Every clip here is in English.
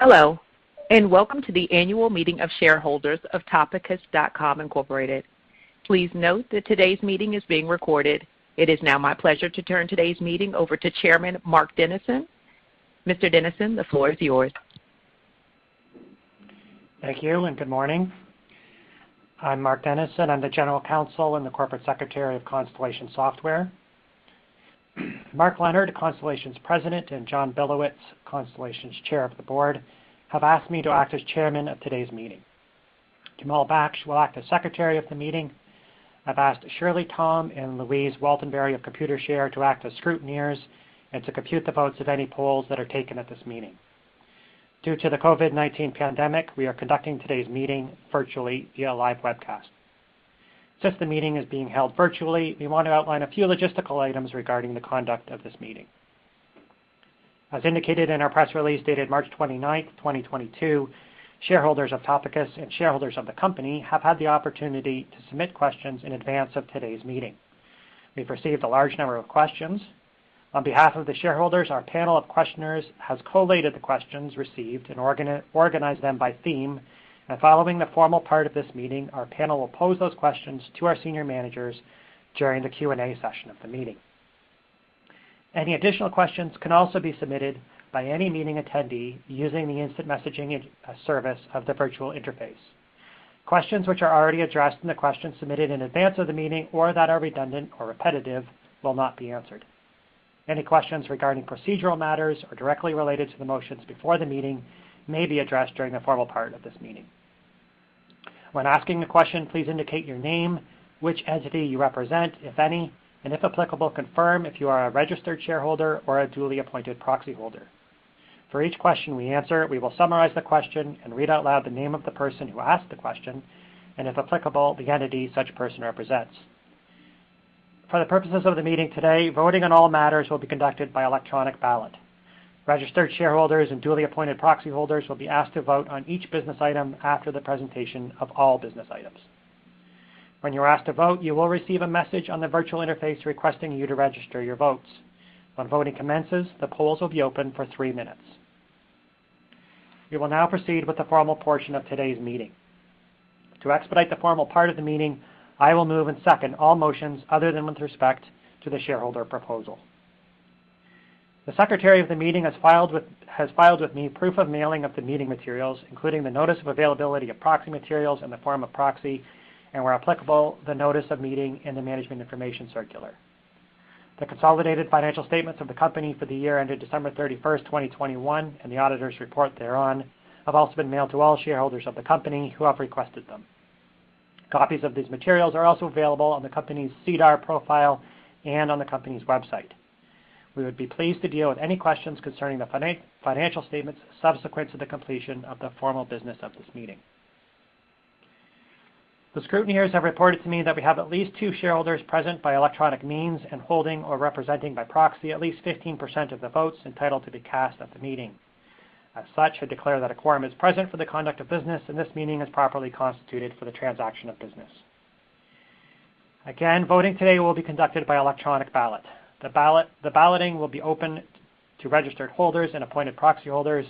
Hello, and welcome to the annual meeting of shareholders of Topicus.com Incorporated. Please note that today's meeting is being recorded. It is now my pleasure to turn today's meeting over to Chairman Mark Dennison. Mr. Dennison, the floor is yours. Thank you and good morning. I'm Mark Dennison. I'm the General Counsel and the Corporate Secretary of Constellation Software. Mark Leonard, Constellation's President, and John Bilowitz, Constellation's Chair of the Board, have asked me to act as chairman of today's meeting. Jamal Baksh will act as Secretary of the meeting. I've asked Shirley Tom and Louise Weltonberry of Computershare to act as scrutineers and to compute the votes of any polls that are taken at this meeting. Due to the COVID-19 pandemic, we are conducting today's meeting virtually via live webcast. Since the meeting is being held virtually, we want to outline a few logistical items regarding the conduct of this meeting. As indicated in our press release dated March 29, 2022, shareholders of Topicus and shareholders of the company have had the opportunity to submit questions in advance of today's meeting. We've received a large number of questions. On behalf of the shareholders, our panel of questioners has collated the questions received and organized them by theme. Following the formal part of this meeting, our panel will pose those questions to our senior managers during the Q&A session of the meeting. Any additional questions can also be submitted by any meeting attendee using the instant messaging service of the virtual interface. Questions which are already addressed in the questions submitted in advance of the meeting or that are redundant or repetitive will not be answered. Any questions regarding procedural matters or directly related to the motions before the meeting may be addressed during the formal part of this meeting. When asking a question, please indicate your name, which entity you represent, if any, and, if applicable, confirm if you are a registered shareholder or a duly appointed proxy holder. For each question we answer, we will summarize the question and read out loud the name of the person who asked the question and, if applicable, the entity such person represents. For the purposes of the meeting today, voting on all matters will be conducted by electronic ballot. Registered shareholders and duly appointed proxy holders will be asked to vote on each business item after the presentation of all business items. When you're asked to vote, you will receive a message on the virtual interface requesting you to register your votes. When voting commences, the polls will be open for three minutes. We will now proceed with the formal portion of today's meeting. To expedite the formal part of the meeting, I will move and second all motions other than with respect to the shareholder proposal. The Secretary of the meeting has filed with me proof of mailing of the meeting materials, including the notice of availability of proxy materials in the form of proxy, and where applicable, the notice of meeting and the management information circular. The consolidated financial statements of the company for the year ended December 31, 2021, and the auditor's report thereon have also been mailed to all shareholders of the company who have requested them. Copies of these materials are also available on the company's SEDAR profile and on the company's website. We would be pleased to deal with any questions concerning the financial statements subsequent to the completion of the formal business of this meeting. The scrutineers have reported to me that we have at least two shareholders present by electronic means and holding or representing by proxy at least 15% of the votes entitled to be cast at the meeting. As such, I declare that a quorum is present for the conduct of business, and this meeting is properly constituted for the transaction of business. Again, voting today will be conducted by electronic ballot. The balloting will be open to registered holders and appointed proxy holders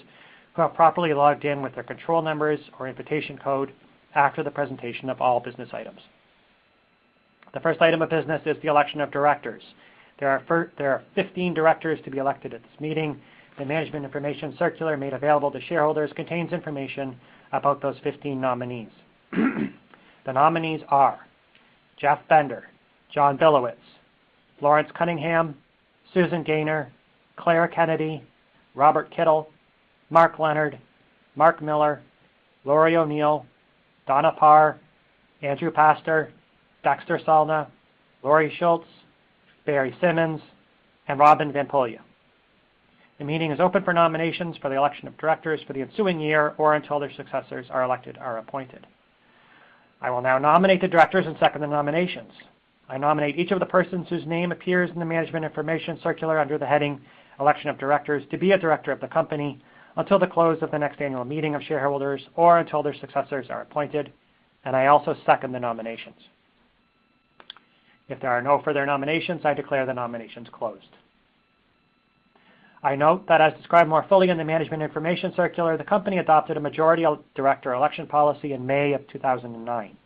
who have properly logged in with their control numbers or invitation code after the presentation of all business items. The first item of business is the election of directors. There are 15 directors to be elected at this meeting. The management information circular made available to shareholders contains information about those 15 nominees. The nominees are Jeff Bender, John Bilowitz, Lawrence Cunningham, Susan Gayner, Claire Kennedy, Robert Kittel, Mark Leonard, Mark Miller, Lori O'Neill, Donna Parr, Andrew Pastor, Dexter Salna, Laurie Schultz, Barry Symons, and Robin van Poelje. The meeting is open for nominations for the election of directors for the ensuing year or until their successors are elected or appointed. I will now nominate the directors and second the nominations. I nominate each of the persons whose name appears in the Management Information Circular under the heading Election of Directors to be a director of the company until the close of the next annual meeting of shareholders or until their successors are appointed. I also second the nominations. If there are no further nominations, I declare the nominations closed. I note that as described more fully in the Management Information Circular, the company adopted a majority of director election policy in May of 2009.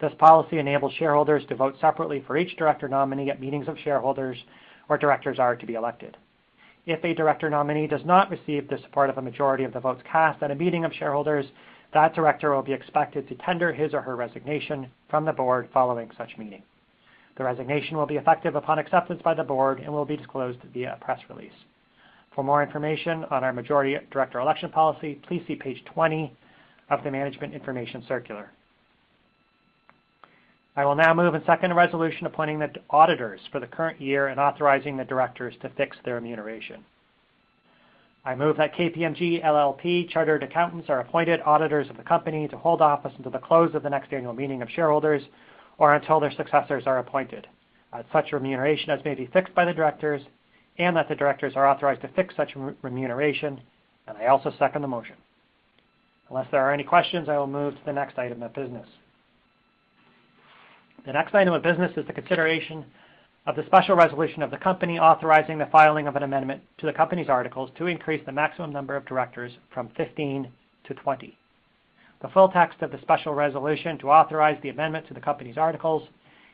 This policy enables shareholders to vote separately for each director nominee at meetings of shareholders where directors are to be elected. If a director nominee does not receive the support of a majority of the votes cast at a meeting of shareholders, that director will be expected to tender his or her resignation from the board following such meeting. The resignation will be effective upon acceptance by the board and will be disclosed via press release. For more information on our majority director election policy, please see page 20 of the Management Information Circular. I will now move and second a resolution appointing the auditors for the current year and authorizing the directors to fix their remuneration. I move that KPMG LLP Chartered Accountants are appointed auditors of the company to hold office until the close of the next annual meeting of shareholders, or until their successors are appointed at such remuneration as may be fixed by the directors, and that the directors are authorized to fix such remuneration. I also second the motion. Unless there are any questions, I will move to the next item of business. The next item of business is the consideration of the special resolution of the company authorizing the filing of an amendment to the company's articles to increase the maximum number of directors from 15-20. The full text of the special resolution to authorize the amendment to the company's articles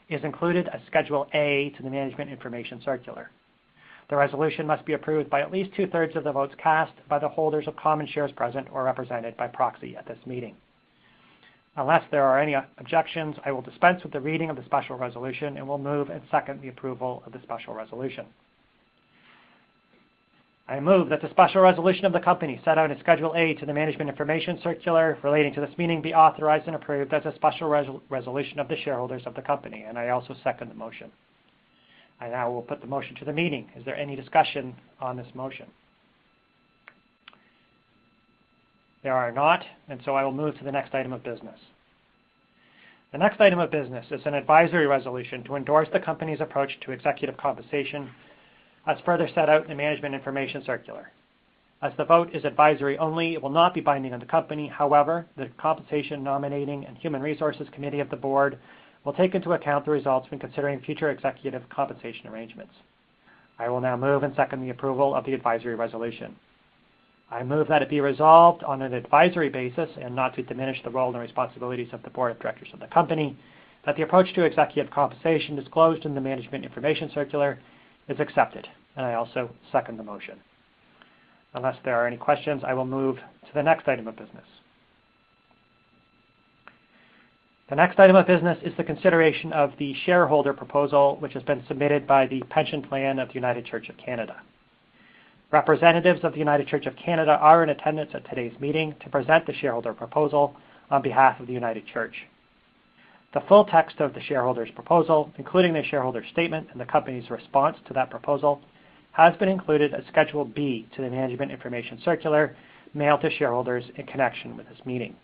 is included as Schedule A to the Management Information Circular. The resolution must be approved by at least two-thirds of the votes cast by the holders of common shares present or represented by proxy at this meeting. Unless there are any objections, I will dispense with the reading of the special resolution and will move and second the approval of the special resolution. I move that the special resolution of the company set out in Schedule A to the Management Information Circular relating to this meeting be authorized and approved as a special resolution of the shareholders of the company, and I also second the motion. I now will put the motion to the meeting. Is there any discussion on this motion? There are not, and so I will move to the next item of business. The next item of business is an advisory resolution to endorse the company's approach to executive compensation, as further set out in the Management Information Circular. As the vote is advisory only, it will not be binding on the company. However, the Compensation Nominating and Human Resources Committee of the board will take into account the results when considering future executive compensation arrangements. I will now move and second the approval of the advisory resolution. I move that it be resolved on an advisory basis and not to diminish the role and responsibilities of the board of directors of the company that the approach to executive compensation disclosed in the Management Information Circular is accepted, and I also second the motion. Unless there are any questions, I will move to the next item of business. The next item of business is the consideration of the shareholder proposal which has been submitted by the Pension Plan of the United Church of Canada. Representatives of the United Church of Canada are in attendance at today's meeting to present the shareholder proposal on behalf of the United Church. The full text of the shareholder's proposal, including the shareholder statement and the company's response to that proposal, has been included as Schedule B to the Management Information Circular mailed to shareholders in connection with this meeting.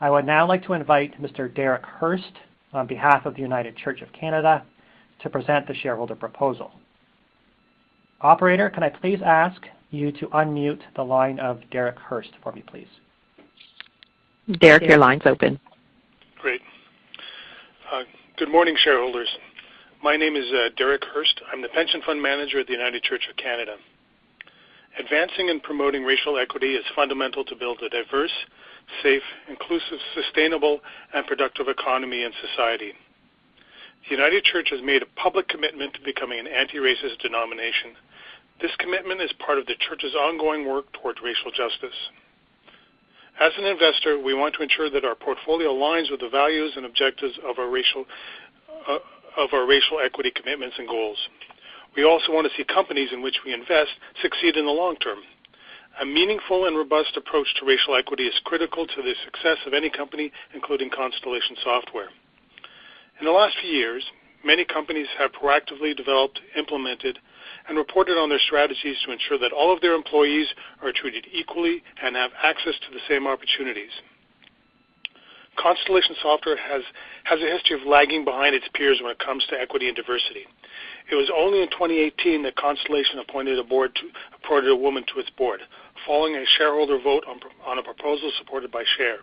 I would now like to invite Mr. Derek Hurst on behalf of the United Church of Canada to present the shareholder proposal. Operator, can I please ask you to unmute the line of Derek Hurst for me, please? Derek, your line's open. Great. Good morning, shareholders. My name is Derek Hurst. I'm the pension fund manager at the United Church of Canada. Advancing and promoting racial equity is fundamental to build a diverse, safe, inclusive, sustainable, and productive economy and society. The United Church has made a public commitment to becoming an anti-racist denomination. This commitment is part of the church's ongoing work towards racial justice. As an investor, we want to ensure that our portfolio aligns with the values and objectives of our racial equity commitments and goals. We also wanna see companies in which we invest succeed in the long term. A meaningful and robust approach to racial equity is critical to the success of any company, including Constellation Software. In the last few years, many companies have proactively developed, implemented, and reported on their strategies to ensure that all of their employees are treated equally and have access to the same opportunities. Constellation Software has a history of lagging behind its peers when it comes to equity and diversity. It was only in 2018 that Constellation appointed a woman to its board, following a shareholder vote on a proposal supported by SHARE.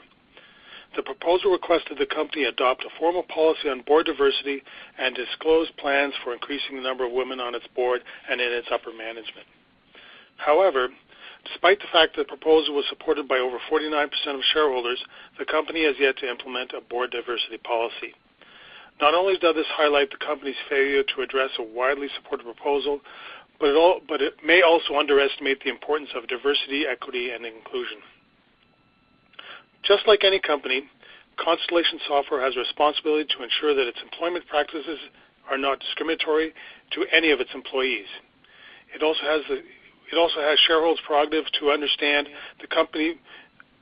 The proposal requested the company adopt a formal policy on board diversity and disclose plans for increasing the number of women on its board and in its upper management. However, despite the fact that the proposal was supported by over 49% of shareholders, the company has yet to implement a board diversity policy. Not only does this highlight the company's failure to address a widely supported proposal, but it may also underestimate the importance of diversity, equity, and inclusion. Just like any company, Constellation Software has a responsibility to ensure that its employment practices are not discriminatory to any of its employees. It also has shareholders' prerogative to understand the company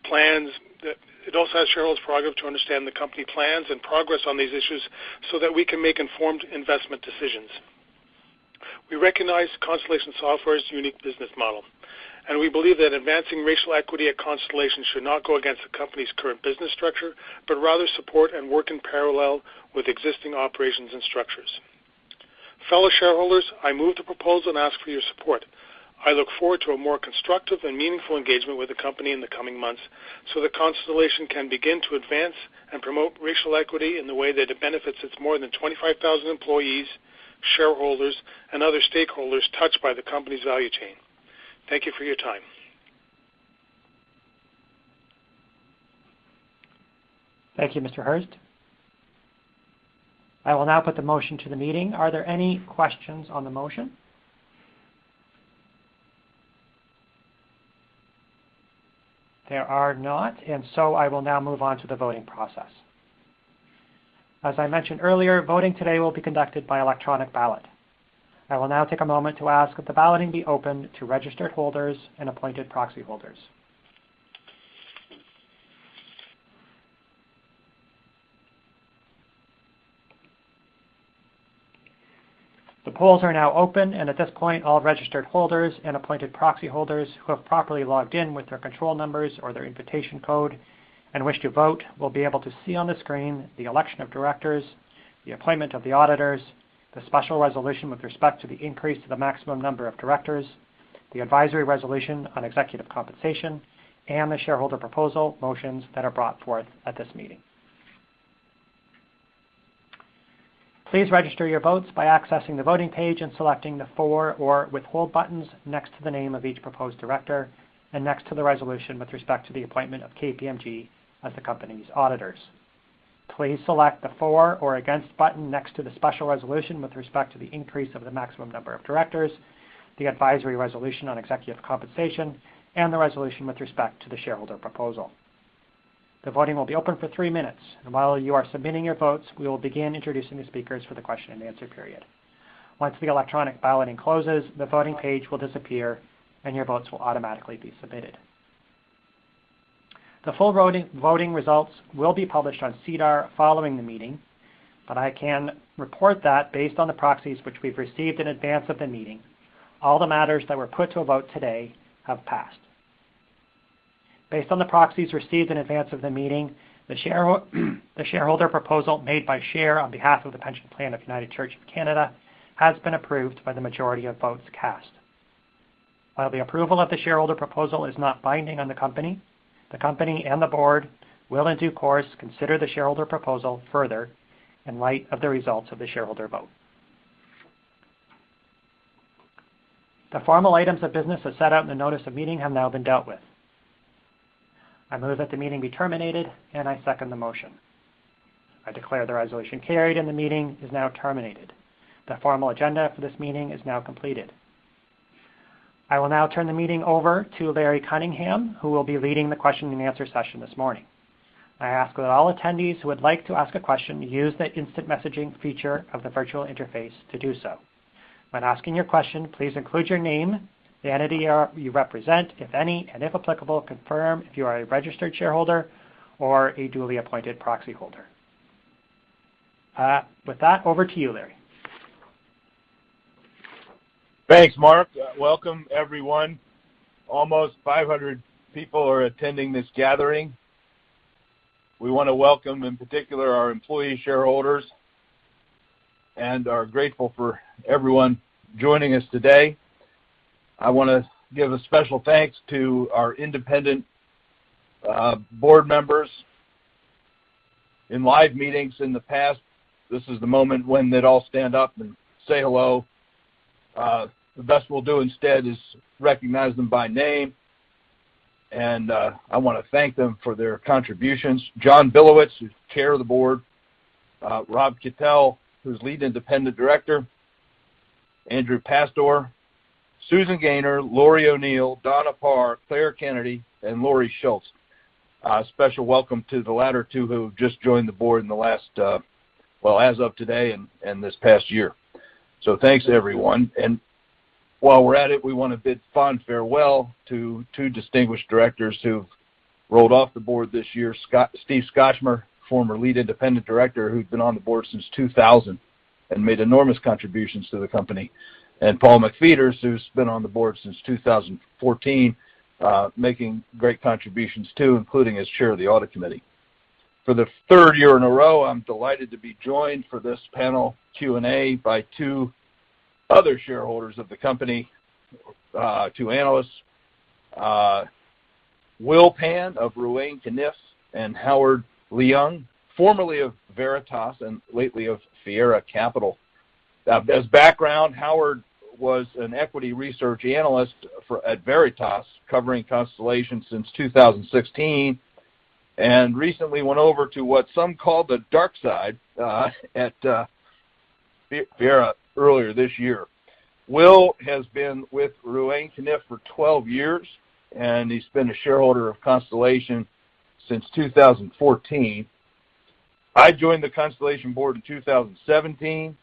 plans and progress on these issues so that we can make informed investment decisions. We recognize Constellation Software's unique business model, and we believe that advancing racial equity at Constellation should not go against the company's current business structure, but rather support and work in parallel with existing operations and structures. Fellow shareholders, I move the proposal and ask for your support. I look forward to a more constructive and meaningful engagement with the company in the coming months, so that Constellation can begin to advance and promote racial equity in the way that it benefits its more than 25,000 employees, shareholders, and other stakeholders touched by the company's value chain. Thank you for your time. Thank you, Mr. Hurst. I will now put the motion to the meeting. Are there any questions on the motion? There are not, and so I will now move on to the voting process. As I mentioned earlier, voting today will be conducted by electronic ballot. I will now take a moment to ask that the balloting be opened to registered holders and appointed proxy holders. The polls are now open, and at this point, all registered holders and appointed proxy holders who have properly logged in with their control numbers or their invitation code and wish to vote will be able to see on the screen the election of directors, the appointment of the auditors. The special resolution with respect to the increase to the maximum number of directors, the advisory resolution on executive compensation, and the shareholder proposal motions that are brought forth at this meeting. Please register your votes by accessing the voting page and selecting the for or withhold buttons next to the name of each proposed director and next to the resolution with respect to the appointment of KPMG as the company's auditors. Please select the for or against button next to the special resolution with respect to the increase of the maximum number of directors, the advisory resolution on executive compensation, and the resolution with respect to the shareholder proposal. The voting will be open for three minutes, and while you are submitting your votes, we will begin introducing the speakers for the question-and-answer period. Once the electronic balloting closes, the voting page will disappear, and your votes will automatically be submitted. The full voting results will be published on SEDAR following the meeting, but I can report that based on the proxies which we've received in advance of the meeting, all the matters that were put to a vote today have passed. Based on the proxies received in advance of the meeting, the shareholder proposal made by SHARE on behalf of the pension plan of the United Church of Canada has been approved by the majority of votes cast. While the approval of the shareholder proposal is not binding on the company, the company and the board will, in due course, consider the shareholder proposal further in light of the results of the shareholder vote. The formal items of business as set out in the notice of meeting have now been dealt with. I move that the meeting be terminated, and I second the motion. I declare the resolution carried, and the meeting is now terminated. The formal agenda for this meeting is now completed. I will now turn the meeting over to Larry Cunningham, who will be leading the question-and-answer session this morning. I ask that all attendees who would like to ask a question use the instant messaging feature of the virtual interface to do so. When asking your question, please include your name, the entity you represent, if any, and if applicable, confirm if you are a registered shareholder or a duly appointed proxyholder. With that, over to you, Larry. Thanks, Mark. Welcome, everyone. Almost 500 people are attending this gathering. We wanna welcome, in particular, our employee shareholders and are grateful for everyone joining us today. I wanna give a special thanks to our independent board members. In live meetings in the past, this is the moment when they'd all stand up and say hello. The best we'll do instead is recognize them by name, and I wanna thank them for their contributions. John Bilowitz, who's chair of the board, Rob Kittel, who's lead independent director, Andrew Pastor, Susan Gayner, Lori O'Neill, Donna Parr, Claire Kennedy, and Laurie Schultz. A special welcome to the latter two who have just joined the board in the last well, as of today and this past year. Thanks, everyone. While we're at it, we wanna bid fond farewell to two distinguished directors who've rolled off the board this year. Steve Scotchmer, former lead independent director who'd been on the board since 2000 and made enormous contributions to the company, and Paul McFeeters, who's been on the board since 2014, making great contributions, too, including as chair of the audit committee. For the third year in a row, I'm delighted to be joined for this panel Q&A by two other shareholders of the company, two analysts, Will Pan of Ruane, Cunniff & Goldfarb, and Howard Leung, formerly of Veritas and lately of Fiera Capital. Now, as background, Howard was an equity research analyst at Veritas, covering Constellation since 2016, and recently went over to what some call the dark side, at Fiera earlier this year. Will has been with Ruane, Cunniff & Goldfarb for 12 years, and he's been a shareholder of Constellation since 2014. I joined the Constellation board in 2017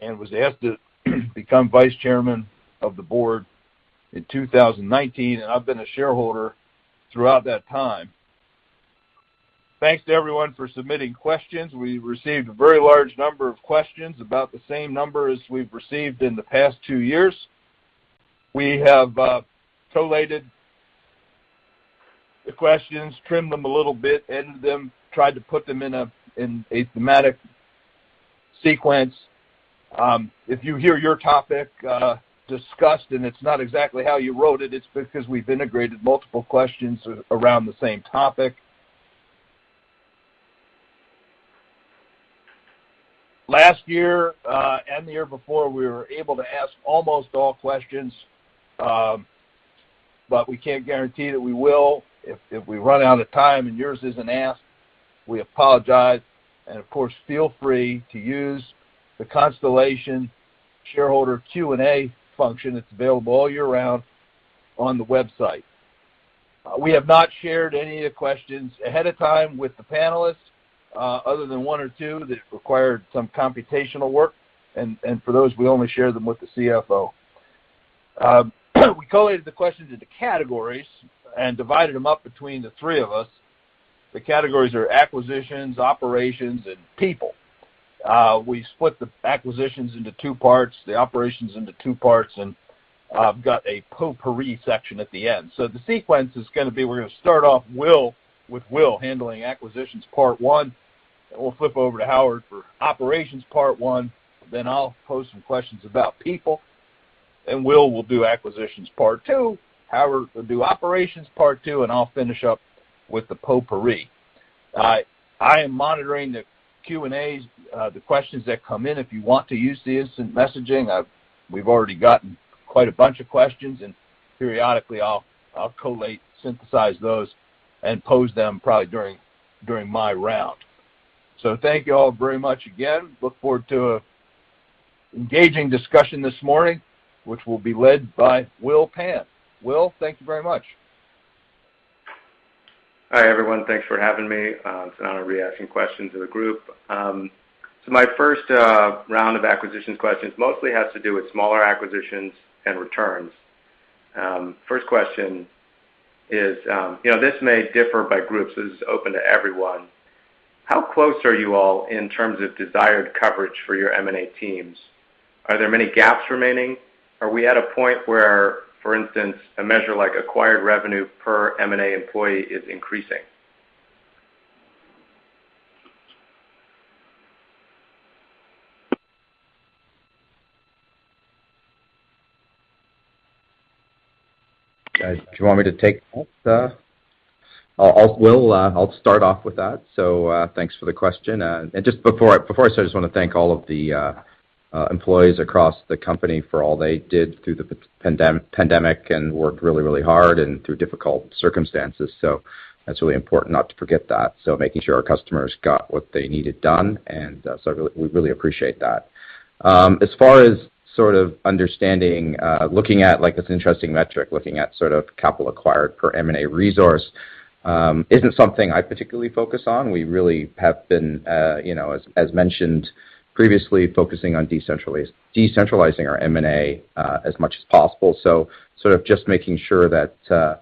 and was asked to become vice chairman of the board in 2019, and I've been a shareholder throughout that time. Thanks to everyone for submitting questions. We received a very large number of questions, about the same number as we've received in the past two years. We have collated the questions, trimmed them a little bit, edited them, tried to put them in a thematic sequence. If you hear your topic discussed and it's not exactly how you wrote it's because we've integrated multiple questions around the same topic. Last year and the year before, we were able to ask almost all questions, but we can't guarantee that we will. If we run out of time and yours isn't asked, we apologize. Of course, feel free to use the Constellation shareholder Q&A function that's available all year round on the website. We have not shared any of the questions ahead of time with the panelists, other than one or two that required some computational work. For those, we only shared them with the CFO. We collated the questions into categories and divided them up between the three of us. The categories are acquisitions, operations, and people. We split the acquisitions into two parts, the operations into two parts, and I've got a potpourri section at the end. The sequence is gonna be, we're gonna start off Will, with Will handling acquisitions part one, and we'll flip over to Howard for operations part one. I'll pose some questions about people, then Will will do acquisitions part two. Howard will do operations part two, and I'll finish up with the potpourri. I am monitoring the Q&As, the questions that come in. If you want to use the instant messaging, we've already gotten quite a bunch of questions, and periodically I'll collate, synthesize those and pose them probably during my round. Thank you all very much again. Look forward to engaging discussion this morning, which will be led by Will Pan. Will, thank you very much. Hi, everyone. Thanks for having me. It's an honor directing questions to the group. So my first round of acquisitions questions mostly has to do with smaller acquisitions and returns. First question is, you know, this may differ by groups. This is open to everyone. How close are you all in terms of desired coverage for your M&A teams? Are there many gaps remaining? Are we at a point where, for instance, a measure like acquired revenue per M&A employee is increasing? Do you want me to take that? Will, I'll start off with that. Thanks for the question. Just before I start, I just wanna thank all of the employees across the company for all they did through the pandemic and worked really hard and through difficult circumstances. That's really important not to forget that. Making sure our customers got what they needed done, and we really appreciate that. As far as sort of understanding, looking at, like, this interesting metric, looking at sort of capital acquired per M&A resource, isn't something I particularly focus on. We really have been, you know, as mentioned previously, focusing on decentralizing our M&A as much as possible. Sort of just making sure that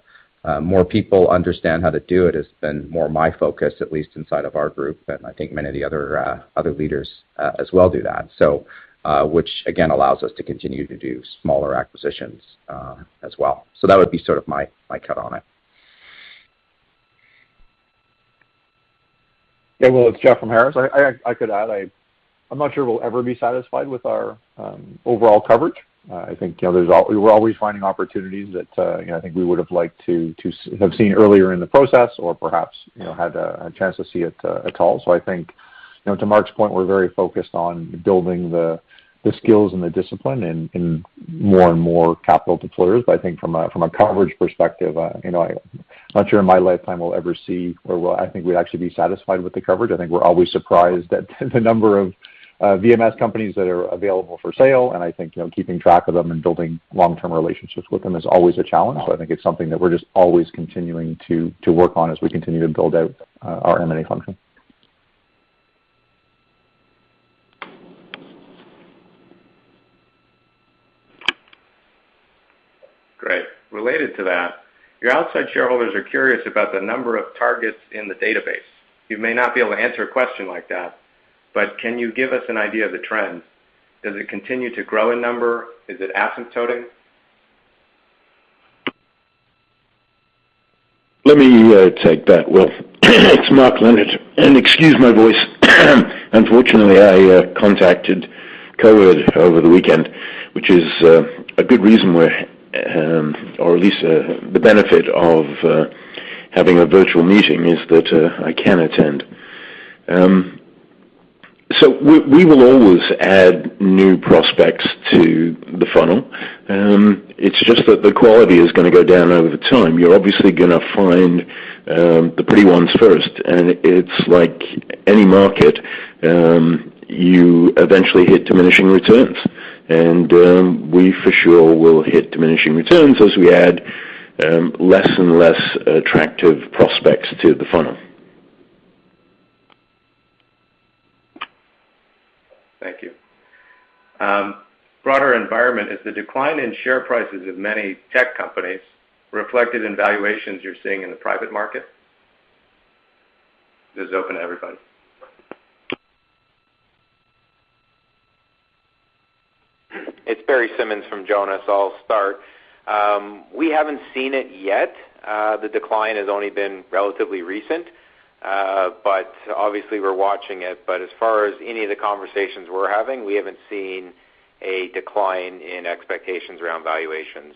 more people understand how to do it has been more my focus, at least inside of our group. I think many of the other leaders as well do that. Which again allows us to continue to do smaller acquisitions as well. That would be sort of my cut on it. Yeah. Will, it's Jeff from Harris. I could add, I'm not sure we'll ever be satisfied with our overall coverage. I think, you know, we're always finding opportunities that, you know, I think we would have liked to have seen earlier in the process or perhaps, you know, had a chance to see it at all. I think, you know, to Mark's point, we're very focused on building the skills and the discipline in more and more capital deployers. I think from a coverage perspective, you know, I'm not sure in my lifetime we'll ever be or Will, I think we'd actually be satisfied with the coverage. I think we're always surprised at the number of VMS companies that are available for sale, and I think, you know, keeping track of them and building long-term relationships with them is always a challenge. I think it's something that we're just always continuing to work on as we continue to build out our M&A function. Great. Related to that, your outside shareholders are curious about the number of targets in the database. You may not be able to answer a question like that, but can you give us an idea of the trends? Does it continue to grow in number? Is it asymptoting? Let me take that, Will. It's Mark Leonard, and excuse my voice. Unfortunately, I contacted COVID over the weekend, which is a good reason, or at least the benefit of having a virtual meeting is that I can attend. We will always add new prospects to the funnel. It's just that the quality is gonna go down over time. You're obviously gonna find the pretty ones first, and it's like any market, you eventually hit diminishing returns. We for sure will hit diminishing returns as we add less and less attractive prospects to the funnel. Thank you. Broader environment. Is the decline in share prices of many tech companies reflected in valuations you're seeing in the private market? This is open to everybody. It's Barry Symons from Jonas. I'll start. We haven't seen it yet. The decline has only been relatively recent, but obviously we're watching it. As far as any of the conversations we're having, we haven't seen a decline in expectations around valuations.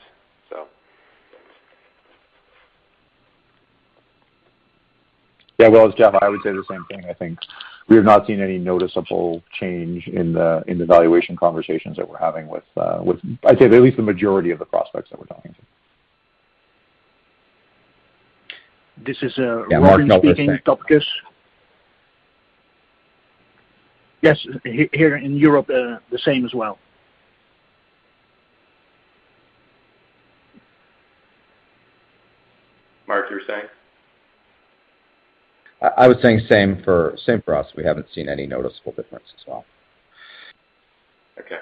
Yeah. Will, it's Jeff. I would say the same thing, I think. We have not seen any noticeable change in the valuation conversations that we're having with, I'd say, at least the majority of the prospects that we're talking to. This is. Yeah, Mark, I'll just say. Rob speaking, Topicus. Yes. Here in Europe, the same as well. Mark, you were saying? I was saying same for us. We haven't seen any noticeable difference as well. Okay.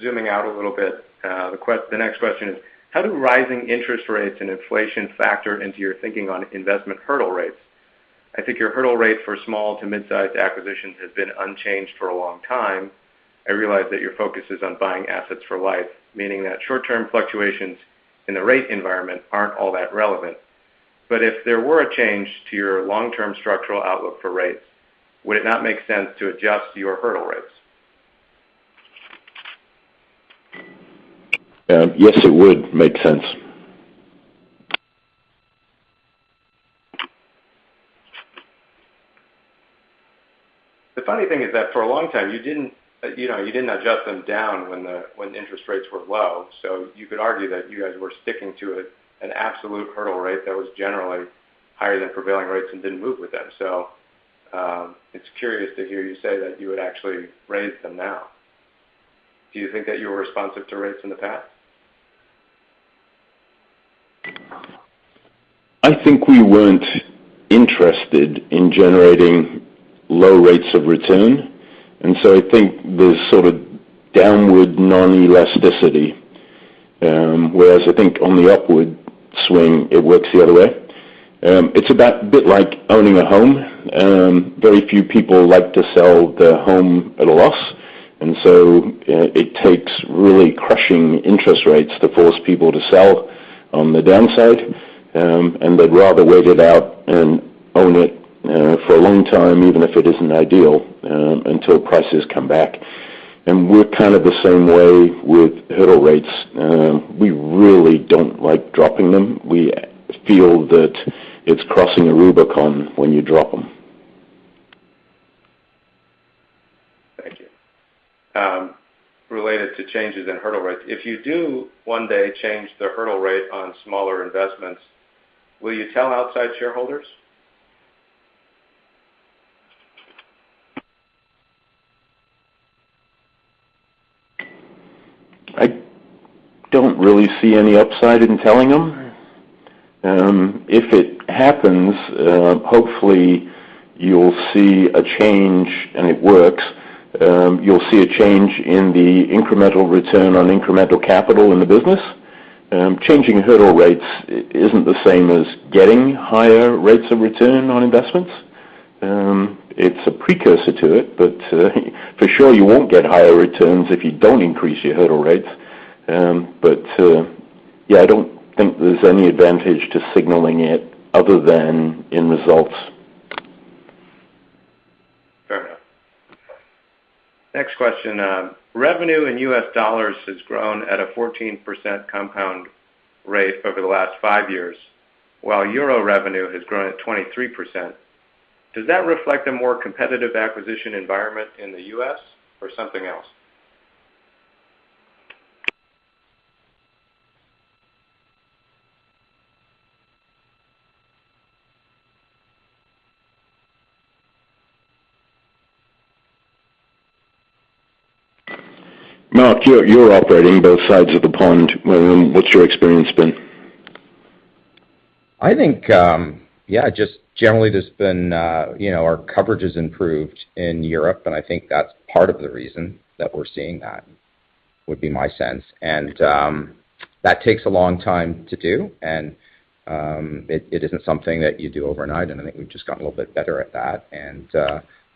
Zooming out a little bit, the next question is, how do rising interest rates and inflation factor into your thinking on investment hurdle rates? I think your hurdle rate for small to mid-sized acquisitions has been unchanged for a long time. I realize that your focus is on buying assets for life, meaning that short-term fluctuations in the rate environment aren't all that relevant. If there were a change to your long-term structural outlook for rates, would it not make sense to adjust your hurdle rates? Yes, it would make sense. The funny thing is that for a long time, you didn't, you know, adjust them down when interest rates were low. You could argue that you guys were sticking to a, an absolute hurdle rate that was generally higher than prevailing rates and didn't move with them. It's curious to hear you say that you would actually raise them now. Do you think that you were responsive to rates in the past? I think we weren't interested in generating low rates of return, and so I think there's sort of downward inelasticity. Whereas I think on the upward swing, it works the other way. It's a bit like owning a home. Very few people like to sell their home at a loss. It takes really crushing interest rates to force people to sell on the downside, and they'd rather wait it out and own it for a long time, even if it isn't ideal, until prices come back. We're kind of the same way with hurdle rates. We really don't like dropping them. We feel that it's crossing a Rubicon when you drop them. Thank you. Related to changes in hurdle rates, if you do one day change the hurdle rate on smaller investments, will you tell outside shareholders? I don't really see any upside in telling them. If it happens, hopefully you'll see a change, and it works. You'll see a change in the incremental return on incremental capital in the business. Changing hurdle rates isn't the same as getting higher rates of return on investments. It's a precursor to it, but for sure, you won't get higher returns if you don't increase your hurdle rates. Yeah, I don't think there's any advantage to signaling it other than in results. Fair enough. Next question. Revenue in U.S. dollars has grown at a 14% compound rate over the last five years, while euro revenue has grown at 23%. Does that reflect a more competitive acquisition environment in the U.S. or something else? Mark, you're operating both sides of the pond. What's your experience been? I think, yeah, just generally there's been, you know, our coverage has improved in Europe, and I think that's part of the reason that we're seeing that. That would be my sense. That takes a long time to do, and it isn't something that you do overnight, and I think we've just gotten a little bit better at that.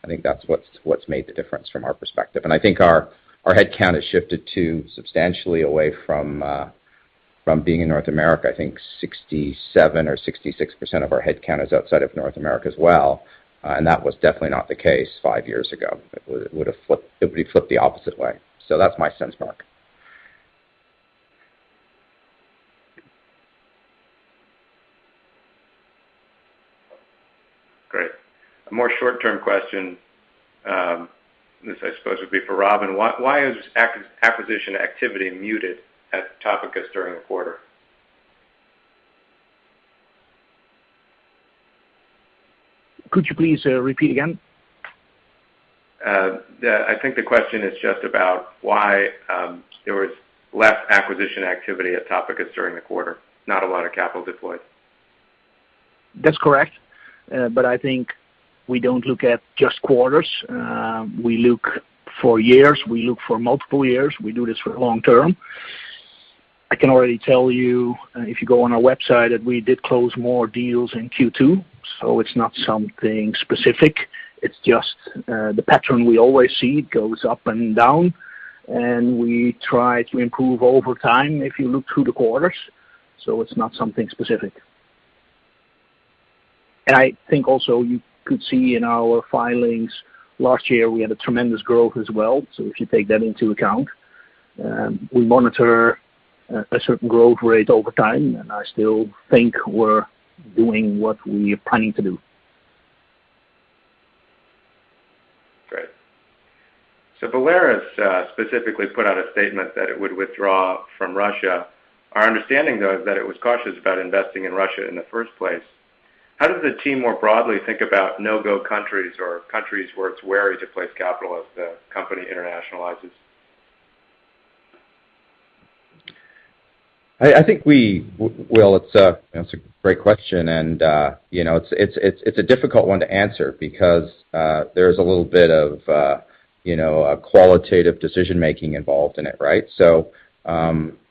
I think that's what's made the difference from our perspective. I think our headcount has shifted substantially away from being in North America. I think 67% or 66% of our headcount is outside of North America as well, and that was definitely not the case five years ago. It would be flipped the opposite way. That's my sense, Mark. Great. A more short-term question, this I suppose would be for Robin. Why is acquisition activity muted at Topicus during the quarter? Could you please repeat again? I think the question is just about why there was less acquisition activity at Topicus during the quarter. Not a lot of capital deployed. That's correct. But I think we don't look at just quarters. We look for years, we look for multiple years. We do this for long term. I can already tell you, if you go on our website, that we did close more deals in Q2, so it's not something specific. It's just, the pattern we always see. It goes up and down, and we try to improve over time if you look through the quarters, so it's not something specific. I think also you could see in our filings last year, we had a tremendous growth as well. If you take that into account, we monitor a certain growth rate over time, and I still think we're doing what we are planning to do. Great. Belarus specifically put out a statement that it would withdraw from Russia. Our understanding, though, is that it was cautious about investing in Russia in the first place. How does the team more broadly think about no-go countries or countries where it's wary to place capital as the company internationalizes? It's a great question and you know, it's a difficult one to answer because there's a little bit of you know, a qualitative decision-making involved in it, right?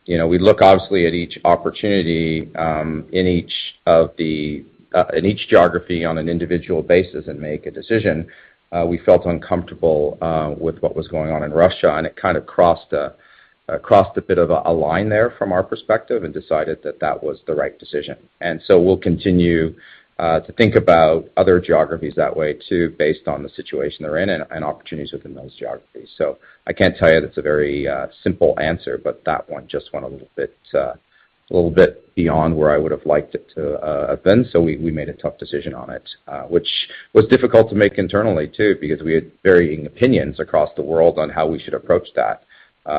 You know, we look obviously at each opportunity in each geography on an individual basis and make a decision. We felt uncomfortable with what was going on in Russia, and it kind of crossed a bit of a line there from our perspective and decided that that was the right decision. We'll continue to think about other geographies that way too, based on the situation they're in and opportunities within those geographies. I can't tell you that's a very simple answer, but that one just went a little bit beyond where I would've liked it to have been. We made a tough decision on it, which was difficult to make internally too, because we had varying opinions across the world on how we should approach that.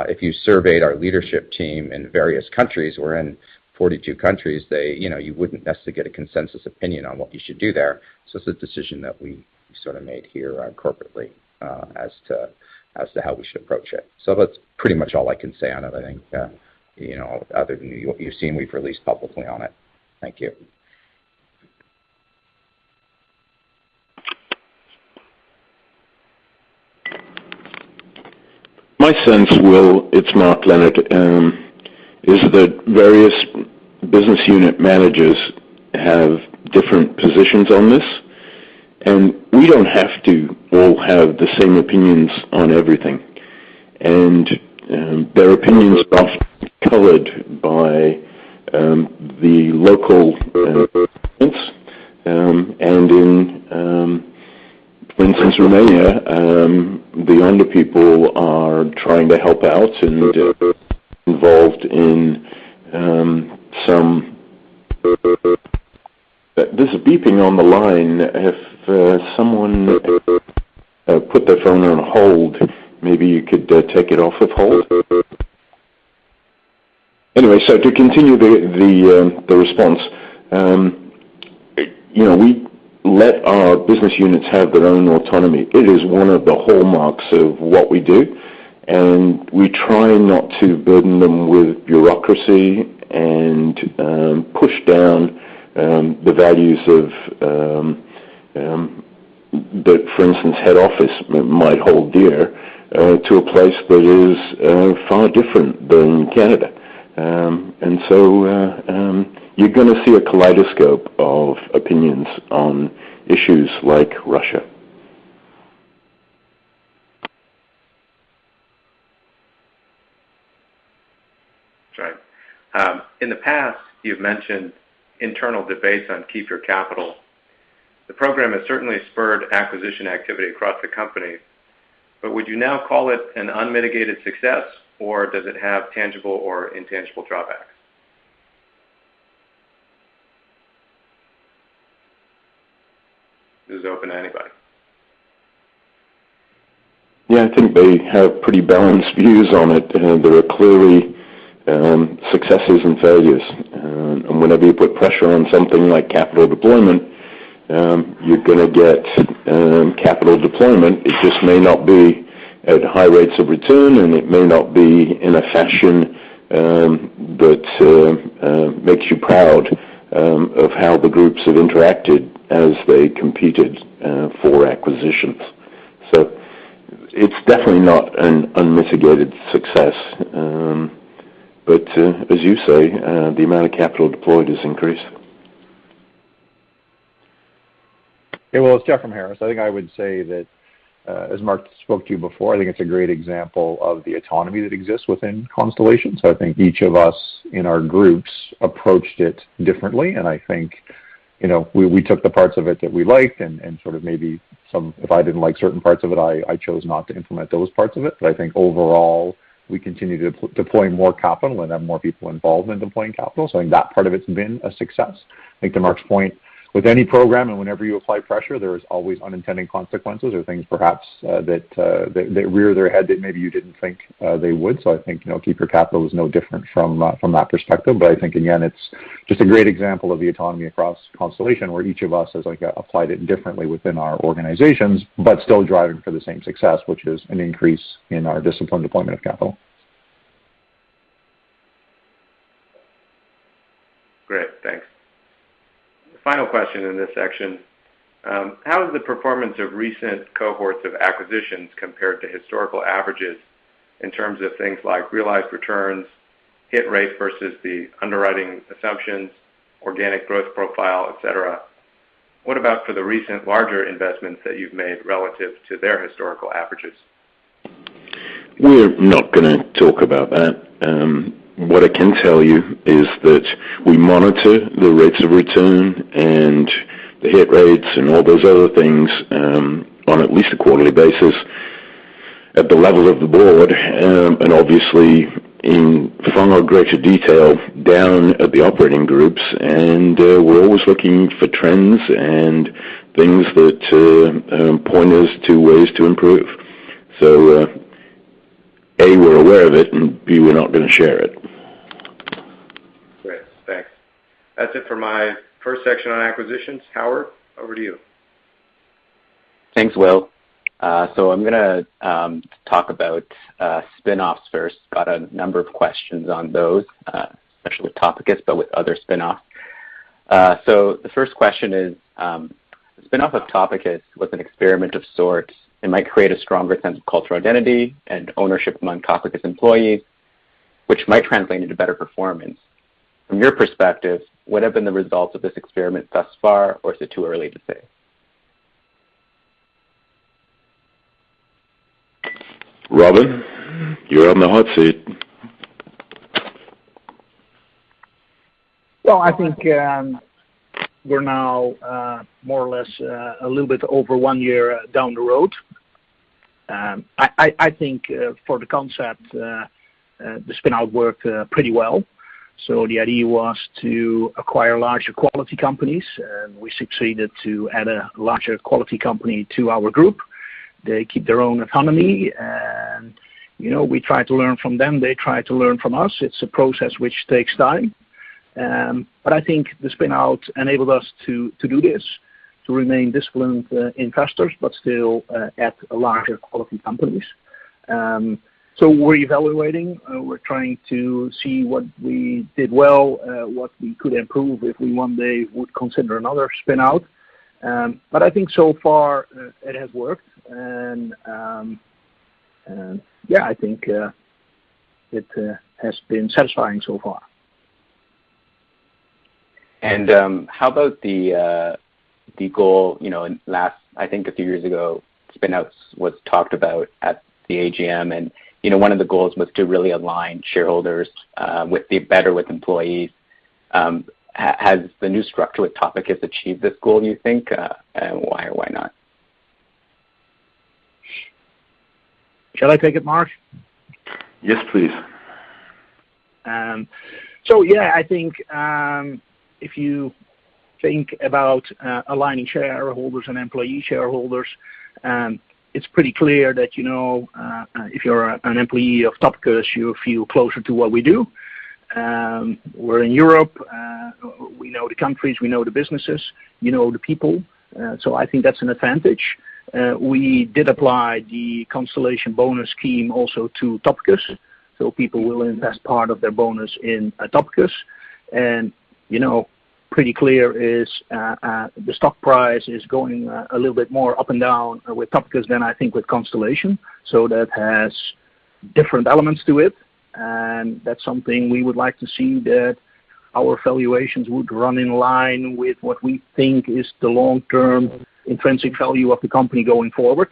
If you surveyed our leadership team in various countries or in 42 countries, they, you know, you wouldn't necessarily get a consensus opinion on what you should do there. It's a decision that we sort of made here corporately as to how we should approach it. That's pretty much all I can say on it, I think, you know, other than what you've seen we've released publicly on it. Thank you. My sense, Will, it's Mark Leonard, is that various business unit managers have different positions on this, and we don't have to all have the same opinions on everything. Their opinions are often colored by the local environment, and in instances in Romania, the younger people are trying to help out and involved in some. There's a beeping on the line. If someone put their phone on hold, maybe you could take it off of hold. Anyway, to continue the response. You know, we let our business units have their own autonomy. It is one of the hallmarks of what we do, and we try not to burden them with bureaucracy and push down the values of that for instance, head office might hold dear, to a place that is far different than Canada. You're gonna see a kaleidoscope of opinions on issues like Russia. That's right. In the past, you've mentioned internal debates on Keep Your Capital. The program has certainly spurred acquisition activity across the company, but would you now call it an unmitigated success, or does it have tangible or intangible drawbacks? This is open to anybody. Yeah, I think they have pretty balanced views on it. There are clearly successes and failures. Whenever you put pressure on something like capital deployment, you're gonna get capital deployment. It just may not be at high rates of return, and it may not be in a fashion that makes you proud of how the groups have interacted as they competed for acquisitions. It's definitely not an unmitigated success. As you say, the amount of capital deployed is increasing. Hey, Will, it's Jeff from Harris. I think I would say that, as Mark spoke to you before, I think it's a great example of the autonomy that exists within Constellation. I think each of us in our groups approached it differently, and I think, you know, we took the parts of it that we liked and sort of if I didn't like certain parts of it, I chose not to implement those parts of it. I think overall, we continue to deploy more capital and have more people involved in deploying capital. I think that part of it's been a success. I think to Mark's point, with any program and whenever you apply pressure, there is always unintended consequences or things perhaps that rear their head that maybe you didn't think they would. I think, you know, Keep Your Capital is no different from that perspective. I think, again, it's just a great example of the autonomy across Constellation, where each of us has like applied it differently within our organizations, but still driving for the same success, which is an increase in our disciplined deployment of capital. Great. Thanks. Final question in this section. How has the performance of recent cohorts of acquisitions compared to historical averages in terms of things like realized returns, hit rate versus the underwriting assumptions, organic growth profile, etc? What about for the recent larger investments that you've made relative to their historical averages? We're not gonna talk about that. What I can tell you is that we monitor the rates of return and the hit rates and all those other things, on at least a quarterly basis at the level of the board, and obviously in far more greater detail down at the operating groups. We're always looking for trends and things that point us to ways to improve. A, we're aware of it, and B, we're not gonna share it. Great. Thanks. That's it for my first section on acquisitions. Howard, over to you. Thanks, Will. I'm gonna talk about spin-offs first. Got a number of questions on those, especially with Topicus, but with other spin-offs. The first question is, the spin-off of Topicus was an experiment of sorts. It might create a stronger sense of cultural identity and ownership among Topicus employees, which might translate into better performance. From your perspective, what have been the results of this experiment thus far, or is it too early to say? Robin, you're on the hot seat. Well, I think, we're now, more or less, a little bit over one year down the road. I think, for the concept, the spin-out worked pretty well. The idea was to acquire larger quality companies, and we succeeded to add a larger quality company to our group. They keep their own autonomy, and, you know, we try to learn from them. They try to learn from us. It's a process which takes time. I think the spin-out enabled us to do this, to remain disciplined investors, but still add larger quality companies. We're evaluating. We're trying to see what we did well, what we could improve if we one day would consider another spin-out. I think so far it has worked, and yeah, I think it has been satisfying so far. How about the goal, you know, a few years ago, spin-outs was talked about at the AGM, and, you know, one of the goals was to really align shareholders better with employees. Has the new structure with Topicus achieved this goal, you think? And why or why not? Shall I take it, Mark? Yes, please. Yeah, I think if you think about aligning shareholders and employee shareholders, it's pretty clear that, you know, if you're an employee of Topicus, you feel closer to what we do. We're in Europe. We know the countries. We know the businesses. We know the people. I think that's an advantage. We did apply the Constellation bonus scheme also to Topicus, so people will invest part of their bonus in Topicus. You know, pretty clear is the stock price is going a little bit more up and down with Topicus than I think with Constellation. That has different elements to it, and that's something we would like to see that our valuations would run in line with what we think is the long-term intrinsic value of the company going forward.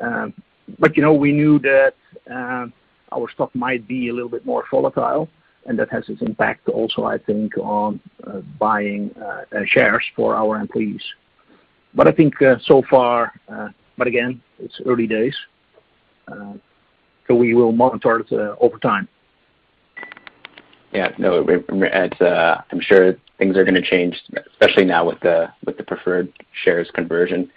You know, we knew that our stock might be a little bit more volatile, and that has its impact also, I think, on buying shares for our employees. I think so far it's early days, so we will monitor it over time. I'm sure things are gonna change, especially now with the preferred shares conversion,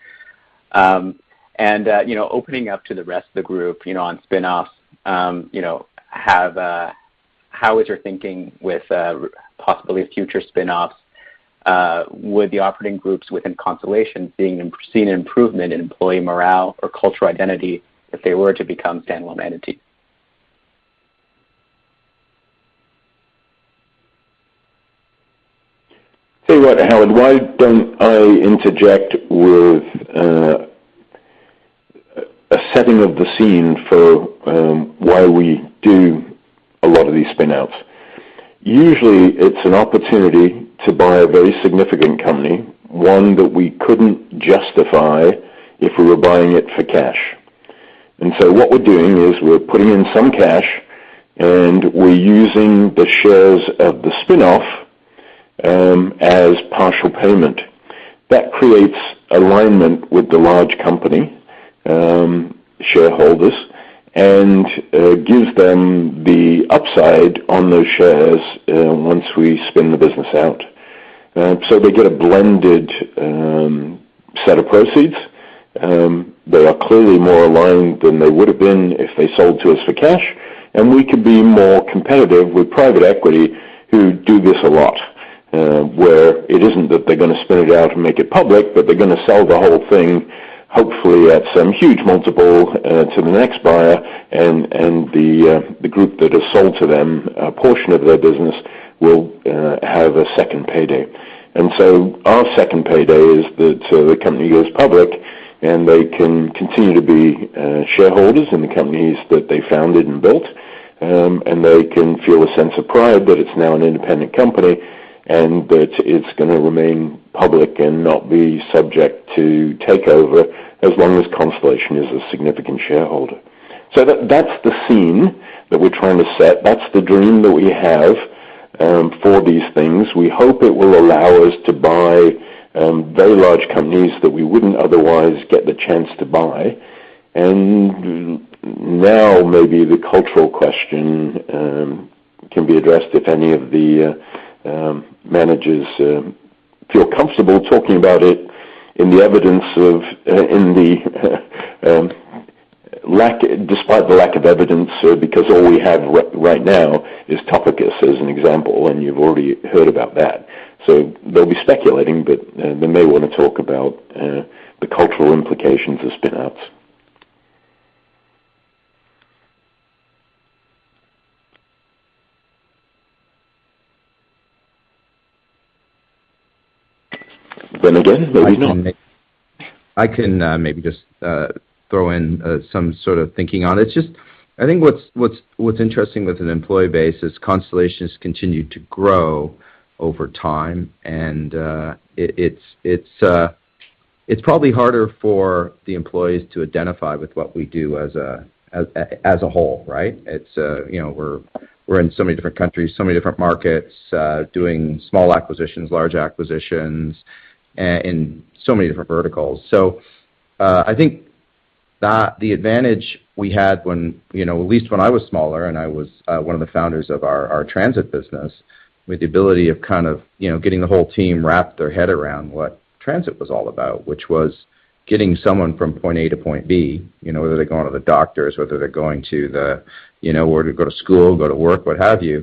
and you know, opening up to the rest of the group, you know, on spin-offs. How is your thinking with possibly future spin-offs with the operating groups within Constellation seeing an improvement in employee morale or cultural identity if they were to become standalone entities? Tell you what, Howard, why don't I interject with a setting of the scene for why we do a lot of these spin-outs. Usually, it's an opportunity to buy a very significant company, one that we couldn't justify if we were buying it for cash. What we're doing is we're putting in some cash, and we're using the shares of the spin-off as partial payment. That creates alignment with the large company shareholders and gives them the upside on those shares once we spin the business out. They get a blended set of proceeds. They are clearly more aligned than they would have been if they sold to us for cash, and we could be more competitive with private equity who do this a lot, where it isn't that they're gonna spin it out and make it public, but they're gonna sell the whole thing, hopefully at some huge multiple, to the next buyer and the group that has sold to them a portion of their business will have a second payday. Our second payday is that the company goes public, and they can continue to be shareholders in the companies that they founded and built. They can feel a sense of pride that it's now an independent company and that it's gonna remain public and not be subject to takeover as long as Constellation is a significant shareholder. That's the scene that we're trying to set. That's the dream that we have for these things. We hope it will allow us to buy very large companies that we wouldn't otherwise get the chance to buy. Now maybe the cultural question can be addressed if any of the managers feel comfortable talking about it in the evidence of. Despite the lack of evidence, because all we have right now is Topicus as an example, and you've already heard about that. They'll be speculating, but they may wanna talk about the cultural implications of spin outs. Then again, maybe not. I can maybe just throw in some sort of thinking on it. I think what's interesting with an employee base is Constellation has continued to grow over time and it's probably harder for the employees to identify with what we do as a whole, right? You know, we're in so many different countries, so many different markets, doing small acquisitions, large acquisitions, and so many different verticals. I think that the advantage we had when, you know, at least when I was smaller and I was one of the founders of our transit business with the ability of kind of, you know, getting the whole team wrap their head around what transit was all about, which was getting someone from point A to point B, you know, whether they're going to the doctors, whether they're going to the, you know, or to go to school, go to work, what have you.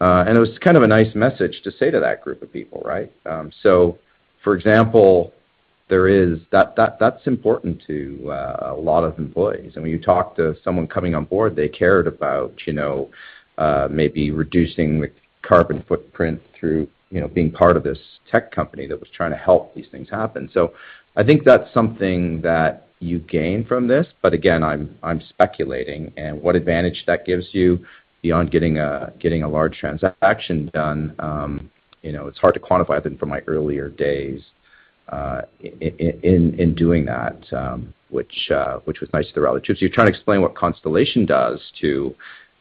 It was kind of a nice message to say to that group of people, right? That's important to a lot of employees. I mean, you talk to someone coming on board, they cared about, you know, maybe reducing the carbon footprint through, you know, being part of this tech company that was trying to help these things happen. I think that's something that you gain from this, but again, I'm speculating and what advantage that gives you beyond getting a large transaction done, you know, it's hard to quantify. I think from my earlier days, in doing that, which was nice to tell the relatives. You're trying to explain what Constellation does to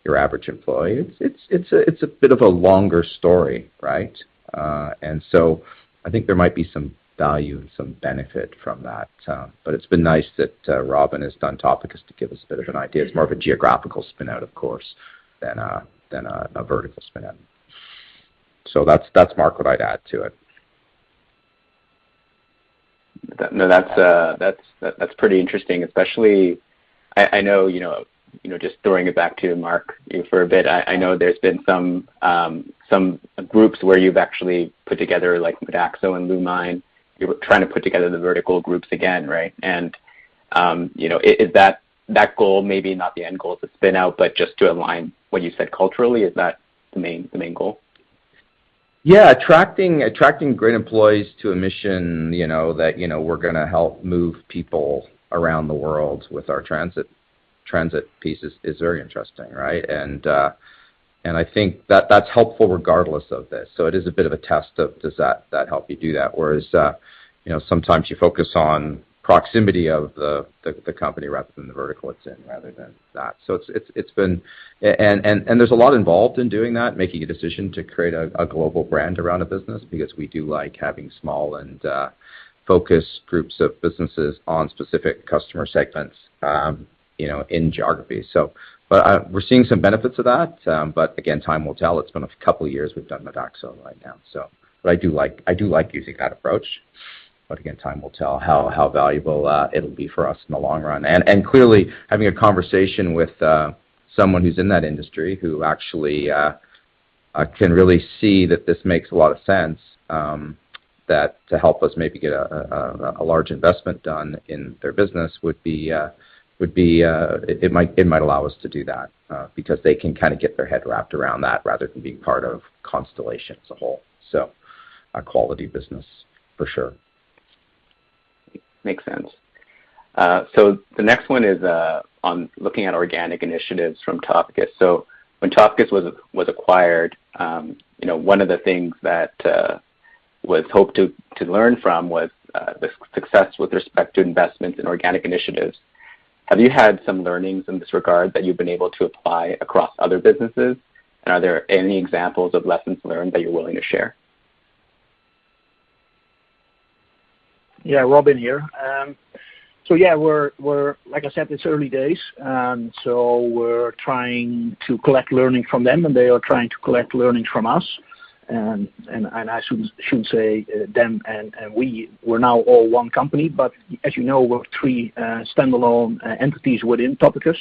your average employee. It's a bit of a longer story, right? I think there might be some value and some benefit from that. It's been nice that Robin has done Topicus to give us a bit of an idea. It's more of a geographical spin out of course, than a vertical spin out. That's, Mark, what I'd add to it. No, that's pretty interesting, especially, I know you know just throwing it back to you, Mark, for a bit. I know there's been some groups where you've actually put together like Modaxo and Lumine. You were trying to put together the vertical groups again, right? You know, is that goal, maybe not the end goal is a spin out, but just to align what you said culturally, is that the main goal? Yeah. Attracting great employees to a mission, you know, that we're gonna help move people around the world with our transit pieces is very interesting, right? I think that that's helpful regardless of this. It is a bit of a test of does that help you do that whereas, you know, sometimes you focus on proximity of the company rather than the vertical it's in, rather than that. It's been, and there's a lot involved in doing that, making a decision to create a global brand around a business because we do like having small and focused groups of businesses on specific customer segments, you know, in geography. But we're seeing some benefits of that. Again, time will tell. It's been a couple of years we've done Modaxo right now. I do like using that approach. Again, time will tell how valuable it'll be for us in the long run. Clearly having a conversation with someone who's in that industry who actually can really see that this makes a lot of sense, that to help us maybe get a large investment done in their business would be, it might allow us to do that, because they can kinda get their head wrapped around that rather than being part of Constellation as a whole. A quality business for sure. Makes sense. The next one is on looking at organic initiatives from Topicus. When Topicus was acquired, you know, one of the things that was hoped to learn from was the success with respect to investments in organic initiatives. Have you had some learnings in this regard that you've been able to apply across other businesses? Are there any examples of lessons learned that you're willing to share? Robin here. We're like I said, it's early days, so we're trying to collect learning from them, and they are trying to collect learnings from us. I shouldn't say them and we. We're now all one company, but as you know, we're three standalone entities within Topicus.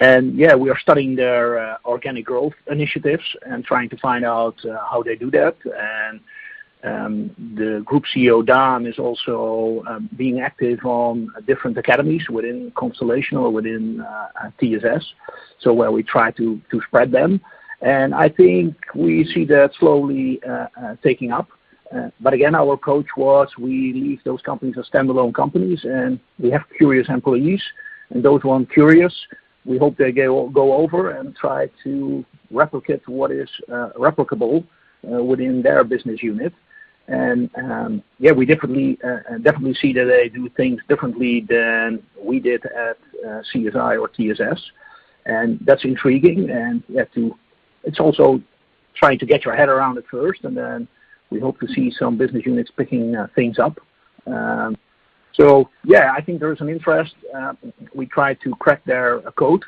We are studying their organic growth initiatives and trying to find out how they do that. The Group CEO, Daan, is also being active on different academies within Constellation or within TSS. We try to spread them, and I think we see that slowly taking up. Again, our approach was we leave those companies as standalone companies, and we have curious employees, and those who aren't curious, we hope they go over and try to replicate what is replicable within their business unit. We definitely see that they do things differently than we did at CSI or TSS. That's intriguing. It's also trying to get your head around it first, and then we hope to see some business units picking things up. I think there is an interest. We try to crack their code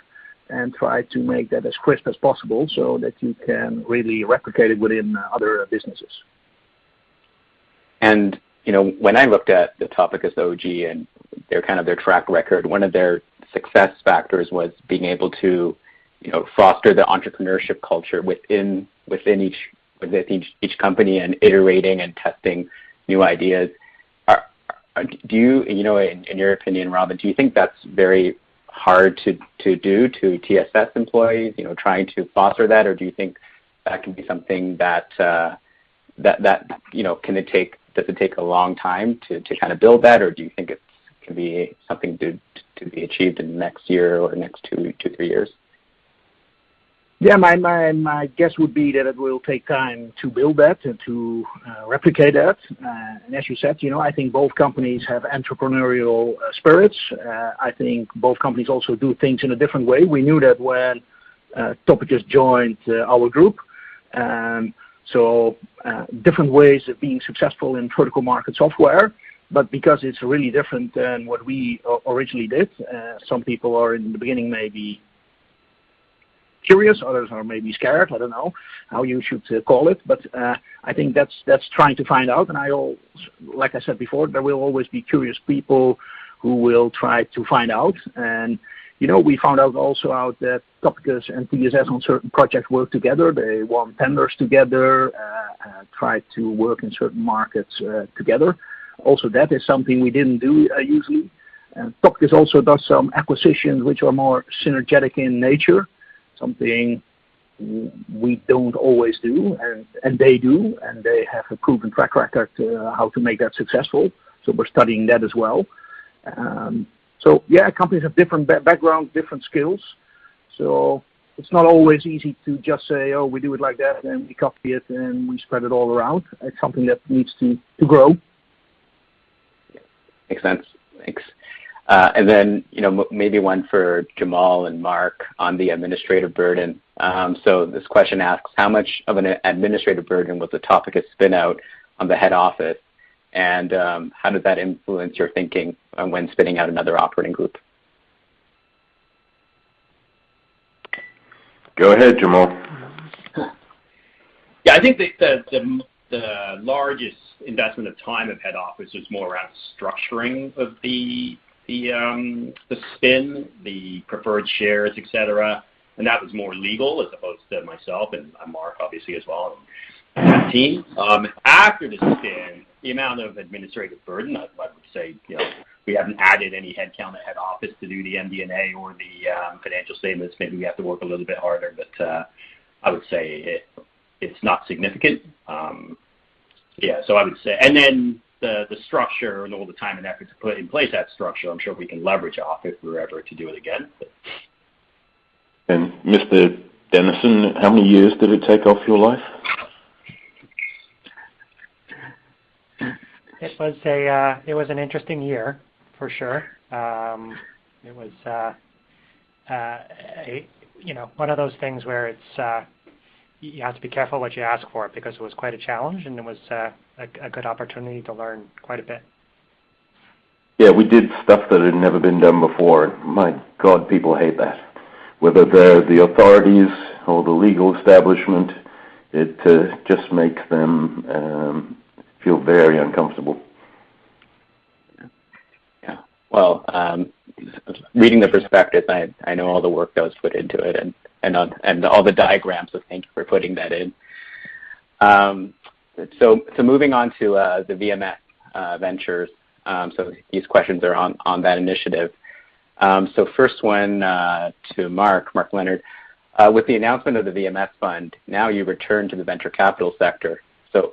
and try to make that as quick as possible so that you can really replicate it within other businesses. You know, when I looked at the Topicus OG and their kind of track record, one of their success factors was being able to, you know, foster the entrepreneurship culture within each company and iterating and testing new ideas. Do you know, in your opinion, Robin, do you think that's very hard to do to TSS employees, you know, trying to foster that? Or do you think that can be something that you know, does it take a long time to kinda build that? Or do you think it can be something to be achieved in the next year or the next two to three years? Yeah. My guess would be that it will take time to build that and to replicate that. As you said, you know, I think both companies have entrepreneurial spirits. I think both companies also do things in a different way. We knew that when Topicus joined our group. Different ways of being successful in vertical market software. But because it's really different than what we originally did, some people are in the beginning may be curious, others are maybe scared, I don't know how you should call it, but I think that's trying to find out. Like I said before, there will always be curious people who will try to find out. You know, we found out also that Topicus and TSS on certain projects work together. They won tenders together, tried to work in certain markets, together. Also, that is something we didn't do, usually. Topicus also does some acquisitions which are more synergistic in nature, something we don't always do, and they do. They have a proven track record of how to make that successful, so we're studying that as well. Yeah, companies have different background, different skills. It's not always easy to just say, "Oh, we do it like that," and we copy it and we spread it all around. It's something that needs to grow. Makes sense. Thanks. You know, maybe one for Jamal and Mark on the administrative burden. This question asks, how much of an administrative burden was the Topicus spin out on the head office? How did that influence your thinking on when spinning out another operating group? Go ahead, Jamal. Yeah. I think the largest investment of time of head office was more around structuring of the spin, the preferred shares, etc. That was more legal as opposed to myself and Mark obviously as well and the team. After the spin, the amount of administrative burden, I would say, you know, we haven't added any headcount at head office to do the MD&A or the financial statements. Maybe we have to work a little bit harder, but I would say it's not significant. Yeah. I would say. Then the structure and all the time and effort to put in place that structure, I'm sure we can leverage off if we were ever to do it again. Mark Dennison, how many years did it take off your life? It was an interesting year for sure. You know, one of those things where you have to be careful what you ask for because it was quite a challenge and it was a good opportunity to learn quite a bit. Yeah. We did stuff that had never been done before. My God, people hate that. Whether they're the authorities or the legal establishment, it just makes them feel very uncomfortable. Well, reading the prospectus, I know all the work that was put into it and all the diagrams, so thank you for putting that in. Moving on to the VMS Ventures, these questions are on that initiative. First one to Mark Leonard. With the announcement of the VMS fund, now you've returned to the venture capital sector.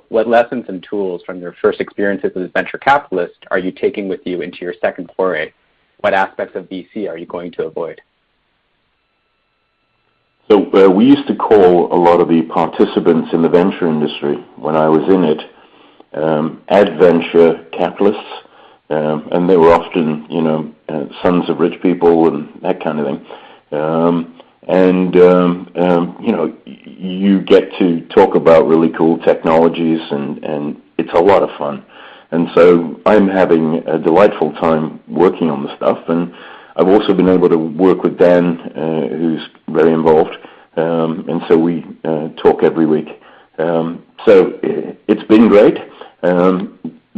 What lessons and tools from your first experiences as a venture capitalist are you taking with you into your second foray? What aspects of VC are you going to avoid? We used to call a lot of the participants in the venture industry when I was in it adventure capitalists. They were often, you know, sons of rich people and that kind of thing. You know, you get to talk about really cool technologies and it's a lot of fun. I'm having a delightful time working on the stuff. I've also been able to work with Dan, who's very involved, and so we talk every week. It's been great.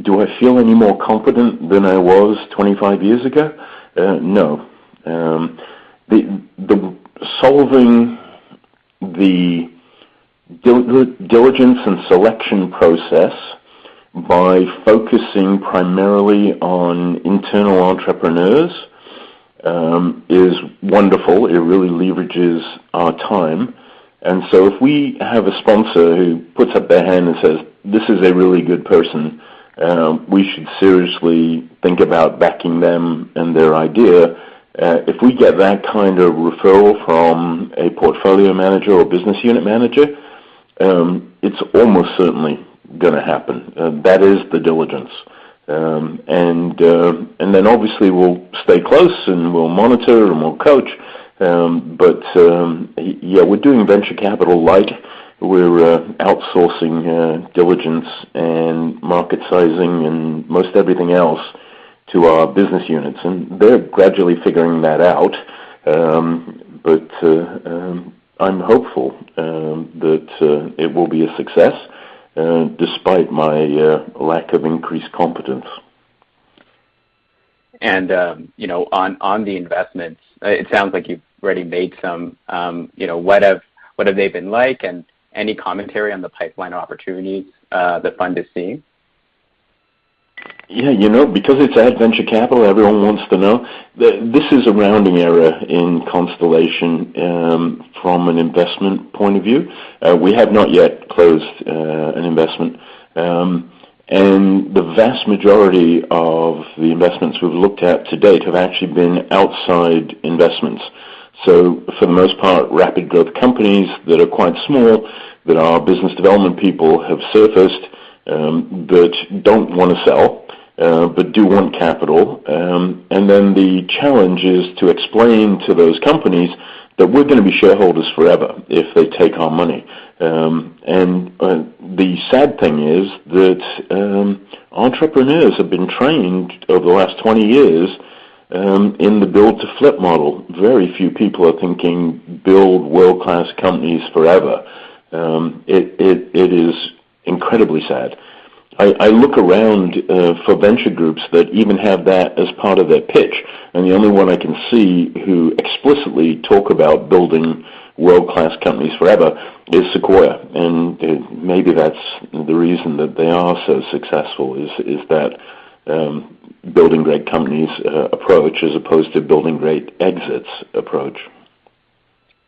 Do I feel any more confident than I was 25 years ago? No. The solving the diligence and selection process by focusing primarily on internal entrepreneurs is wonderful. It really leverages our time. If we have a sponsor who puts up their hand and says, "This is a really good person, we should seriously think about backing them and their idea." If we get that kind of referral from a portfolio manager or business unit manager, it's almost certainly gonna happen. That is the diligence. Then obviously we'll stay close and we'll monitor and we'll coach. Yeah, we're doing venture capital like we're outsourcing diligence and market sizing and most everything else to our business units, and they're gradually figuring that out. I'm hopeful that it will be a success despite my lack of increased competence. You know, on the investments, it sounds like you've already made some. You know, what have they been like? Any commentary on the pipeline opportunities, the fund is seeing? Yeah. You know, because it's a venture capital, everyone wants to know. This is a rounding error in Constellation, from an investment point of view. We have not yet closed an investment. The vast majority of the investments we've looked at to date have actually been outside investments. So for the most part, rapid growth companies that are quite small, that our business development people have surfaced, that don't wanna sell, but do want capital. The challenge is to explain to those companies that we're gonna be shareholders forever if they take our money. The sad thing is that entrepreneurs have been trained over the last 20 years in the build to flip model. Very few people are thinking build world-class companies forever. It is incredibly sad. I look around for venture groups that even have that as part of their pitch, and the only one I can see who explicitly talk about building world-class companies forever is Sequoia. Maybe that's the reason that they are so successful is that building great companies approach as opposed to building great exits approach.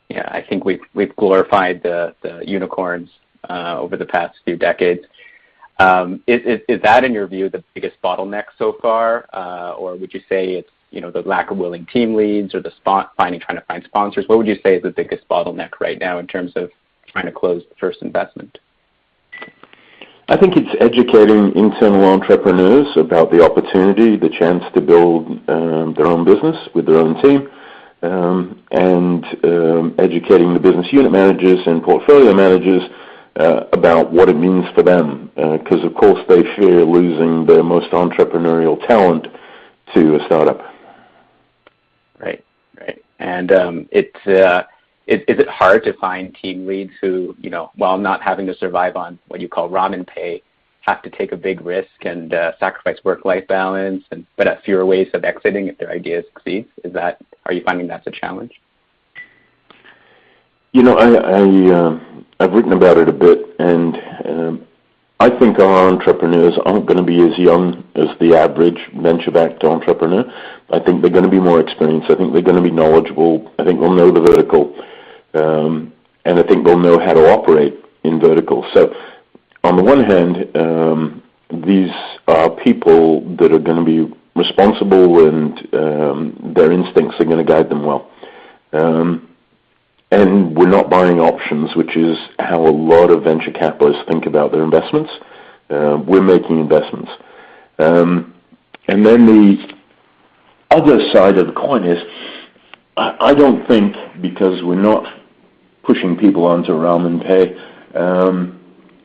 Yeah, I think we've glorified the unicorns over the past few decades. Is that in your view the biggest bottleneck so far, or would you say it's, you know, the lack of willing team leads or trying to find sponsors? What would you say is the biggest bottleneck right now in terms of trying to close the first investment? I think it's educating internal entrepreneurs about the opportunity, the chance to build, their own business with their own team, and, educating the business unit managers and portfolio managers, about what it means for them. 'Cause of course they fear losing their most entrepreneurial talent to a startup. Right. Is it hard to find team leads who, you know, while not having to survive on what you call ramen pay, have to take a big risk and sacrifice work-life balance but have fewer ways of exiting if their idea succeeds? Are you finding that's a challenge? You know, I've written about it a bit, and I think our entrepreneurs aren't gonna be as young as the average venture-backed entrepreneur. I think they're gonna be more experienced. I think they're gonna be knowledgeable. I think they'll know the vertical, and I think they'll know how to operate in vertical. So on the one hand, these are people that are gonna be responsible and their instincts are gonna guide them well. We're not buying options, which is how a lot of venture capitalists think about their investments. We're making investments. The other side of the coin is, I don't think because we're not pushing people onto ramen pay,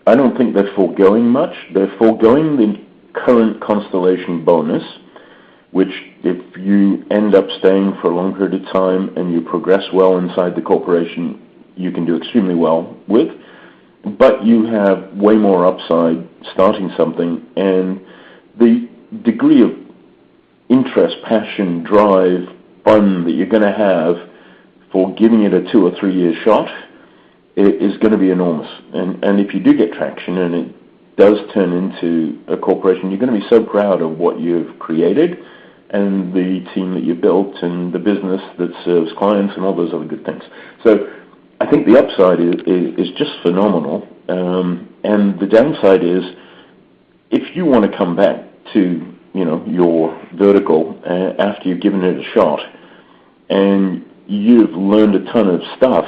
I don't think they're foregoing much. They're foregoing the current Constellation bonus, which if you end up staying for a long period of time and you progress well inside the corporation, you can do extremely well with. You have way more upside starting something and the degree of interest, passion, drive, fun that you're gonna have for giving it a two or three year shot is gonna be enormous. If you do get traction and it does turn into a corporation, you're gonna be so proud of what you've created and the team that you built and the business that serves clients and all those other good things. I think the upside is just phenomenal. The downside is if you wanna come back to, you know, your vertical, after you've given it a shot and you've learned a ton of stuff,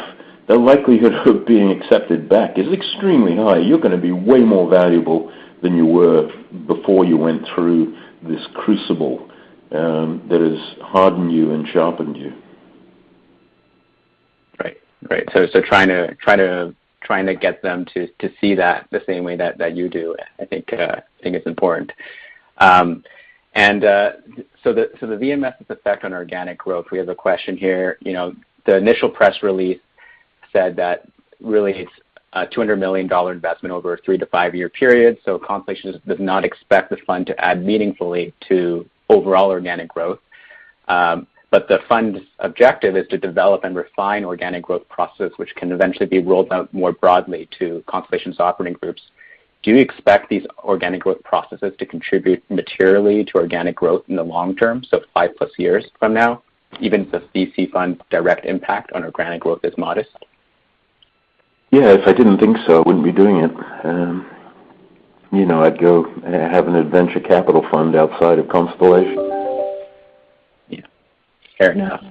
the likelihood of being accepted back is extremely high. You're gonna be way more valuable than you were before you went through this crucible that has hardened you and sharpened you. Right. Trying to get them to see that the same way that you do, I think it's important. The VMS's effect on organic growth, we have a question here. You know, the initial press release said that really it's a $200 million investment over a 3-5 year period. Constellation does not expect the fund to add meaningfully to overall organic growth. The fund's objective is to develop and refine organic growth process, which can eventually be rolled out more broadly to Constellation's operating groups. Do you expect these organic growth processes to contribute materially to organic growth in the long term, so 5+ years from now, even if the VC fund direct impact on organic growth is modest? Yeah. If I didn't think so, I wouldn't be doing it. You know, I'd go and have a venture capital fund outside of Constellation. Yeah. Fair enough.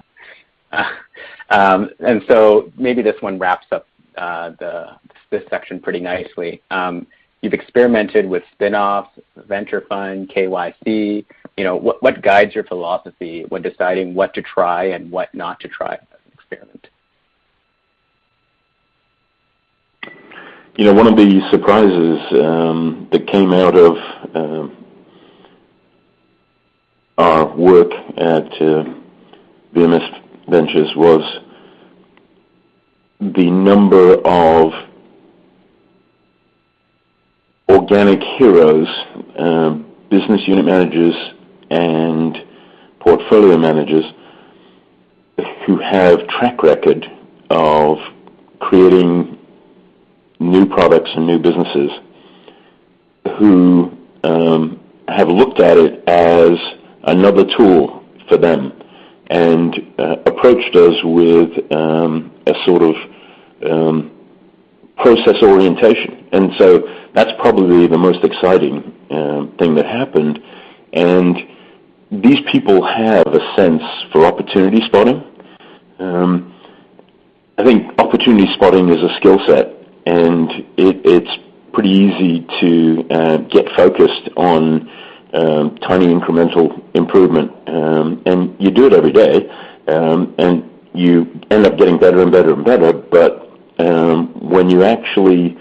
Maybe this one wraps up this section pretty nicely. You've experimented with spin-offs, venture fund, KYC. What guides your philosophy when deciding what to try and what not to try experimenting? You know, one of the surprises that came out of our work at VMS Ventures was the number of organic heroes, business unit managers and portfolio managers who have track record of creating new products and new businesses, who have looked at it as another tool for them and approached us with a sort of process orientation. That's probably the most exciting thing that happened. These people have a sense for opportunity spotting. I think opportunity spotting is a skill set, and it's pretty easy to get focused on tiny incremental improvement. You do it every day, and you end up getting better and better and better. When you actually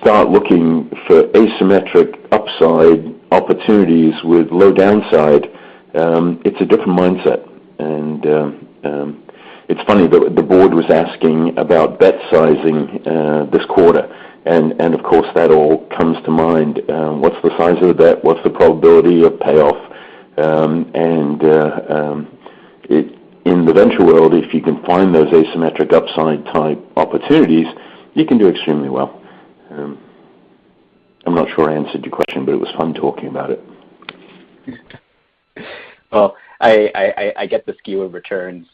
start looking for asymmetric upside opportunities with low downside, it's a different mindset. It's funny, the board was asking about bet sizing this quarter. Of course, that all comes to mind. What's the size of the bet? What's the probability of payoff? In the venture world, if you can find those asymmetric upside type opportunities, you can do extremely well. I'm not sure I answered your question, but it was fun talking about it. Well, I get the skew of returns.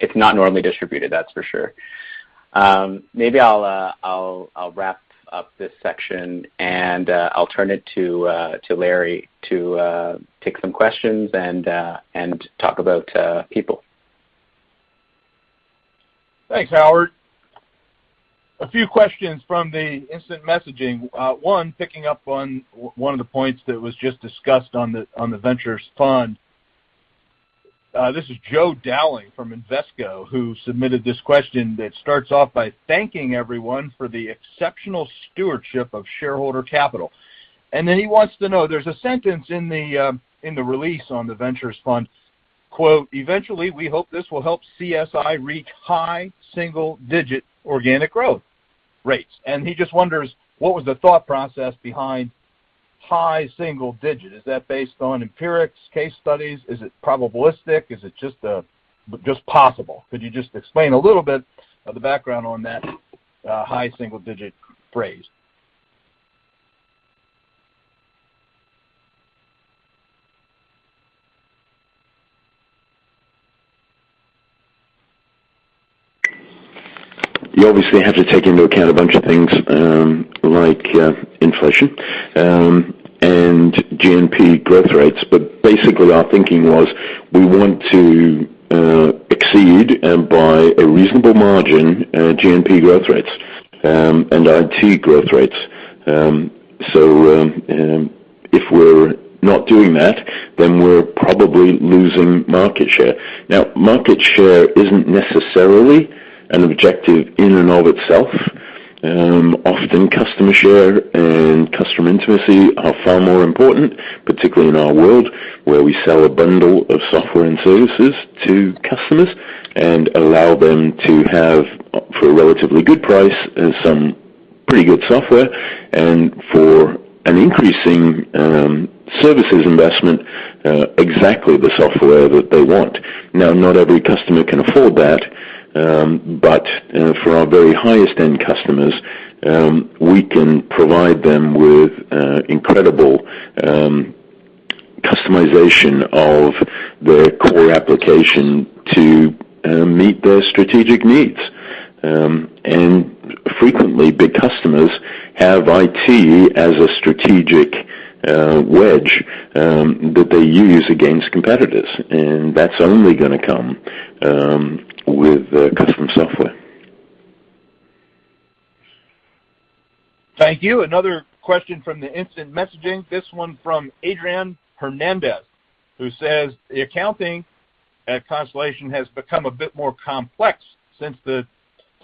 It's not normally distributed, that's for sure. Maybe I'll wrap up this section and I'll turn it to Larry to take some questions and talk about people. Thanks, Howard. A few questions from the instant messaging. One, picking up on one of the points that was just discussed on the ventures fund. This is Joe Dowling from Invesco, who submitted this question that starts off by thanking everyone for the exceptional stewardship of shareholder capital. Then he wants to know, there's a sentence in the release on the ventures fund. Quote, "Eventually, we hope this will help CSI reach high single-digit organic growth rates." He just wonders what was the thought process behind high single-digit. Is that based on empirics, case studies? Is it probabilistic? Is it just possible? Could you just explain a little bit of the background on that high single-digit phrase. You obviously have to take into account a bunch of things, like, inflation, and GNP growth rates. Basically, our thinking was we want to exceed it by a reasonable margin, GNP growth rates, and IT growth rates. If we're not doing that, then we're probably losing market share. Now, market share isn't necessarily an objective in and of itself. Often customer share and customer intimacy are far more important, particularly in our world, where we sell a bundle of software and services to customers and allow them to have, for a relatively good price, some pretty good software, and for an increasing services investment, exactly the software that they want. Now, not every customer can afford that, but for our very highest end customers, we can provide them with incredible customization of their core application to meet their strategic needs. Frequently, big customers have IT as a strategic wedge that they use against competitors, and that's only gonna come with custom software. Thank you. Another question from the instant messaging, this one from Adrián Hernández, who says the accounting at Constellation has become a bit more complex since the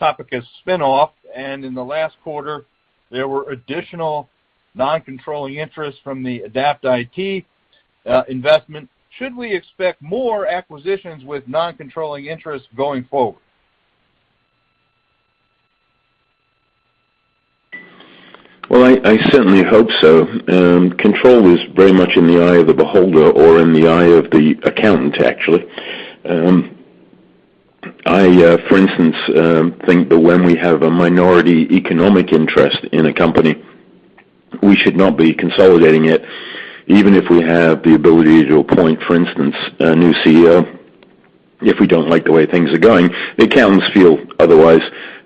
Topicus spinoff. In the last quarter, there were additional non-controlling interests from the Adapt IT investment. Should we expect more acquisitions with non-controlling interests going forward? Well, I certainly hope so. Control is very much in the eye of the beholder or in the eye of the accountant, actually. For instance, I think that when we have a minority economic interest in a company, we should not be consolidating it, even if we have the ability to appoint, for instance, a new CEO, if we don't like the way things are going. The accountants feel otherwise.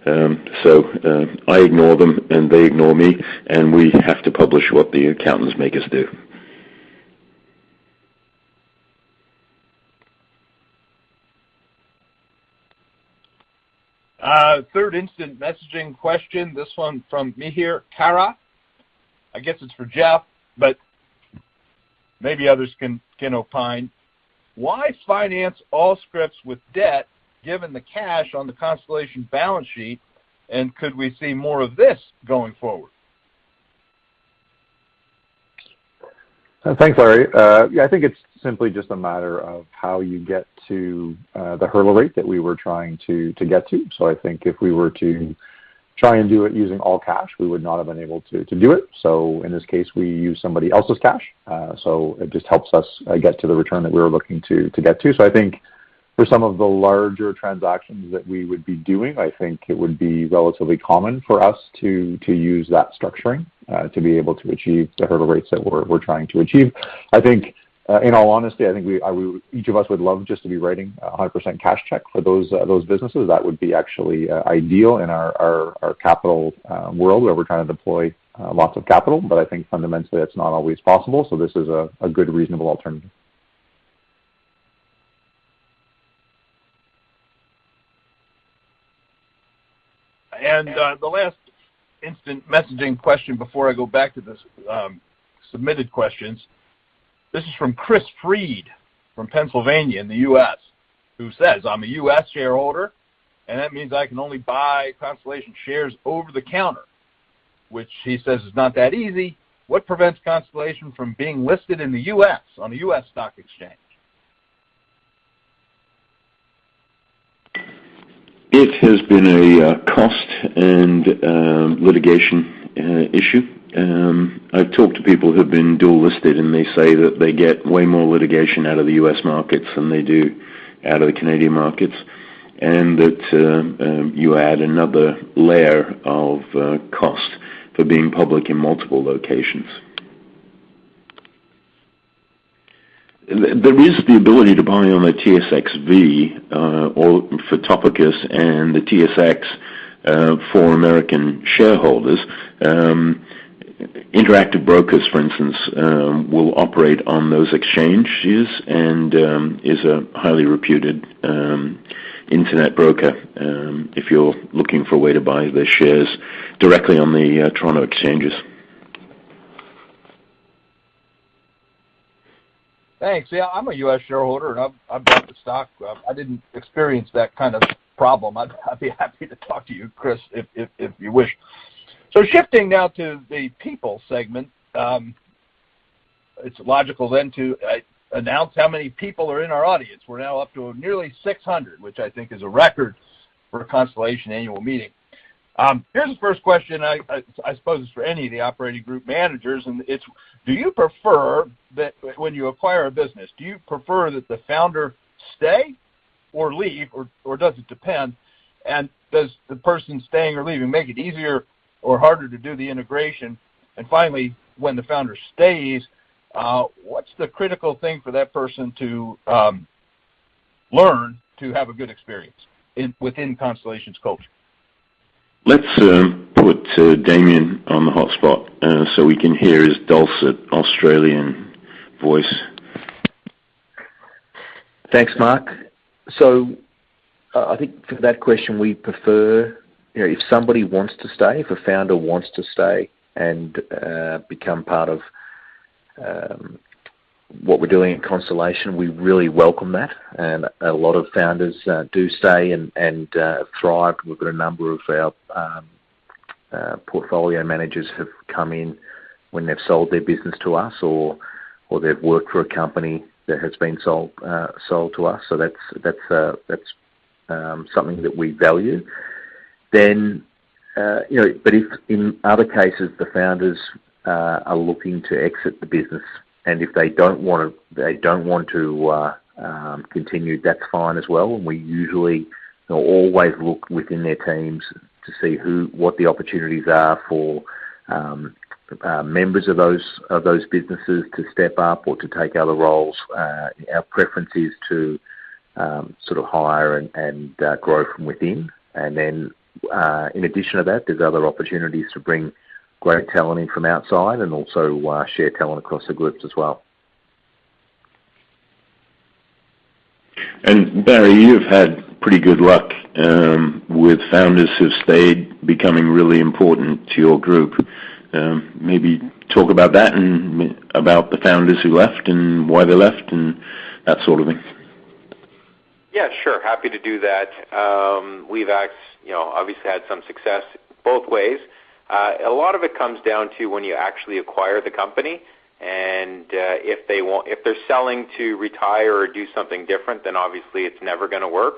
I ignore them and they ignore me, and we have to publish what the accountants make us do. Third instant messaging question, this one from Mihir Kara. I guess it's for Jeff, but maybe others can opine. Why finance Allscripts with debt given the cash on the Constellation balance sheet, and could we see more of this going forward? Thanks, Larry. Yeah, I think it's simply just a matter of how you get to the hurdle rate that we were trying to get to. I think if we were to try and do it using all cash, we would not have been able to do it. In this case, we use somebody else's cash. It just helps us get to the return that we're looking to get to. I think for some of the larger transactions that we would be doing, I think it would be relatively common for us to use that structuring to be able to achieve the hurdle rates that we're trying to achieve. I think, in all honesty, I think we each of us would love just to be writing 100% cash check for those businesses. That would be actually ideal in our capital world where we're trying to deploy lots of capital. I think fundamentally, that's not always possible, so this is a good reasonable alternative. The last instant messaging question before I go back to the submitted questions. This is from Chris Freed from Pennsylvania in the U.S., who says, "I'm a U.S. shareholder, and that means I can only buy Constellation shares over the counter," which he says is not that easy. What prevents Constellation from being listed in the U.S. on a U.S. stock exchange? It has been a cost and litigation issue. I've talked to people who have been dual listed, and they say that they get way more litigation out of the U.S. markets than they do out of the Canadian markets. That you add another layer of cost for being public in multiple locations. There is the ability to buy on a TSXV or for Topicus and the TSX for American shareholders. Interactive Brokers, for instance, will operate on those exchanges and is a highly reputed internet broker if you're looking for a way to buy the shares directly on the Toronto exchanges. Thanks. Yeah, I'm a U.S. shareholder, and I've bought the stock. I didn't experience that kind of problem. I'd be happy to talk to you, Chris, if you wish. Shifting now to the people segment, it's logical then to announce how many people are in our audience. We're now up to nearly 600, which I think is a record for a Constellation annual meeting. Here's the first question I suppose is for any of the operating group managers, and it's: Do you prefer that when you acquire a business, do you prefer that the founder stay or leave, or does it depend? And does the person staying or leaving make it easier or harder to do the integration? Finally, when the founder stays, what's the critical thing for that person to learn to have a good experience within Constellation's culture? Let's put Damian on the hotspot so we can hear his dulcet Australian voice. Thanks, Mark. I think for that question, we prefer, you know, if somebody wants to stay, if a founder wants to stay and become part of what we're doing in Constellation, we really welcome that. A lot of founders do stay and thrive. We've got a number of our portfolio managers have come in when they've sold their business to us or they've worked for a company that has been sold to us. That's something that we value. You know, but if in other cases, the founders are looking to exit the business, and if they don't want to continue, that's fine as well. We usually always look within their teams to see what the opportunities are for members of those businesses to step up or to take other roles. Our preference is to sort of hire and grow from within. In addition to that, there's other opportunities to bring great talent in from outside and also share talent across the groups as well. Barry, you've had pretty good luck, with founders who've stayed becoming really important to your group. Maybe talk about that and about the founders who left and why they left and that sort of thing. Yeah, sure. Happy to do that. We've, you know, obviously had some success both ways. A lot of it comes down to when you actually acquire the company, and if they're selling to retire or do something different, then obviously it's never gonna work.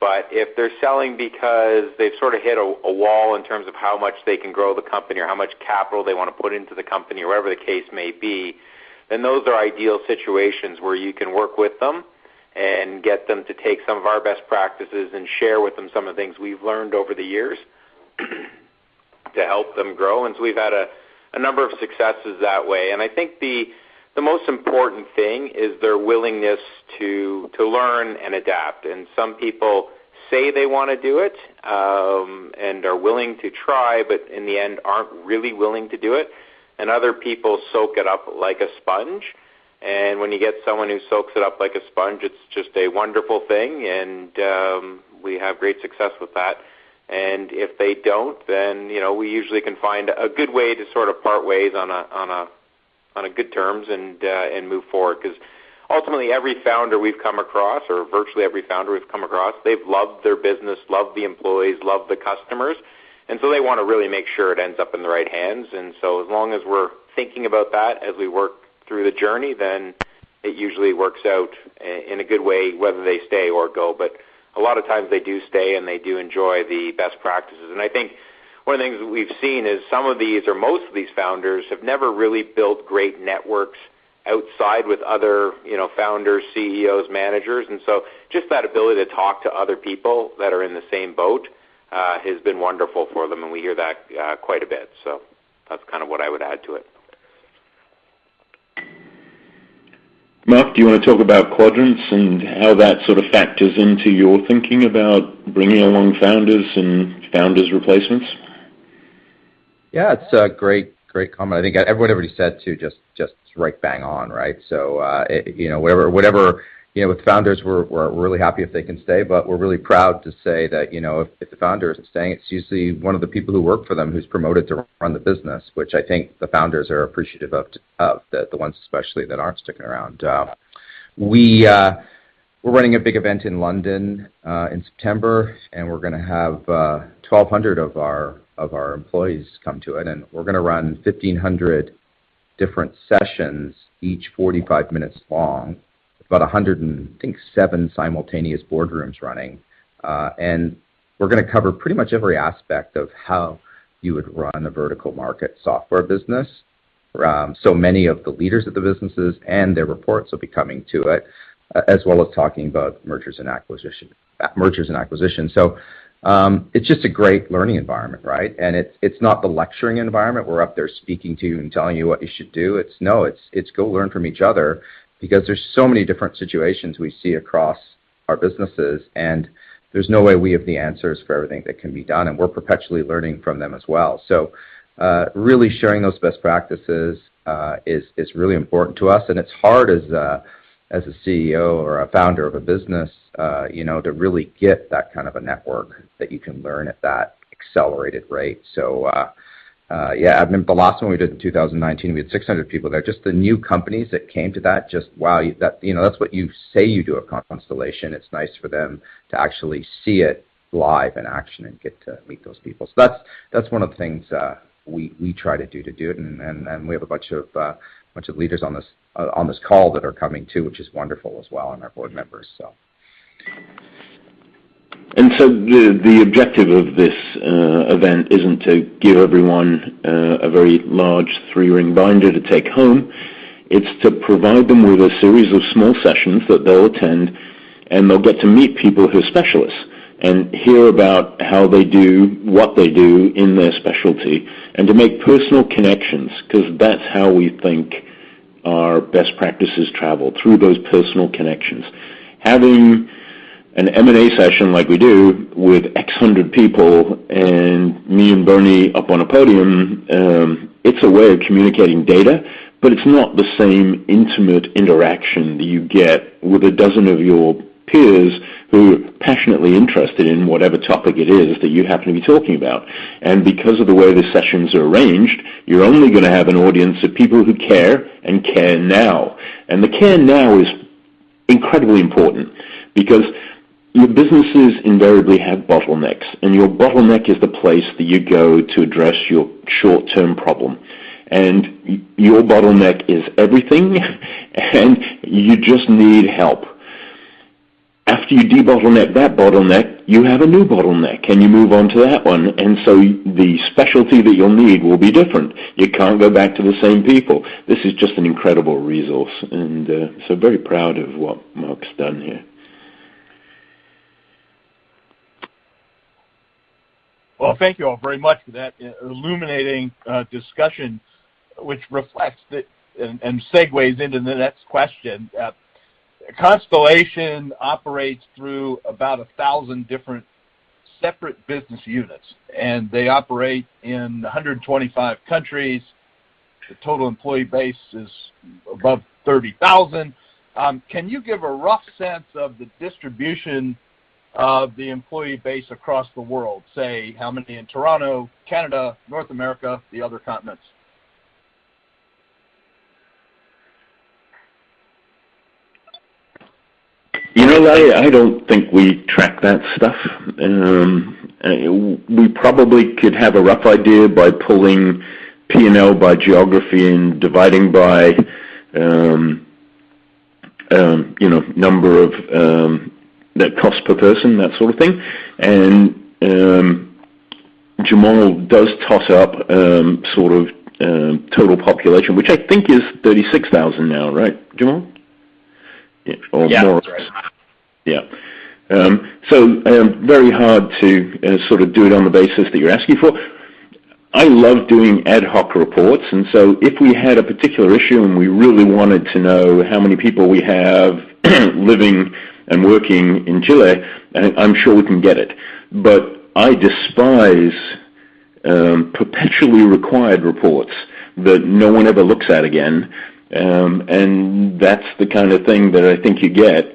But if they're selling because they've sort of hit a wall in terms of how much they can grow the company or how much capital they wanna put into the company or whatever the case may be, then those are ideal situations where you can work with them and get them to take some of our best practices and share with them some of the things we've learned over the years to help them grow. We've had a number of successes that way. I think the most important thing is their willingness to learn and adapt. Some people say they wanna do it and are willing to try, but in the end, aren't really willing to do it. Other people soak it up like a sponge. When you get someone who soaks it up like a sponge, it's just a wonderful thing, and we have great success with that. If they don't, then you know, we usually can find a good way to sort of part ways on good terms and move forward. 'Cause ultimately, every founder we've come across, or virtually every founder we've come across, they've loved their business, loved the employees, loved the customers, and so they wanna really make sure it ends up in the right hands. As long as we're thinking about that as we work through the journey, then it usually works out in a good way, whether they stay or go. A lot of times they do stay, and they do enjoy the best practices. I think one of the things that we've seen is some of these or most of these founders have never really built great networks outside with other, you know, founders, CEOs, managers. Just that ability to talk to other people that are in the same boat has been wonderful for them, and we hear that quite a bit. That's kind of what I would add to it. Mark, do you wanna talk about quadrants and how that sort of factors into your thinking about bringing along founders and replacements? Yeah. It's a great comment. I think what everybody said too, right bang on, right? You know, whatever. You know, with founders, we're really happy if they can stay, but we're really proud to say that, you know, if the founder isn't staying, it's usually one of the people who work for them who's promoted to run the business, which I think the founders are appreciative of, the ones especially that aren't sticking around. We're running a big event in London in September, and we're gonna have 1,200 of our employees come to it, and we're gonna run 1,500 different sessions, each 45 minutes long, about 107 simultaneous boardrooms running. We're gonna cover pretty much every aspect of how you would run a vertical market software business. So many of the leaders of the businesses and their reports will be coming to it as well as talking about mergers and acquisitions. It's just a great learning environment, right? It's not the lecturing environment. We're up there speaking to you and telling you what you should do. It's go learn from each other because there's so many different situations we see across our businesses, and there's no way we have the answers for everything that can be done, and we're perpetually learning from them as well. Really sharing those best practices is really important to us, and it's hard as a CEO or a founder of a business, you know, to really get that kind of a network that you can learn at that accelerated rate. I mean, the last one we did in 2019, we had 600 people there. Just the new companies that came to that, wow, that. You know, that's what you say you do at Constellation. It's nice for them to actually see it live in action and get to meet those people. That's one of the things we try to do it. We have a bunch of leaders on this call that are coming too, which is wonderful as well, and our board members, so. The objective of this event isn't to give everyone a very large three-ring binder to take home. It's to provide them with a series of small sessions that they'll attend, and they'll get to meet people who are specialists and hear about how they do what they do in their specialty and to make personal connections, 'cause that's how we think our best practices travel, through those personal connections. Having an M&A session like we do with X hundred people and me and Bernie up on a podium, it's a way of communicating data, but it's not the same intimate interaction that you get with a dozen of your peers who are passionately interested in whatever topic it is that you happen to be talking about. Because of the way the sessions are arranged, you're only gonna have an audience of people who care and care now. The care now is incredibly important because your businesses invariably have bottlenecks, and your bottleneck is the place that you go to address your short-term problem. Your bottleneck is everything, and you just need help. After you debottleneck that bottleneck, you have a new bottleneck, and you move on to that one. The specialty that you'll need will be different. You can't go back to the same people. This is just an incredible resource and so very proud of what Mark's done here. Well, thank you all very much for that, illuminating discussion, which reflects that and segues into the next question. Constellation operates through about 1,000 different separate business units, and they operate in 125 countries. The total employee base is above 30,000. Can you give a rough sense of the distribution of the employee base across the world? Say, how many in Toronto, Canada, North America, the other continents? You know, I don't think we track that stuff. We probably could have a rough idea by pulling P&L by geography and dividing by, you know, number of, the cost per person, that sort of thing. Jamal does toss up, sort of, total population, which I think is 36,000 now, right, Jamal? Yeah. Or more. Yeah. That's right. Yeah. Very hard to sort of do it on the basis that you're asking for. I love doing ad hoc reports, and so if we had a particular issue, and we really wanted to know how many people we have living and working in Chile, I'm sure we can get it. I despise perpetually required reports that no one ever looks at again. That's the kind of thing that I think you get,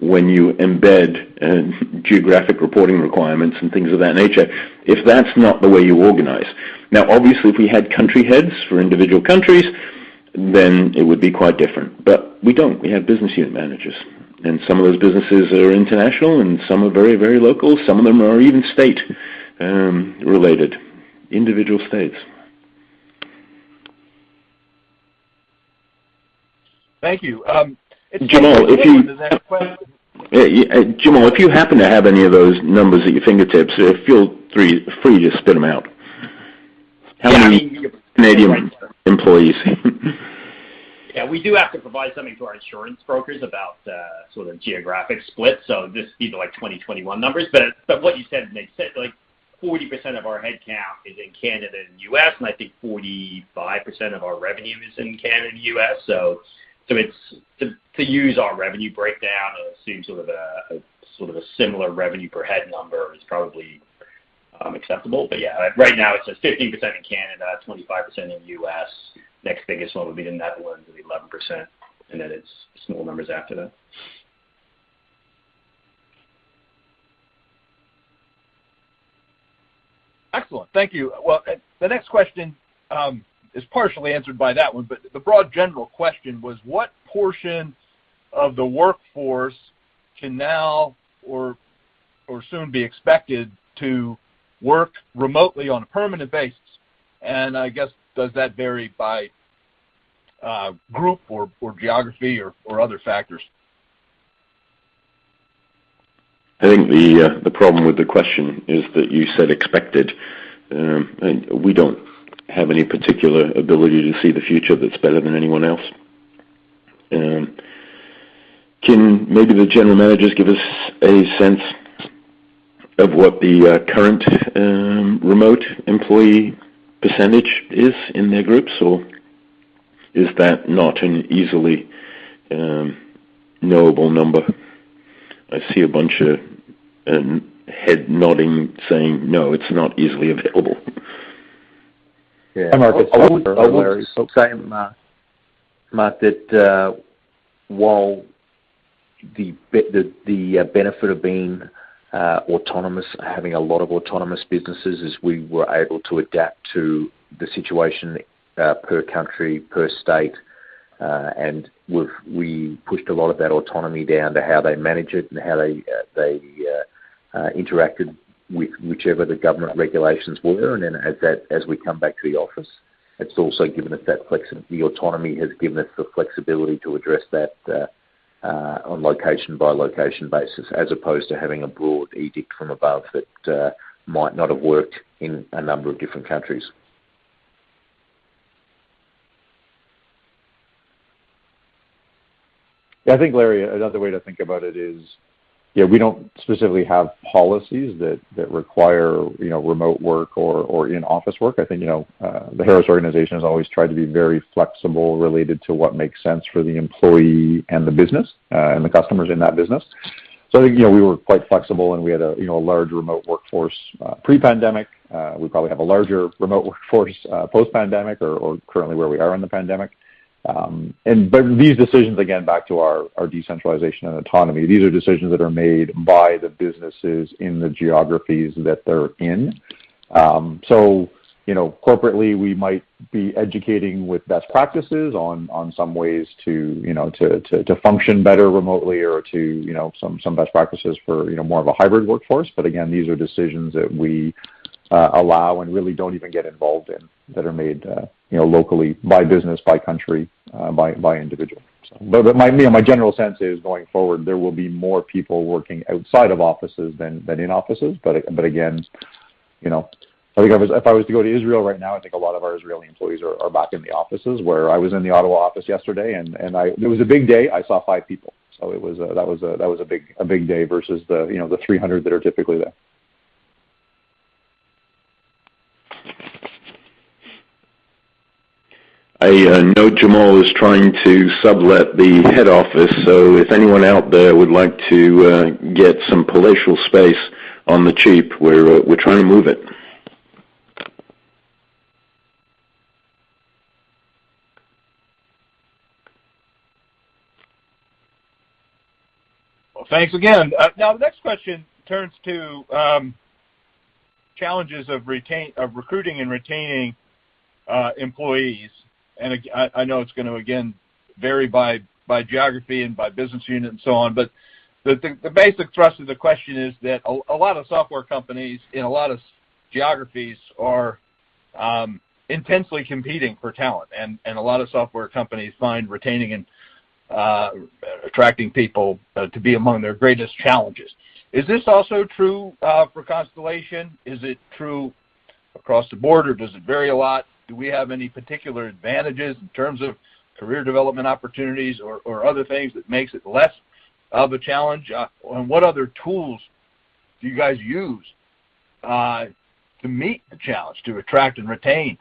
when you embed geographic reporting requirements and things of that nature, if that's not the way you organize. Now, obviously, if we had country heads for individual countries, then it would be quite different. We don't. We have business unit managers, and some of those businesses are international, and some are very, very local. Some of them are even state related, individual states. Thank you. Jamal, if you- Does anyone have a question? Yeah, Jamal, if you happen to have any of those numbers at your fingertips, feel free to spit them out. How many Canadian employees? Yeah, we do have to provide something to our insurance brokers about sort of geographic split. This seems like 2021 numbers. What you said makes sense. Like, 40% of our headcount is in Canada and U.S., and I think 45% of our revenue is in Canada and U.S. It's to use our revenue breakdown, it seems sort of a similar revenue per head number is probably acceptable. Yeah, right now it's 15% in Canada, 25% in U.S. Next biggest one would be the Netherlands with 11%, and then it's small numbers after that. Excellent. Thank you. Well, the next question is partially answered by that one, but the broad general question was what portion of the workforce can now or soon be expected to work remotely on a permanent basis? I guess, does that vary by group or geography or other factors? I think the problem with the question is that you said expected. We don't have any particular ability to see the future that's better than anyone else. Can maybe the general managers give us a sense of what the current remote employee percentage is in their groups, or is that not an easily knowable number? I see a bunch of head nodding saying, "No, it's not easily available. Yeah. Mark, it's probably for Larry. I would say, Mark, that while the benefit of being autonomous, having a lot of autonomous businesses is we were able to adapt to the situation per country, per state, and we pushed a lot of that autonomy down to how they manage it and how they interacted with whichever the government regulations were. As we come back to the office, the autonomy has given us the flexibility to address that on location by location basis, as opposed to having a broad edict from above that might not have worked in a number of different countries. Yeah, I think, Larry, another way to think about it is, yeah, we don't specifically have policies that require, you know, remote work or in-office work. I think, you know, the Harris organization has always tried to be very flexible related to what makes sense for the employee and the business, and the customers in that business. You know, we were quite flexible, and we had a you know, large remote workforce pre-pandemic. We probably have a larger remote workforce post-pandemic or currently where we are in the pandemic. But these decisions, again, back to our decentralization and autonomy. These are decisions that are made by the businesses in the geographies that they're in. you know, corporately, we might be educating with best practices on some ways to function better remotely or some best practices for more of a hybrid workforce. These are decisions that we allow and really don't even get involved in that are made locally by business, by country, by individual. My general sense is going forward, there will be more people working outside of offices than in offices. Again, you know, I think if I was to go to Israel right now, I think a lot of our Israeli employees are back in the offices, whereas I was in the Ottawa office yesterday, and I. It was a big day. I saw five people. That was a big day versus, you know, the 300 that are typically there. I know Jamal is trying to sublet the head office, so if anyone out there would like to get some palatial space on the cheap, we're trying to move it. Well, thanks again. Now the next question turns to challenges of recruiting and retaining employees. I know it's gonna again vary by geography and by business unit and so on. The basic thrust of the question is that a lot of software companies in a lot of geographies are intensely competing for talent, and a lot of software companies find retaining and attracting people to be among their greatest challenges. Is this also true for Constellation? Is it true across the board, or does it vary a lot? Do we have any particular advantages in terms of career development opportunities or other things that makes it less of a challenge? What other tools do you guys use to meet the challenge to attract and retain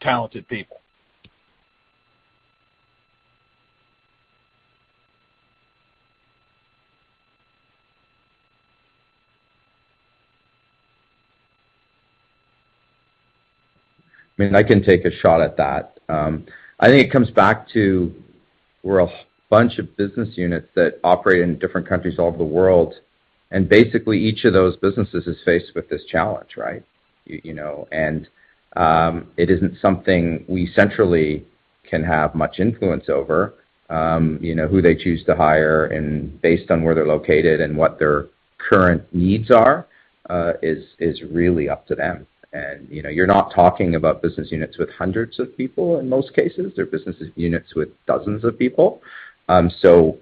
talented people? I mean, I can take a shot at that. I think it comes back to we're a bunch of business units that operate in different countries all over the world, and basically each of those businesses is faced with this challenge, right? You know. It isn't something we centrally can have much influence over. You know, who they choose to hire and based on where they're located and what their current needs are, is really up to them. You're not talking about business units with hundreds of people in most cases. They're business units with dozens of people. So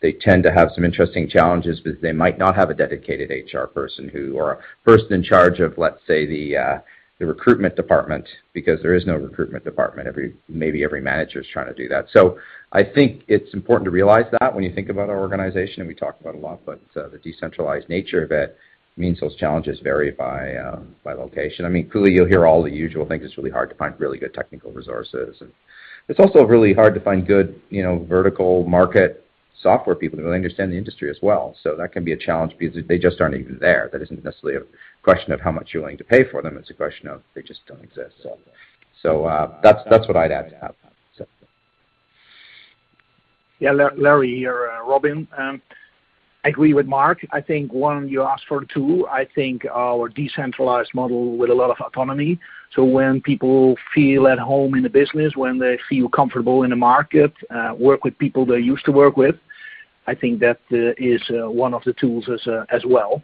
they tend to have some interesting challenges because they might not have a dedicated HR person or a person in charge of, let's say, the recruitment department because there is no recruitment department. Maybe every manager is trying to do that. I think it's important to realize that when you think about our organization, and we talk about a lot, but the decentralized nature of it means those challenges vary by location. I mean, clearly you'll hear all the usual things. It's really hard to find really good technical resources. It's also really hard to find good, you know, vertical market software people who really understand the industry as well. That can be a challenge because they just aren't even there. That isn't necessarily a question of how much you're willing to pay for them. It's a question of they just don't exist. That's what I'd add to that. Yeah, Larry here, Robin. I agree with Mark. I think, one, you asked for two. I think our decentralized model with a lot of autonomy, so when people feel at home in the business, when they feel comfortable in the market, work with people they're used to work with, I think that is one of the tools as well.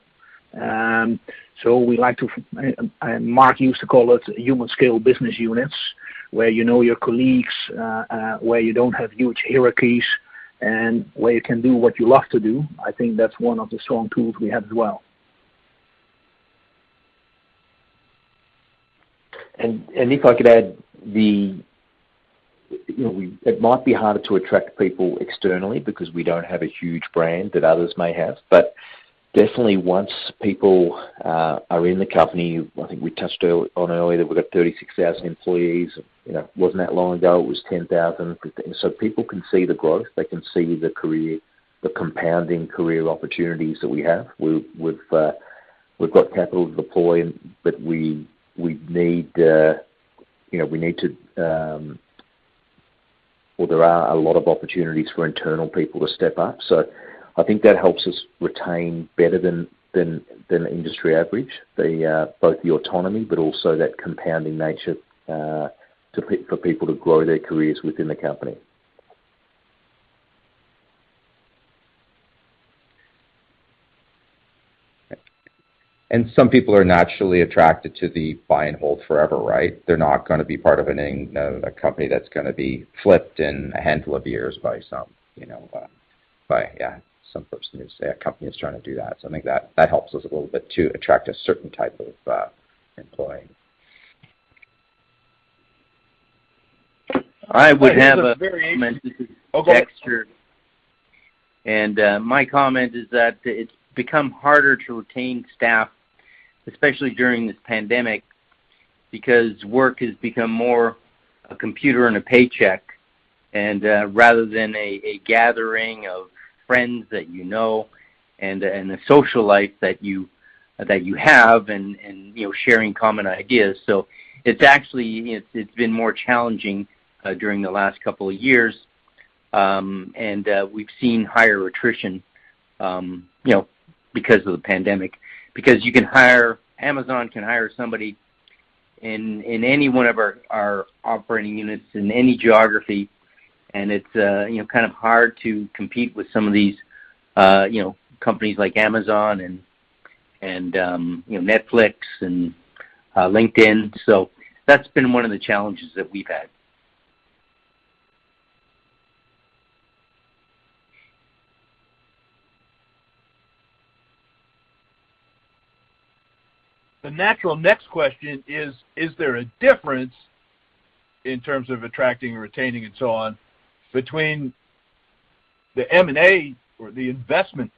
So we like to. Mark used to call it human scale business units, where you know your colleagues, where you don't have huge hierarchies and where you can do what you love to do. I think that's one of the strong tools we have as well. If I could add, you know, it might be harder to attract people externally because we don't have a huge brand that others may have. Definitely once people are in the company, I think we touched on earlier that we've got 36,000 employees. You know, it wasn't that long ago it was 10,000. People can see the growth, they can see the career, the compounding career opportunities that we have. We've got capital to deploy, but we need to. Well, there are a lot of opportunities for internal people to step up. I think that helps us retain better than the industry average. Both the autonomy, but also that compounding nature for people to grow their careers within the company. Some people are naturally attracted to the buy and hold forever, right? They're not gonna be part of a company that's gonna be flipped in a handful of years by some, you know, yeah, some person who says a company is trying to do that. I think that helps us a little bit to attract a certain type of employee. I would have a- I just have a variation. Okay. This is Dexter. My comment is that it's become harder to retain staff, especially during this pandemic, because work has become more a computer and a paycheck rather than a gathering of friends that you know and a social life that you have and you know sharing common ideas. It's actually been more challenging during the last couple of years. We've seen higher attrition you know because of the pandemic. Because Amazon can hire somebody in any one of our operating units in any geography, and it's you know kind of hard to compete with some of these you know companies like Amazon and Netflix and LinkedIn. That's been one of the challenges that we've had. The natural next question is there a difference in terms of attracting, retaining, and so on between the M&A or the investment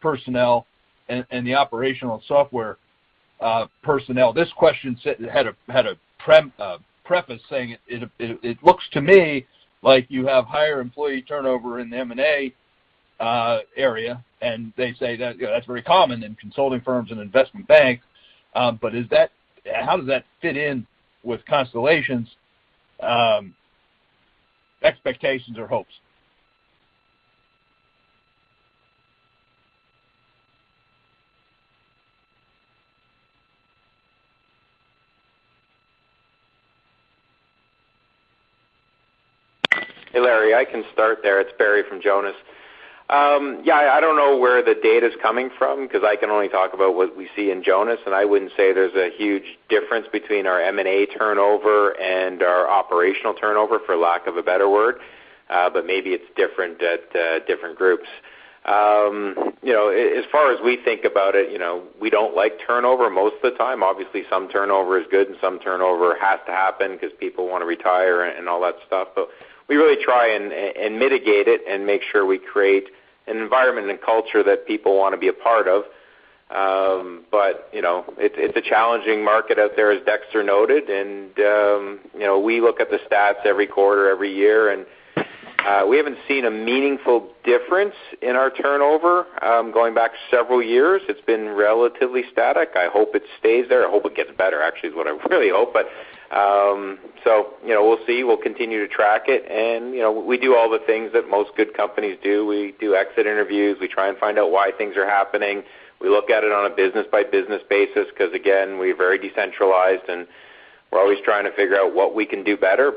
personnel and the operational software personnel? This question said it had a preface saying it looks to me like you have higher employee turnover in the M&A area, and they say that, you know, that's very common in consulting firms and investment banks. Is that? How does that fit in with Constellation's expectations or hopes? Hey, Larry, I can start there. It's Barry from Jonas. Yeah, I don't know where the data's coming from because I can only talk about what we see in Jonas, and I wouldn't say there's a huge difference between our M&A turnover and our operational turnover, for lack of a better word. But maybe it's different at different groups. You know, as far as we think about it, you know, we don't like turnover most of the time. Obviously, some turnover is good and some turnover has to happen because people wanna retire and all that stuff. We really try and mitigate it and make sure we create an environment and culture that people wanna be a part of. You know, it's a challenging market out there, as Dexter noted. You know, we look at the stats every quarter, every year, and we haven't seen a meaningful difference in our turnover. Going back several years, it's been relatively static. I hope it stays there. I hope it gets better, actually, is what I really hope. You know, we'll see. We'll continue to track it. You know, we do all the things that most good companies do. We do exit interviews. We try and find out why things are happening. We look at it on a business-by-business basis because, again, we're very decentralized, and we're always trying to figure out what we can do better.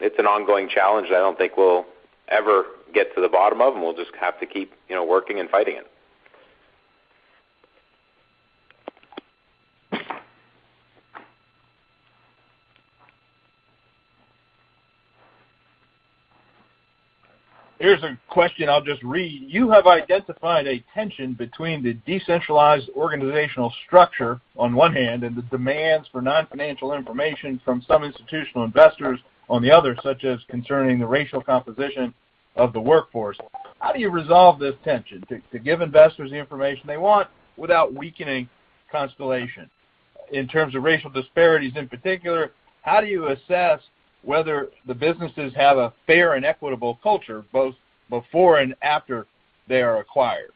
It's an ongoing challenge that I don't think we'll ever get to the bottom of, and we'll just have to keep, you know, working and fighting it. Here's a question I'll just read. You have identified a tension between the decentralized organizational structure on one hand and the demands for non-financial information from some institutional investors on the other, such as concerning the racial composition of the workforce. How do you resolve this tension to give investors the information they want without weakening Constellation? In terms of racial disparities in particular, how do you assess whether the businesses have a fair and equitable culture both before and after they are acquired?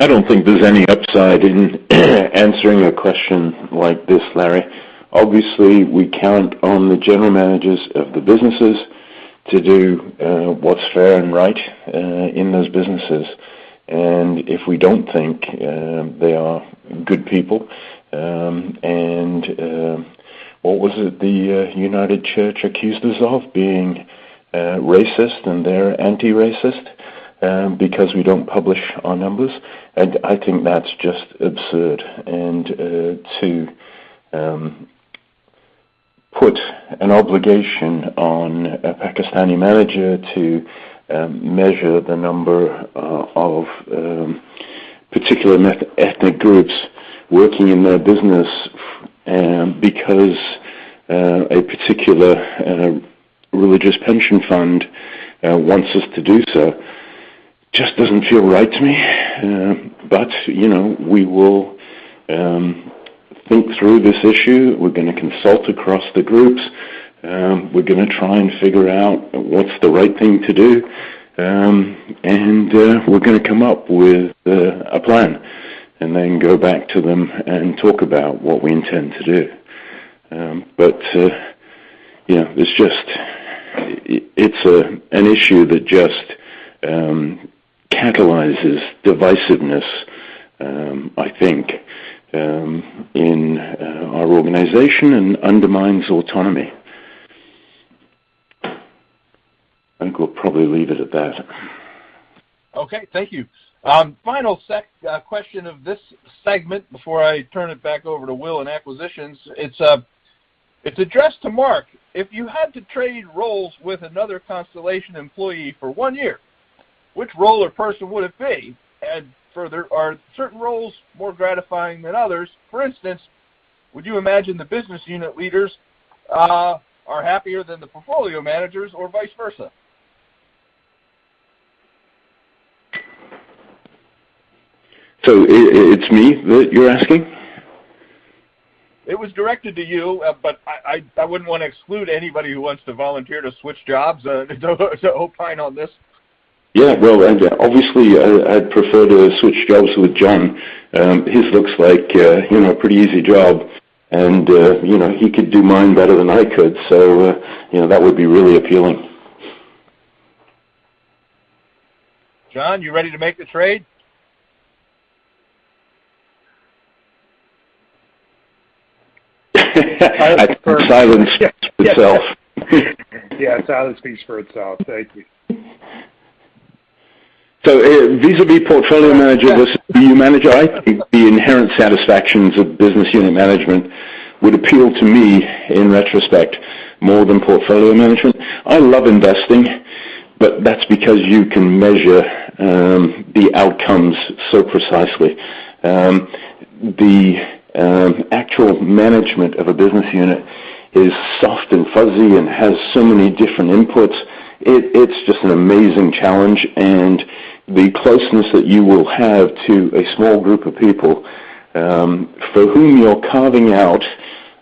I don't think there's any upside in answering a question like this, Larry. Obviously, we count on the general managers of the businesses to do what's fair and right in those businesses. If we don't think they are good people, and what was it the United Church accused us of? Being racist, and they're anti-racist because we don't publish our numbers. I think that's just absurd. To put an obligation on a Pakistani manager to measure the number of particular ethnic groups working in their business because a particular religious pension fund wants us to do so, just doesn't feel right to me. You know, we will think through this issue. We're gonna consult across the groups. We're gonna try and figure out what's the right thing to do. We're gonna come up with a plan and then go back to them and talk about what we intend to do. You know, it's just an issue that just catalyzes divisiveness, I think, in our organization and undermines autonomy. I think we'll probably leave it at that. Okay. Thank you. Final question of this segment before I turn it back over to Will in acquisitions. It's addressed to Mark. If you had to trade roles with another Constellation employee for one year, which role or person would it be? Further, are certain roles more gratifying than others? For instance, would you imagine the business unit leaders are happier than the portfolio managers or vice versa? It's me that you're asking? It was directed to you, but I wouldn't wanna exclude anybody who wants to volunteer to switch jobs to opine on this. Yeah. Well, obviously, I'd prefer to switch jobs with John. His looks like, you know, a pretty easy job, and, you know, he could do mine better than I could, so, you know, that would be really appealing. John, you ready to make the trade? That's silence itself. Yeah, silence speaks for itself. Thank you. Vis-à-vis portfolio manager versus BU manager, I think the inherent satisfactions of business unit management would appeal to me in retrospect more than portfolio management. I love investing, but that's because you can measure the outcomes so precisely. The actual management of a business unit is soft and fuzzy and has so many different inputs. It's just an amazing challenge. The closeness that you will have to a small group of people, for whom you're carving out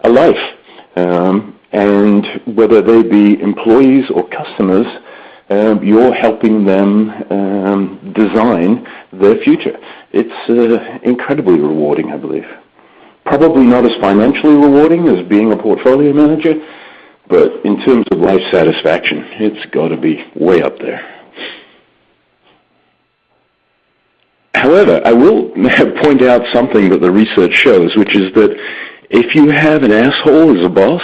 a life, and whether they be employees or customers, you're helping them design their future. It's incredibly rewarding, I believe. Probably not as financially rewarding as being a portfolio manager, but in terms of life satisfaction, it's gotta be way up there. However, I will point out something that the research shows, which is that if you have an a as a boss,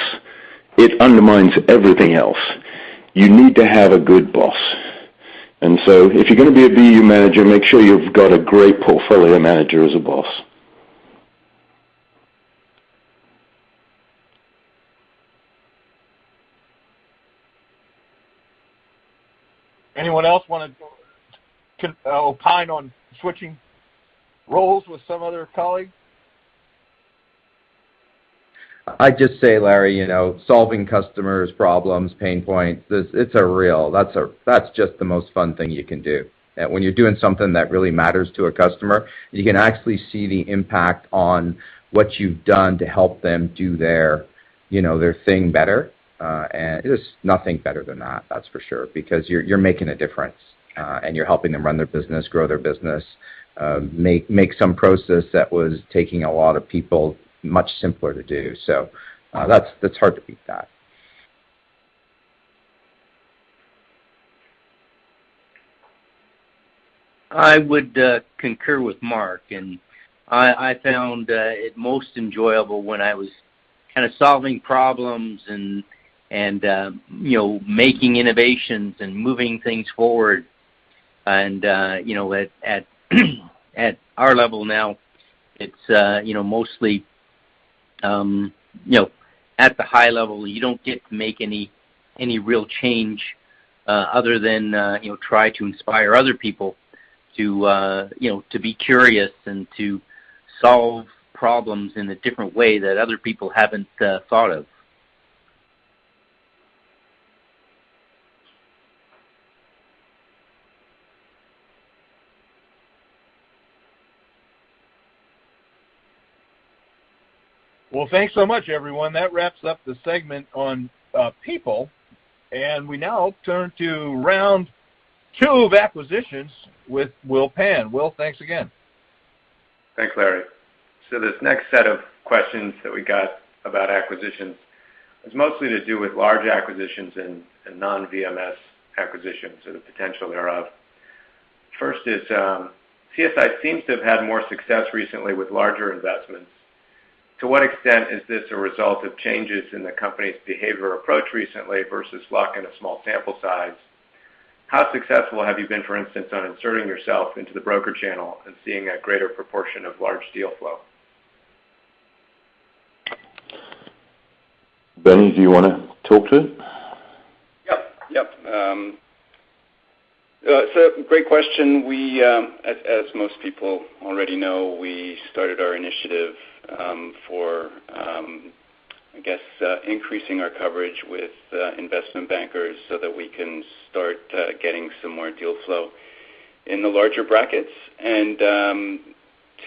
it undermines everything else. You need to have a good boss. If you're gonna be a BU manager, make sure you've got a great portfolio manager as a boss. Anyone else wanna opine on switching roles with some other colleagues? I'd just say, Larry, you know, solving customers' problems, pain points, it's a real. That's just the most fun thing you can do. When you're doing something that really matters to a customer, you can actually see the impact on what you've done to help them do their, you know, their thing better. There's nothing better than that's for sure, because you're making a difference, and you're helping them run their business, grow their business, make some process that was taking a lot of people much simpler to do. That's hard to beat that. I would concur with Mark, and I found it most enjoyable when I was kinda solving problems and you know, making innovations and moving things forward. You know, at our level now, it's you know, mostly you know, at the high level, you don't get to make any real change other than you know, try to inspire other people to you know, to be curious and to solve problems in a different way that other people haven't thought of. Well, thanks so much, everyone. That wraps up the segment on people. We now turn to round two of acquisitions with Will Pan. Will, thanks again. Thanks, Larry. This next set of questions that we got about acquisitions is mostly to do with large acquisitions and non-VMS acquisitions or the potential thereof. First is, CSI seems to have had more success recently with larger investments. To what extent is this a result of changes in the company's behavior approach recently versus luck in a small sample size? How successful have you been, for instance, on inserting yourself into the broker channel and seeing a greater proportion of large deal flow? Bernard, do you wanna talk to it? Yep. Great question. We, as most people already know, started our initiative for, I guess, increasing our coverage with investment bankers so that we can start getting some more deal flow in the larger brackets.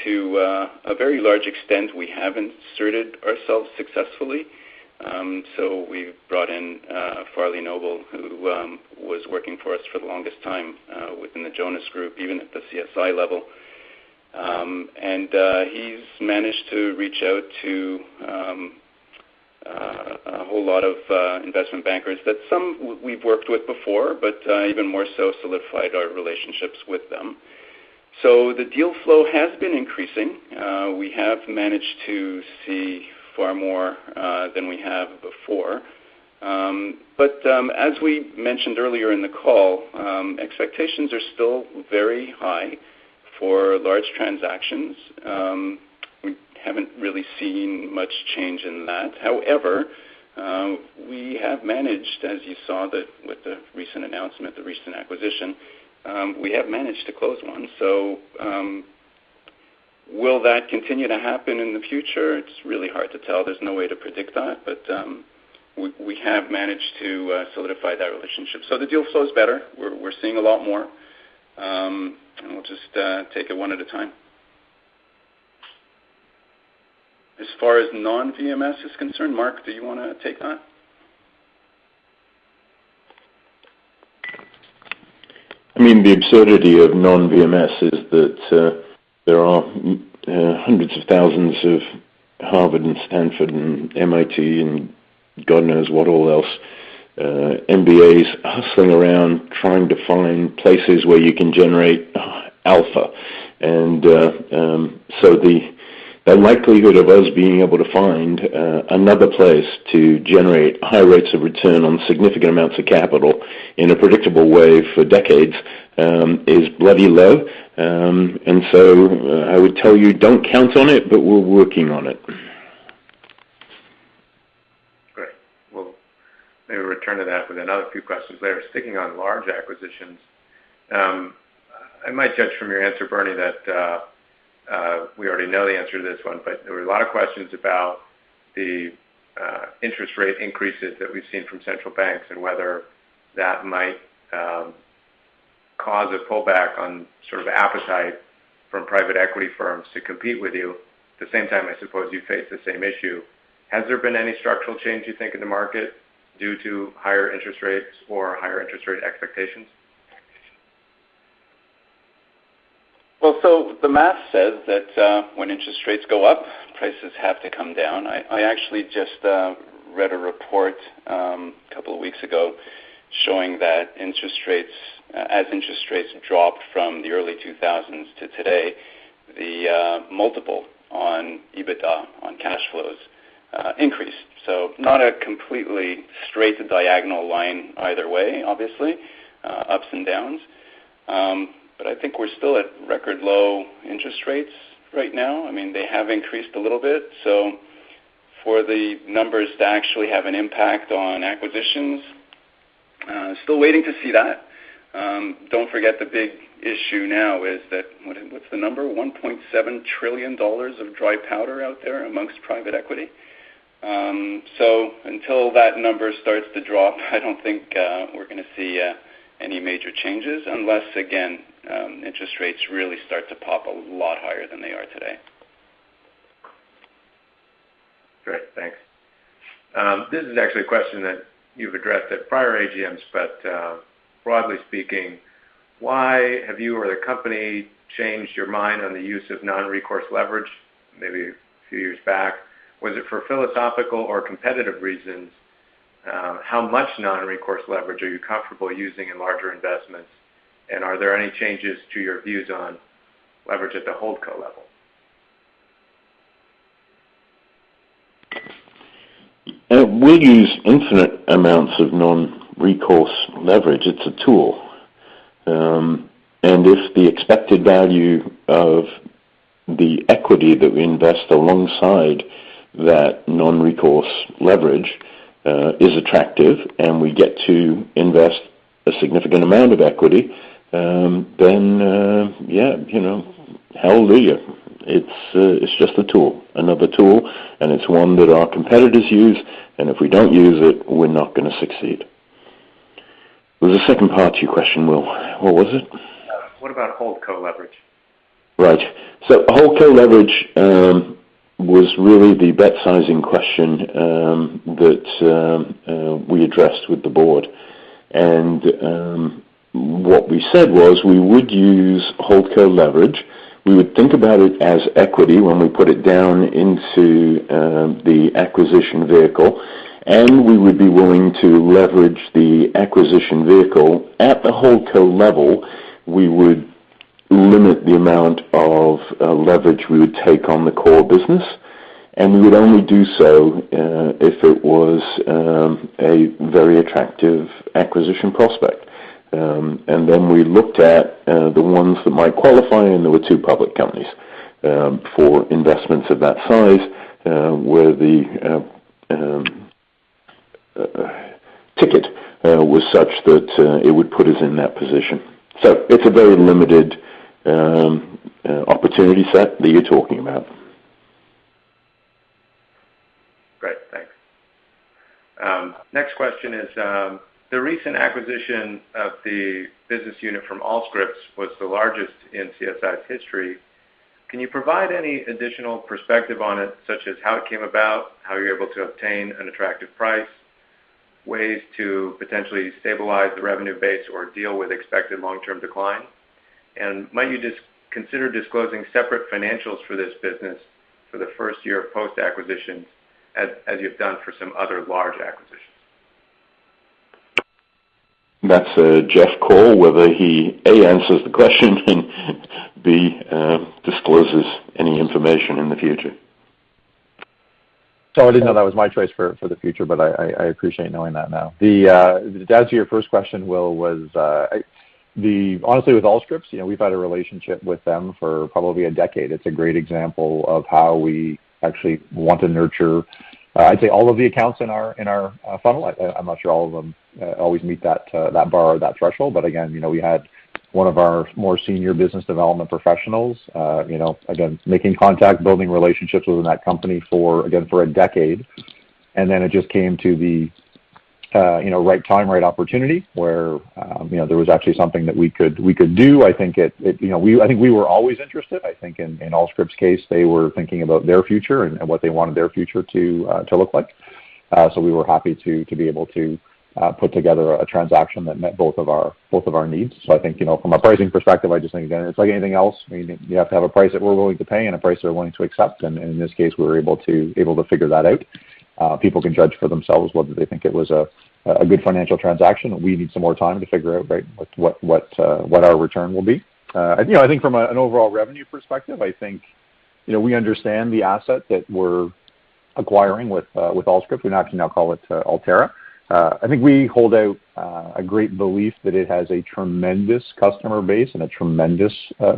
To a very large extent, we have inserted ourselves successfully. We've brought in Farley Noble, who was working for us for the longest time within the Jonas Group, even at the CSI level. He's managed to reach out to a whole lot of investment bankers that some we've worked with before but even more so solidified our relationships with them. The deal flow has been increasing. We have managed to see far more than we have before. As we mentioned earlier in the call, expectations are still very high for large transactions. We haven't really seen much change in that. However, we have managed, as you saw that with the recent announcement, the recent acquisition, we have managed to close one. Will that continue to happen in the future? It's really hard to tell. There's no way to predict that. We have managed to solidify that relationship. The deal flow is better. We're seeing a lot more. We'll just take it one at a time. As far as non-VMS is concerned, Mark, do you wanna take that? I mean, the absurdity of non-VMS is that there are hundreds of thousands of Harvard and Stanford and MIT and God knows what all else MBAs hustling around trying to find places where you can generate alpha. The likelihood of us being able to find another place to generate high rates of return on significant amounts of capital in a predictable way for decades is bloody low. I would tell you, don't count on it, but we're working on it. Great. Well, maybe we'll return to that with another few questions later. Sticking on large acquisitions, I might judge from your answer, Bernie, that we already know the answer to this one, but there were a lot of questions about the interest rate increases that we've seen from central banks and whether that might cause a pullback on sort of appetite from private equity firms to compete with you. At the same time, I suppose you face the same issue. Has there been any structural change you think in the market due to higher interest rates or higher interest rate expectations? The math says that when interest rates go up, prices have to come down. I actually just read a report a couple of weeks ago showing that as interest rates dropped from the early 2000s to today, the multiple on EBITDA, on cash flows increased. Not a completely straight diagonal line either way, obviously, ups and downs. I think we're still at record low interest rates right now. I mean, they have increased a little bit. For the numbers to actually have an impact on acquisitions, still waiting to see that. Don't forget the big issue now is that. What's the number? $1.7 trillion of dry powder out there amongst private equity. Until that number starts to drop, I don't think we're gonna see any major changes unless, again, interest rates really start to pop a lot higher than they are today. Great. Thanks. This is actually a question that you've addressed at prior AGMs, but broadly speaking, why have you or the company changed your mind on the use of non-recourse leverage maybe a few years back? Was it for philosophical or competitive reasons? How much non-recourse leverage are you comfortable using in larger investments? And are there any changes to your views on leverage at the holdco level? We use infinite amounts of non-recourse leverage. It's a tool. If the expected value of the equity that we invest alongside that non-recourse leverage is attractive, and we get to invest a significant amount of equity, then yeah, you know, hallelujah. It's just a tool, another tool, and it's one that our competitors use, and if we don't use it, we're not gonna succeed. There was a second part to your question, Will. What was it? What about holdco leverage? Right. Holdco leverage was really the bet sizing question that we addressed with the board. What we said was we would use holdco leverage. We would think about it as equity when we put it down into the acquisition vehicle, and we would be willing to leverage the acquisition vehicle. At the holdco level, we would limit the amount of leverage we would take on the core business, and we would only do so if it was a very attractive acquisition prospect. Then we looked at the ones that might qualify, and there were two public companies for investments of that size where the ticket was such that it would put us in that position. It's a very limited opportunity set that you're talking about. Great. Thanks. Next question is, the recent acquisition of the business unit from Allscripts was the largest in CSI's history. Can you provide any additional perspective on it, such as how it came about, how you're able to obtain an attractive price, ways to potentially stabilize the revenue base or deal with expected long-term decline? Might you consider disclosing separate financials for this business for the first year of post-acquisition as you've done for some other large acquisitions? That's Jeff Bender, whether he, A, answers the question and, B, discloses any information in the future. Sorry, I didn't know that was my choice for the future, but I appreciate knowing that now. To answer your first question, Will, honestly, with Allscripts, you know, we've had a relationship with them for probably a decade. It's a great example of how we actually want to nurture, I'd say all of the accounts in our funnel. I'm not sure all of them always meet that bar or that threshold. But again, you know, we had one of our more senior business development professionals, you know, again, making contact, building relationships within that company for a decade. Then it just came to the right time, right opportunity where, you know, there was actually something that we could do. You know, I think we were always interested. I think in Allscripts' case, they were thinking about their future and what they wanted their future to look like. We were happy to be able to put together a transaction that met both of our needs. I think, you know, from a pricing perspective, I just think, again, it's like anything else. I mean, you have to have a price that we're willing to pay and a price they're willing to accept. In this case, we were able to figure that out. People can judge for themselves whether they think it was a good financial transaction. We need some more time to figure out, right, what our return will be. You know, I think from an overall revenue perspective, I think, you know, we understand the asset that we're acquiring with Allscripts. We now actually call it Altera. I think we hold out a great belief that it has a tremendous customer base and a tremendous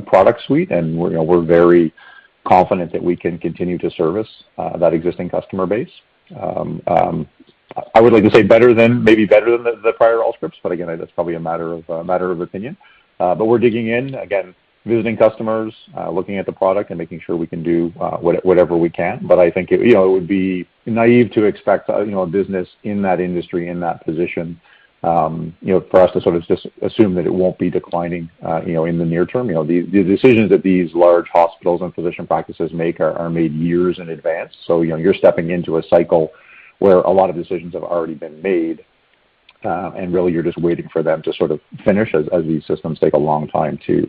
product suite. We're very confident that we can continue to service that existing customer base. I would like to say better than, maybe better than the prior Allscripts, but again, that's probably a matter of opinion. We're digging in, again, visiting customers, looking at the product and making sure we can do whatever we can. I think it. You know, it would be naive to expect a business in that industry, in that position, you know, for us to sort of just assume that it won't be declining, you know, in the near term. You know, the decisions that these large hospitals and physician practices make are made years in advance. You know, you're stepping into a cycle where a lot of decisions have already been made, and really you're just waiting for them to sort of finish as these systems take a long time to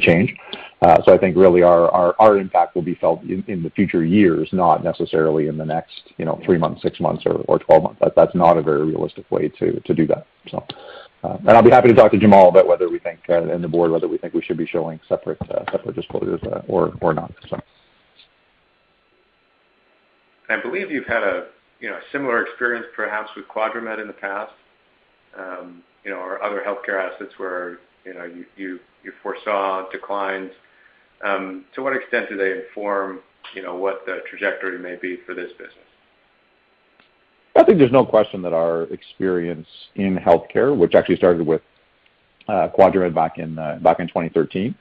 change. I think really our impact will be felt in the future years, not necessarily in the next, you know, 3 months, 6 months or 12 months. That's not a very realistic way to do that. I'll be happy to talk to Jamal about whether we think and the board, whether we think we should be showing separate disclosures, or not. I believe you've had a, you know, similar experience perhaps with QuadraMed in the past. You know, our other healthcare assets where, you know, you foresaw declines. To what extent do they inform, you know, what the trajectory may be for this business? I think there's no question that our experience in healthcare, which actually started with QuadraMed back in 2013,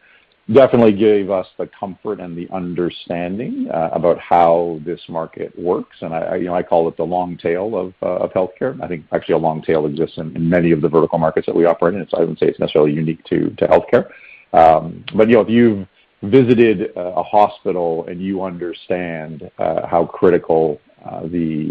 definitely gave us the comfort and the understanding about how this market works. I you know, I call it the long tail of healthcare. I think actually a long tail exists in many of the vertical markets that we operate in. I wouldn't say it's necessarily unique to healthcare. you know, if you've visited a hospital and you understand how critical the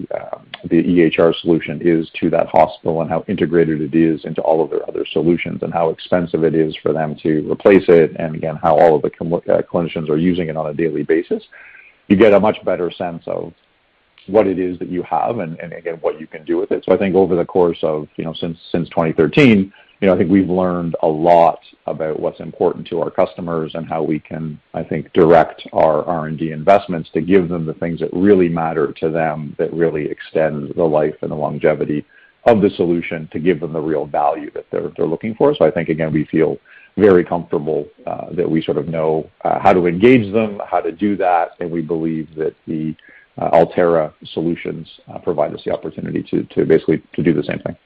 EHR solution is to that hospital and how integrated it is into all of their other solutions and how expensive it is for them to replace it, and again, how all of the clinicians are using it on a daily basis, you get a much better sense of what it is that you have and again, what you can do with it. I think over the course of, you know, since 2013, you know, I think we've learned a lot about what's important to our customers and how we can, I think, direct our R&D investments to give them the things that really matter to them, that really extend the life and the longevity of the solution to give them the real value that they're looking for. I think, again, we feel very comfortable that we sort of know how to engage them, how to do that, and we believe that the Altera solutions provide us the opportunity to basically do the same thing.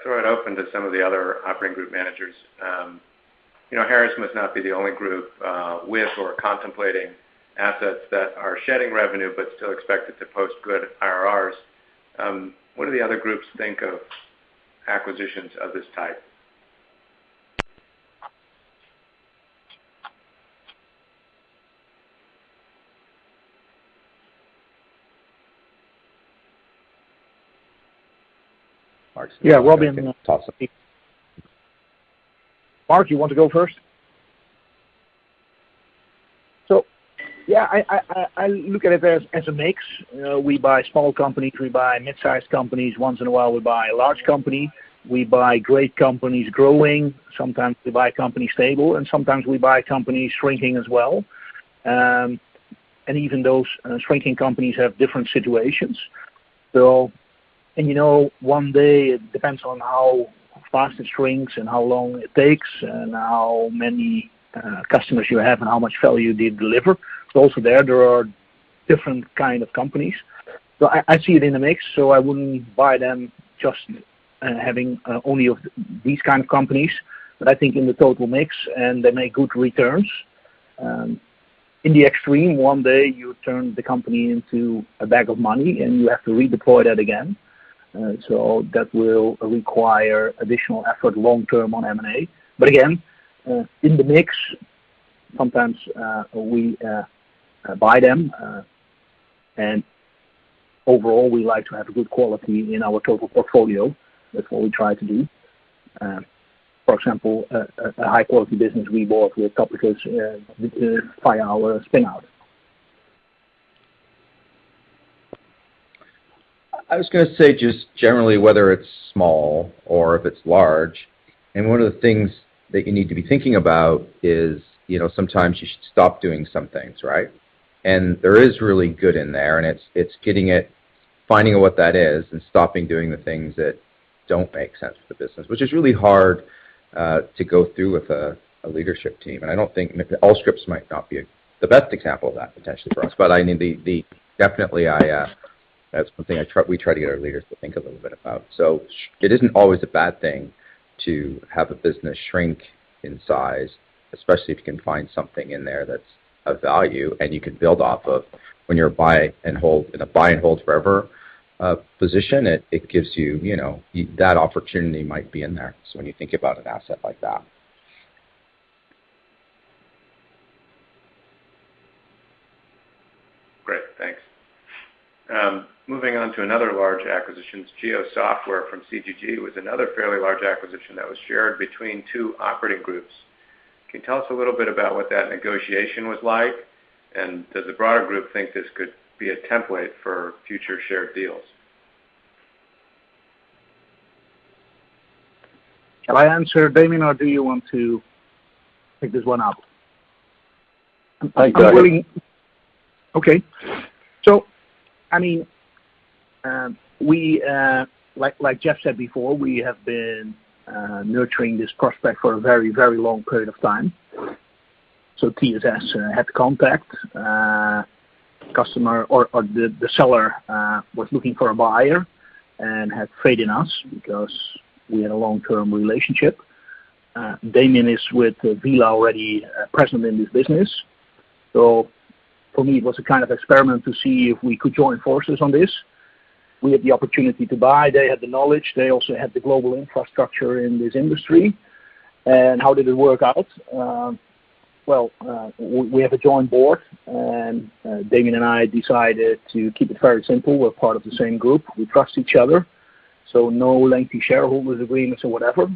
Great. Thanks. I'll throw it open to some of the other operating group managers. You know, Harris must not be the only group, with or contemplating assets that are shedding revenue but still expected to post good IRRs. What do the other groups think of acquisitions of this type? Mark. Yeah. Robin Awesome. Mark, you want to go first? Yeah, I look at it as a mix. We buy small companies, we buy mid-sized companies. Once in a while, we buy a large company. We buy great companies growing. Sometimes we buy companies stable, and sometimes we buy companies shrinking as well. Even those shrinking companies have different situations. You know, one day it depends on how fast it shrinks and how long it takes and how many customers you have and how much value they deliver. Also there are different kind of companies. I see it in the mix, so I wouldn't buy them just having only of these kind of companies. But I think in the total mix, and they make good returns. In the extreme, one day you turn the company into a bag of money, and you have to redeploy that again. That will require additional effort long term on M&A. Again, in the mix, sometimes we buy them. Overall, we like to have good quality in our total portfolio. That's what we try to do. For example, a high quality business we bought with Couplet is via our spin-out. I was gonna say just generally, whether it's small or if it's large, and one of the things that you need to be thinking about is, you know, sometimes you should stop doing some things, right? There is really good in there, and it's getting it, finding what that is, and stopping doing the things that don't make sense for the business, which is really hard to go through with a leadership team. I don't think Allscripts might not be the best example of that potentially for us. I mean, definitely that's something I try, we try to get our leaders to think a little bit about. It isn't always a bad thing to have a business shrink in size, especially if you can find something in there that's of value and you can build off of. When you're a buy and hold, in a buy and hold forever, position, it gives you know, that opportunity might be in there. When you think about an asset like that. Great. Thanks. Moving on to another large acquisition, GeoSoftware from CGG was another fairly large acquisition that was shared between two operating groups. Can you tell us a little bit about what that negotiation was like, and does the broader group think this could be a template for future shared deals? Can I answer, Damian, or do you want to pick this one up? I got it. I mean, like Jeff said before, we have been nurturing this prospect for a very, very long period of time. TSS had contact. The seller was looking for a buyer and had faith in us because we had a long-term relationship. Damian is with Vela already present in this business. For me, it was a kind of experiment to see if we could join forces on this. We had the opportunity to buy. They had the knowledge. They also had the global infrastructure in this industry. How did it work out? We have a joint board, and Damian and I decided to keep it very simple. We're part of the same group. We trust each other, so no lengthy shareholders agreements or whatever.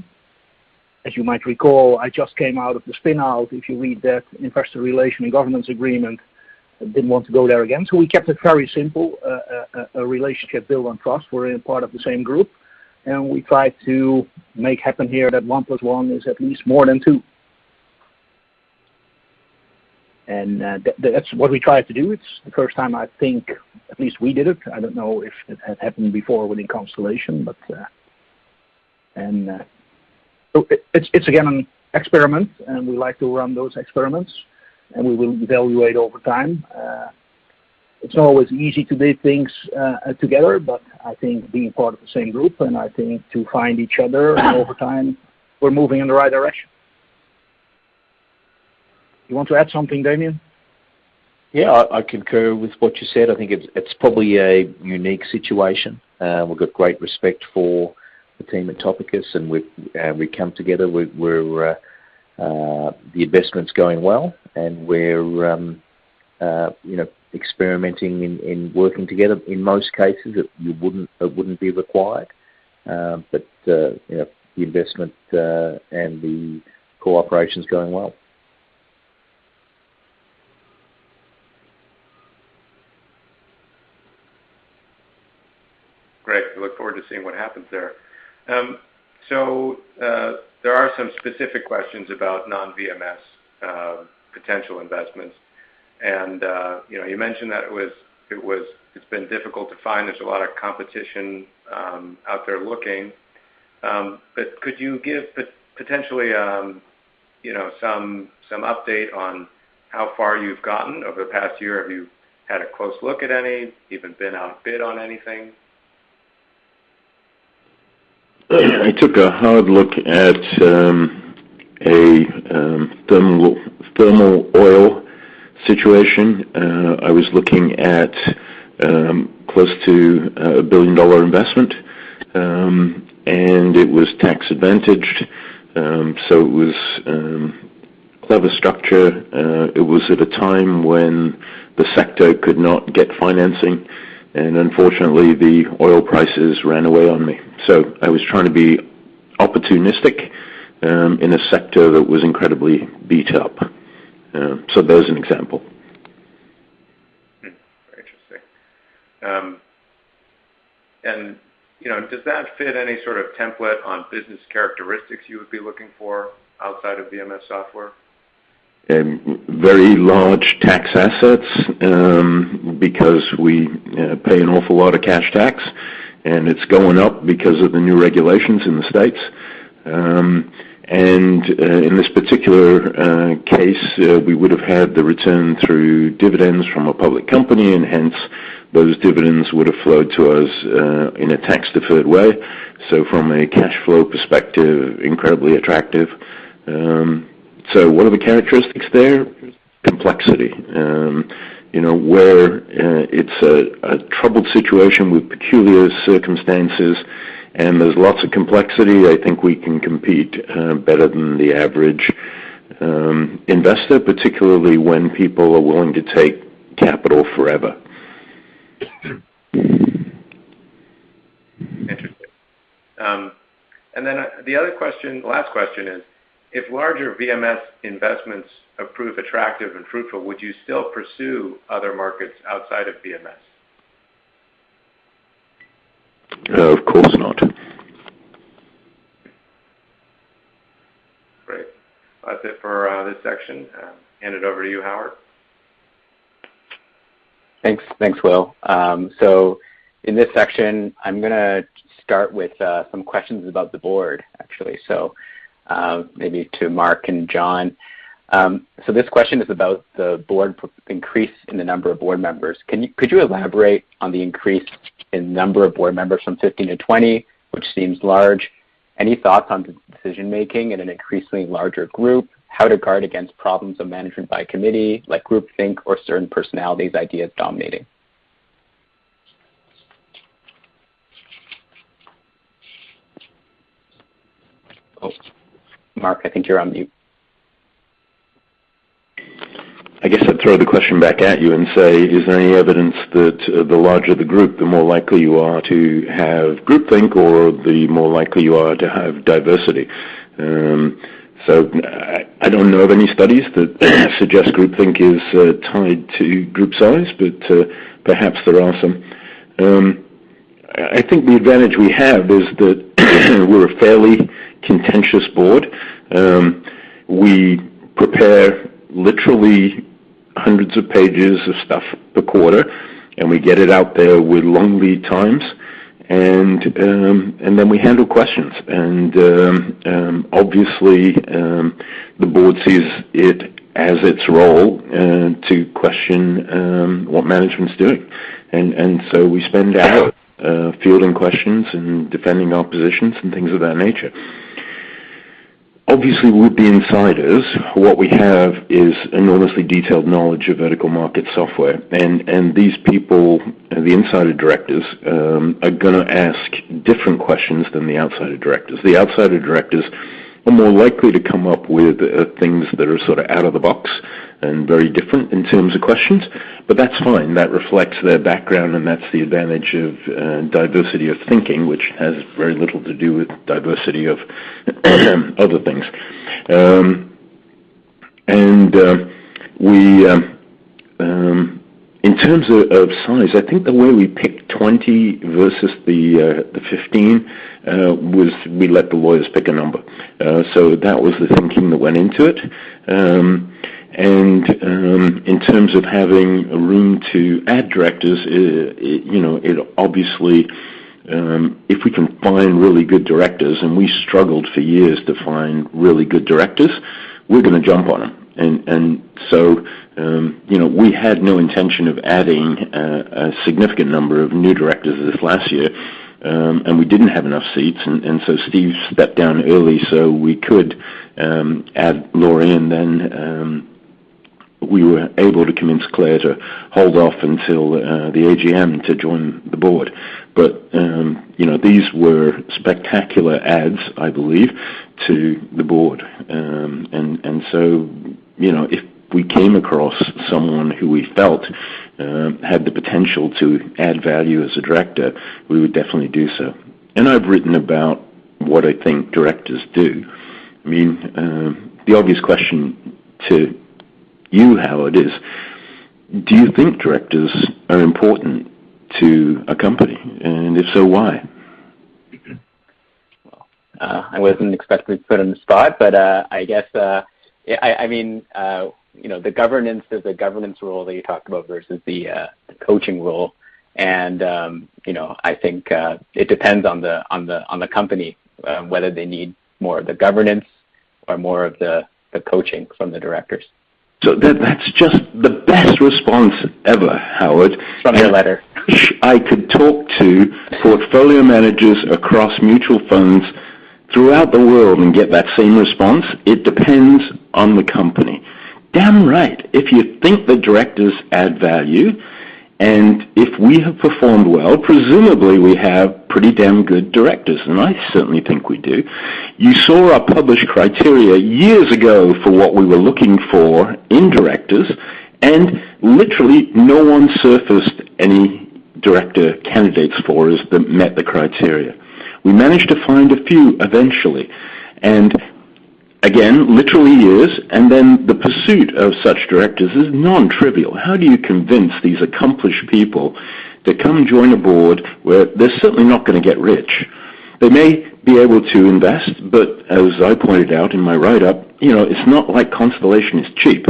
As you might recall, I just came out of the spin-out. If you read that investor relations and governance agreement, I didn't want to go there again. We kept it very simple, a relationship built on trust. We're in part of the same group, and we try to make happen here that one plus one is at least more than two. That's what we try to do. It's the first time I think at least we did it. I don't know if it had happened before within Constellation. It's again an experiment, and we like to run those experiments, and we will evaluate over time. It's not always easy to do things together, but I think being part of the same group and I think to find each other over time, we're moving in the right direction. You want to add something, Damian? Yeah, I concur with what you said. I think it's probably a unique situation. We've got great respect for the team at Topicus, and we've come together. The investment's going well, and we're you know, experimenting in working together. In most cases, it wouldn't be required, but you know, the investment and the cooperation's going well. Great. Look forward to seeing what happens there. There are some specific questions about non-VMS potential investments. You mentioned that it's been difficult to find. There's a lot of competition out there looking. Could you give potentially some update on how far you've gotten over the past year? Have you had a close look at any, even been outbid on anything? I took a hard look at a thermal oil situation. I was looking at close to a billion-dollar investment, and it was tax-advantaged, so it was clever structure. It was at a time when the sector could not get financing, and unfortunately, the oil prices ran away on me. I was trying to be opportunistic in a sector that was incredibly beat up. There's an example. Interesting. You know, does that fit any sort of template on business characteristics you would be looking for outside of VMS software? Very large tax assets, because we pay an awful lot of cash tax, and it's going up because of the new regulations in the States. In this particular case, we would have had the return through dividends from a public company, and hence, those dividends would have flowed to us in a tax-deferred way. From a cash flow perspective, incredibly attractive. What are the characteristics there? Complexity. You know, where it's a troubled situation with peculiar circumstances and there's lots of complexity, I think we can compete better than the average investor, particularly when people are willing to take capital forever. Interesting. The other question, last question is, if larger VMS investments prove attractive and fruitful, would you still pursue other markets outside of VMS? No, of course not. Great. That's it for this section. I'll hand it over to you, Howard. Thanks. Thanks, Will. In this section, I'm gonna start with some questions about the board, actually. Maybe to Mark and John. This question is about the board's increase in the number of board members. Could you elaborate on the increase in number of board members from 15-20, which seems large? Any thoughts on decision-making in an increasingly larger group, how to guard against problems of management by committee like groupthink or certain personalities, ideas dominating? Oh, Mark, I think you're on mute. I guess I'd throw the question back at you and say, is there any evidence that the larger the group, the more likely you are to have groupthink or the more likely you are to have diversity? I don't know of any studies that suggest groupthink is tied to group size, but perhaps there are some. I think the advantage we have is that we're a fairly contentious board. We prepare literally hundreds of pages of stuff a quarter, and we get it out there with long lead times. Then we handle questions. Obviously, the board sees it as its role to question what management's doing. We spend our time fielding questions and defending our positions and things of that nature. Obviously, with the insiders, what we have is enormously detailed knowledge of Vertical Market Software. These people, the insider directors, are gonna ask different questions than the outsider directors. The outsider directors are more likely to come up with things that are sort of out of the box and very different in terms of questions. That's fine. That reflects their background, and that's the advantage of diversity of thinking, which has very little to do with diversity of other things. In terms of size, I think the way we picked 20 versus the 15 was we let the lawyers pick a number. That was the thinking that went into it. In terms of having room to add directors, you know, it obviously, if we can find really good directors and we struggled for years to find really good directors, we're gonna jump on them. You know, we had no intention of adding a significant number of new directors this last year, and we didn't have enough seats. Steve stepped down early so we could add Laurie and then. We were able to convince Claire to hold off until the AGM to join the board. You know, these were spectacular adds, I believe, to the board. You know, if we came across someone who we felt had the potential to add value as a director, we would definitely do so. I've written about what I think directors do. I mean, the obvious question to you, Howard, is do you think directors are important to a company? If so, why? Well, I wasn't expecting to be put on the spot, but, I guess, I mean, you know, the governance, there's a governance role that you talked about versus the coaching role. You know, I think it depends on the company whether they need more of the governance or more of the coaching from the directors. That, that's just the best response ever, Howard. From your letter. I could talk to portfolio managers across mutual funds throughout the world and get that same response. It depends on the company. Damn right. If you think the directors add value, and if we have performed well, presumably we have pretty damn good directors, and I certainly think we do. You saw our published criteria years ago for what we were looking for in directors, and literally no one surfaced any director candidates for us that met the criteria. We managed to find a few eventually, and again, literally years. Then the pursuit of such directors is non-trivial. How do you convince these accomplished people to come and join a board where they're certainly not gonna get rich? They may be able to invest, but as I pointed out in my write-up, you know, it's not like Constellation is cheap.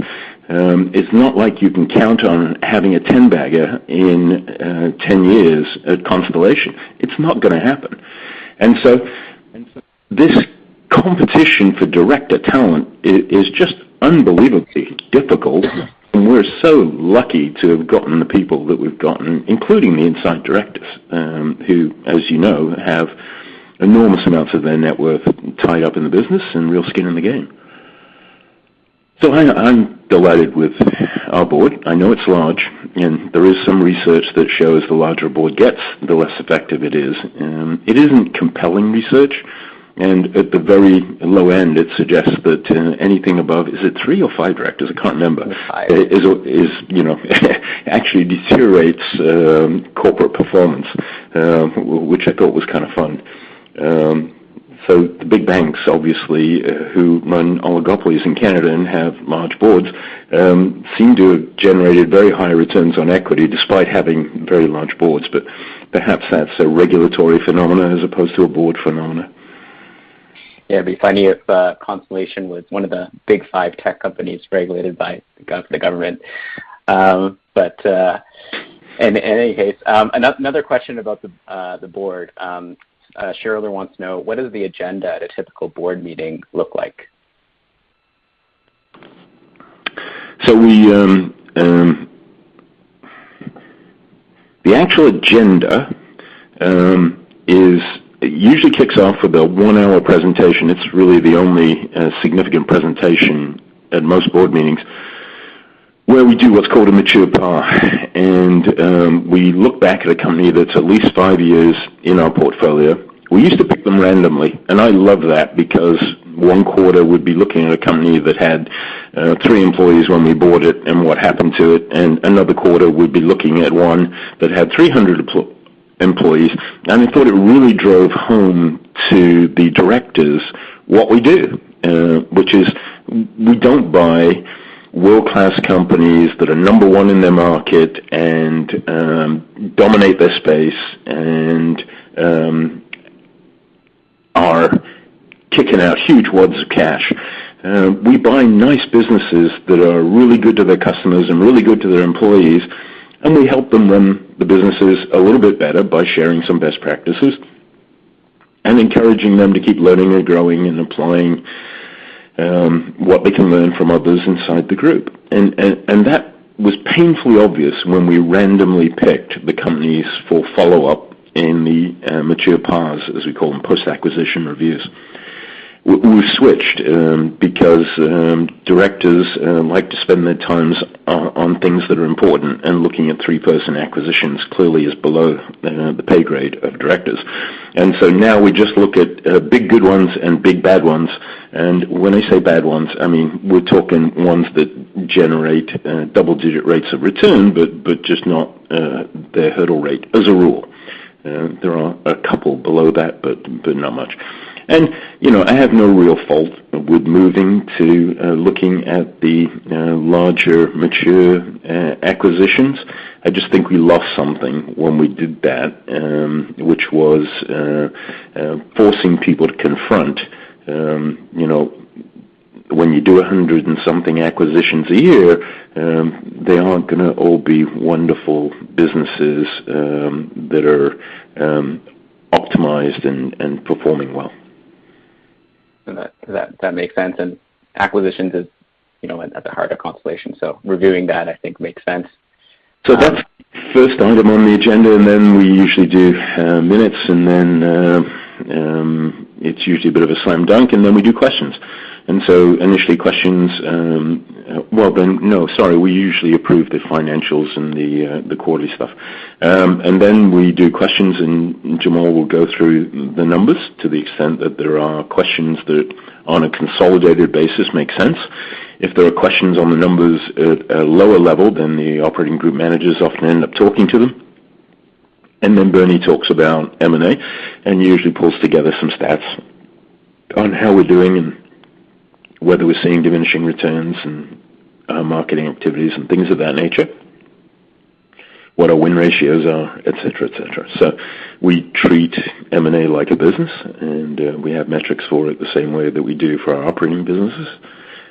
It's not like you can count on having a 10-bagger in 10 years at Constellation. It's not gonna happen. This competition for director talent is just unbelievably difficult. We're so lucky to have gotten the people that we've gotten, including the inside directors, who, as you know, have enormous amounts of their net worth tied up in the business and real skin in the game. I'm delighted with our board. I know it's large, and there is some research that shows the larger a board gets, the less effective it is. It isn't compelling research. At the very low end, it suggests that anything above three or five directors. I can't remember. Five. You know, actually deteriorates corporate performance, which I thought was kinda fun. The big banks, obviously, who run oligopolies in Canada and have large boards, seem to have generated very high returns on equity despite having very large boards. Perhaps that's a regulatory phenomenon as opposed to a board phenomenon. Yeah. It'd be funny if Constellation was one of the big five tech companies regulated by the government. In any case, another question about the board. A shareholder wants to know, what does the agenda at a typical board meeting look like? The actual agenda usually kicks off with a one-hour presentation. It's really the only significant presentation at most board meetings, where we do what's called a mature PAR. We look back at a company that's at least five years in our portfolio. We used to pick them randomly, and I love that because one quarter we'd be looking at a company that had three employees when we bought it and what happened to it, and another quarter we'd be looking at one that had 300 employees. I thought it really drove home to the directors what we do, which is we don't buy world-class companies that are number one in their market and dominate their space and are kicking out huge wads of cash. We buy nice businesses that are really good to their customers and really good to their employees, and we help them run the businesses a little bit better by sharing some best practices and encouraging them to keep learning and growing and applying what they can learn from others inside the group. That was painfully obvious when we randomly picked the companies for follow-up in the mature PARs, as we call them, post-acquisition reviews. We switched because directors like to spend their time on things that are important, and looking at three-person acquisitions clearly is below the pay grade of directors. Now we just look at big good ones and big bad ones. When I say bad ones, I mean we're talking ones that generate double-digit rates of return, but just not their hurdle rate as a rule. There are a couple below that, but not much. I have no real fault with moving to looking at the larger mature acquisitions. I just think we lost something when we did that, which was forcing people to confront, you know, when you do 100-something acquisitions a year, they aren't gonna all be wonderful businesses that are optimized and performing well. That makes sense. Acquisitions is, you know, at the heart of Constellation. Reviewing that, I think makes sense. That's the first item on the agenda, and then we usually do minutes, and then it's usually a bit of a slam dunk, and then we do questions. We usually approve the financials and the quarterly stuff. Then we do questions, and Jamal will go through the numbers to the extent that there are questions that on a consolidated basis make sense. If there are questions on the numbers at a lower level, then the operating group managers often end up talking to them. Then Bernie talks about M&A and usually pulls together some stats on how we're doing and whether we're seeing diminishing returns in our marketing activities and things of that nature. What our win ratios are, etc, etc. We treat M&A like a business, and we have metrics for it the same way that we do for our operating businesses.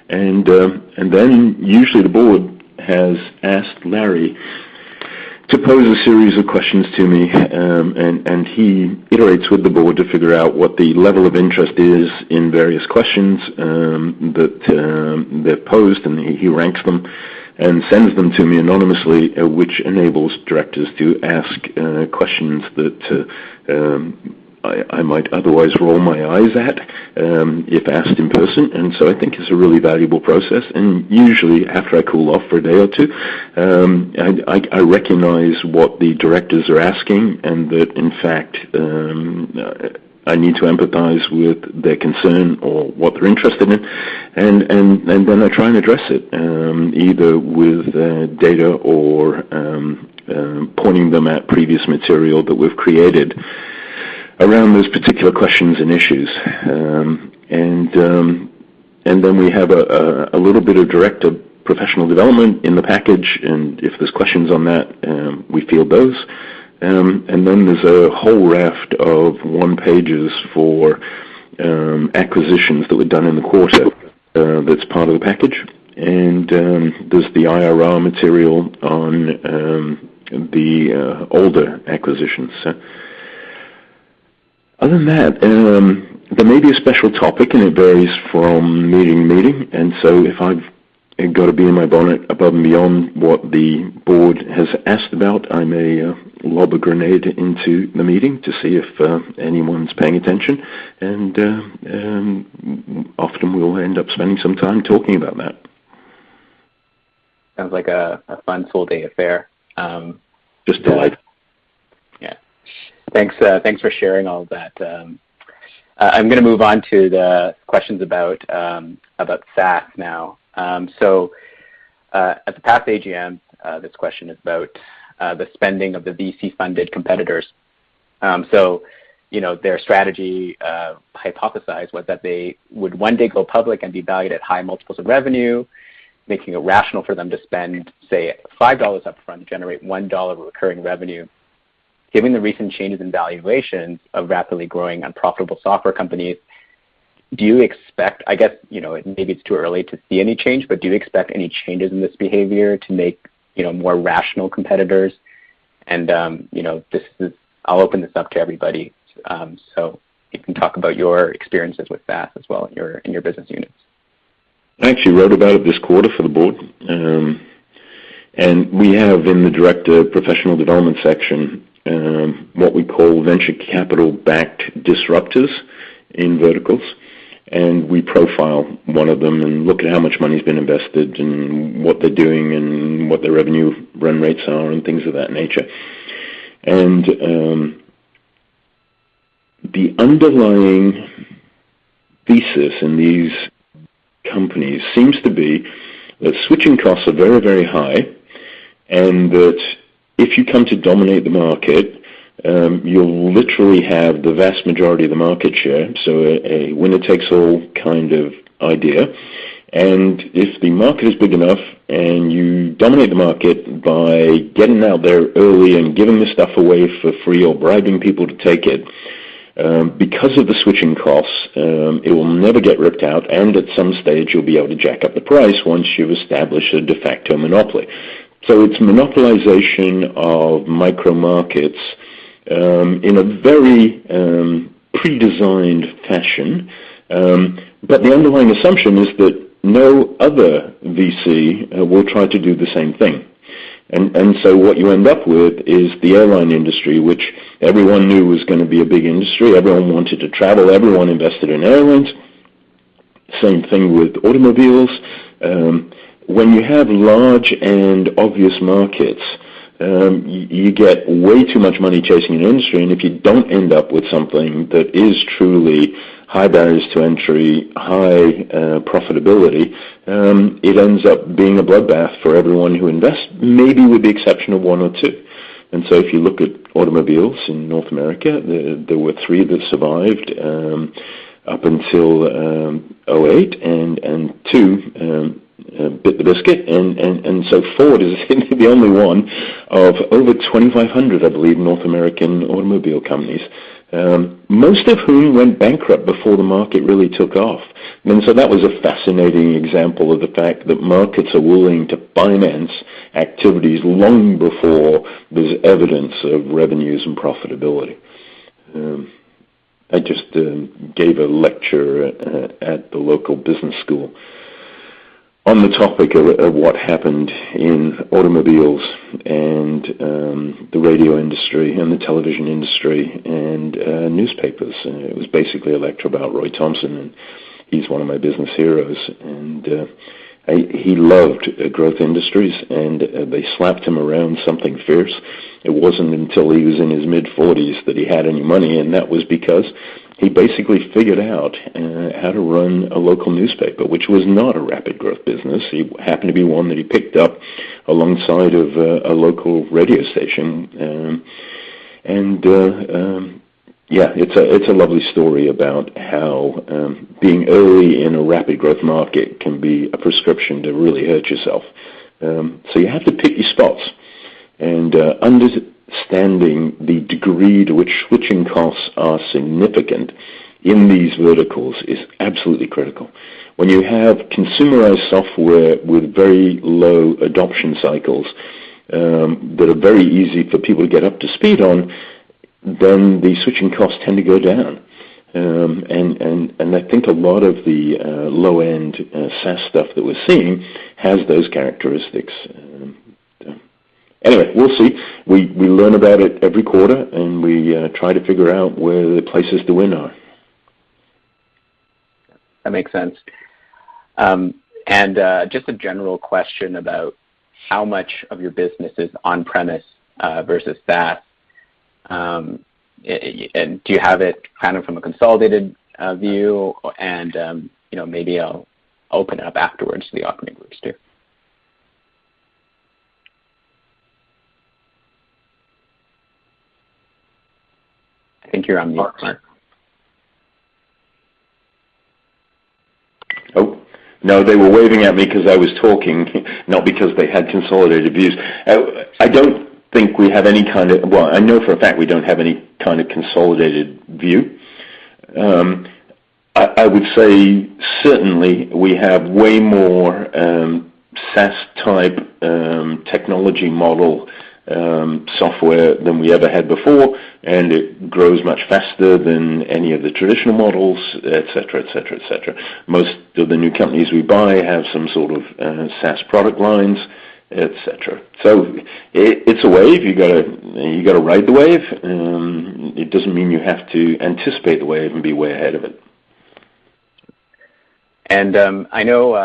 Usually the board has asked Larry to pose a series of questions to me, and he iterates with the board to figure out what the level of interest is in various questions that they're posed, and he ranks them and sends them to me anonymously, which enables directors to ask questions that I might otherwise roll my eyes at, if asked in person. I think it's a really valuable process. Usually after I cool off for a day or two, I recognize what the directors are asking and that in fact I need to empathize with their concern or what they're interested in. I try and address it, either with data or pointing them at previous material that we've created around those particular questions and issues. We have a little bit of director professional development in the package, and if there's questions on that, we field those. There's a whole raft of one-pagers for acquisitions that were done in the quarter. That's part of the package. There's the IRR material on the older acquisitions. Other than that, there may be a special topic, and it varies from meeting to meeting. If I've got a bee in my bonnet above and beyond what the board has asked about, I may lob a grenade into the meeting to see if anyone's paying attention. Often we'll end up spending some time talking about that. Sounds like a fun full day affair. Just a life. Yeah. Thanks for sharing all of that. I'm gonna move on to the questions about SaaS now. At the past AGM, this question is about the spending of the VC-funded competitors. You know, their strategy hypothesized was that they would one day go public and be valued at high multiples of revenue, making it rational for them to spend, say, $5 up front, generate $1 of recurring revenue. Given the recent changes in valuations of rapidly growing unprofitable software companies, I guess, you know, maybe it's too early to see any change, but do you expect any changes in this behavior to make, you know, more rational competitors? You know, I'll open this up to everybody, so you can talk about your experiences with SaaS as well in your business units. I actually wrote about it this quarter for the board. We have in the director professional development section what we call venture capital-backed disruptors in verticals. We profile one of them and look at how much money's been invested and what they're doing and what their revenue run rates are and things of that nature. The underlying thesis in these companies seems to be that switching costs are very, very high, and that if you come to dominate the market, you'll literally have the vast majority of the market share, so a winner-takes-all kind of idea. If the market is big enough and you dominate the market by getting out there early and giving this stuff away for free or bribing people to take it, because of the switching costs, it will never get ripped out, and at some stage you'll be able to jack up the price once you've established a de facto monopoly. It's monopolization of micro markets in a very pre-designed fashion. The underlying assumption is that no other VC will try to do the same thing. What you end up with is the airline industry, which everyone knew was gonna be a big industry. Everyone wanted to travel, everyone invested in airlines. Same thing with automobiles. When you have large and obvious markets, you get way too much money chasing an industry. If you don't end up with something that is truly high barriers to entry, high profitability, it ends up being a bloodbath for everyone who invests, maybe with the exception of one or two. If you look at automobiles in North America, there were three that survived up until 2008 and two bit the biscuit. Ford is the only one of over 2,500, I believe, North American automobile companies, most of whom went bankrupt before the market really took off. That was a fascinating example of the fact that markets are willing to finance activities long before there's evidence of revenues and profitability. I just gave a lecture at the local business school on the topic of what happened in automobiles and the radio industry and the television industry and newspapers. It was basically a lecture about Roy Thomson, and he's one of my business heroes. He loved growth industries, and they slapped him around something fierce. It wasn't until he was in his mid-forties that he had any money, and that was because he basically figured out how to run a local newspaper, which was not a rapid growth business. It happened to be one that he picked up alongside of a local radio station. It's a lovely story about how being early in a rapid growth market can be a prescription to really hurt yourself. You have to pick your spots. Understanding the degree to which switching costs are significant in these verticals is absolutely critical. When you have consumerized software with very low adoption cycles, that are very easy for people to get up to speed on, then the switching costs tend to go down. I think a lot of the low-end SaaS stuff that we're seeing has those characteristics. Anyway, we'll see. We learn about it every quarter, and we try to figure out where the places to win are. That makes sense. Just a general question about how much of your business is on-premise versus SaaS. Do you have it kind of from a consolidated view? You know, maybe I'll open it up afterwards to the operating groups too. I think you're on mute, Mark. Oh. No, they were waving at me 'cause I was talking, not because they had consolidated views. I don't think we have any kind of. Well, I know for a fact we don't have any kind of consolidated view. I would say certainly we have way more, SaaS-type, technology model, software than we ever had before, and it grows much faster than any of the traditional models, etc, etc, etc. Most of the new companies we buy have some sort of, SaaS product lines, etc. It's a wave. You gotta ride the wave. It doesn't mean you have to anticipate the wave and be way ahead of it. I know,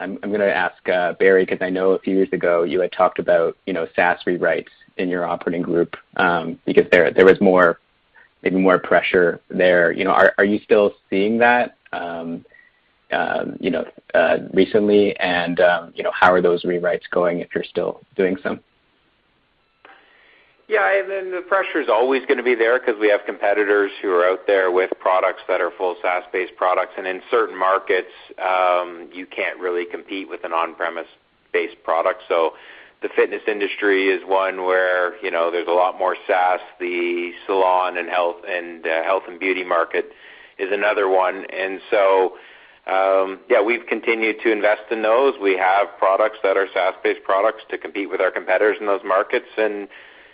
I'm gonna ask Barry, 'cause I know a few years ago you had talked about, you know, SaaS rewrites in your operating group, because there was more, maybe more pressure there. You know, are you still seeing that, you know, recently? You know, how are those rewrites going if you're still doing some? Yeah. I mean, the pressure's always gonna be there 'cause we have competitors who are out there with products that are full SaaS-based products. In certain markets, you can't really compete with an on-premise-based product. The fitness industry is one where, you know, there's a lot more SaaS. The salon and health and beauty market is another one. We've continued to invest in those. We have products that are SaaS-based products to compete with our competitors in those markets. You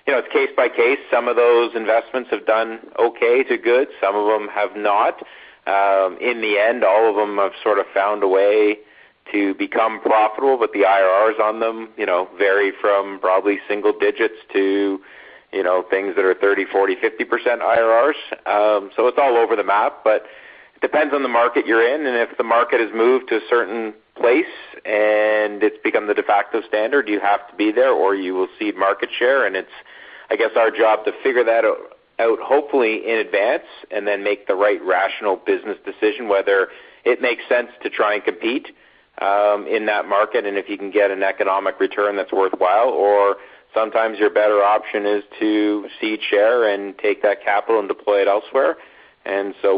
know, it's case by case. Some of those investments have done okay to good. Some of them have not. In the end, all of them have sort of found a way to become profitable, but the IRRs on them, you know, vary from probably single digits to, you know, things that are 30, 40, 50% IRRs. It's all over the map, but it depends on the market you're in. If the market has moved to a certain place and it's become the de facto standard, you have to be there, or you will cede market share. It's, I guess, our job to figure that out hopefully in advance and then make the right rational business decision whether it makes sense to try and compete in that market, and if you can get an economic return that's worthwhile. Sometimes your better option is to cede share and take that capital and deploy it elsewhere.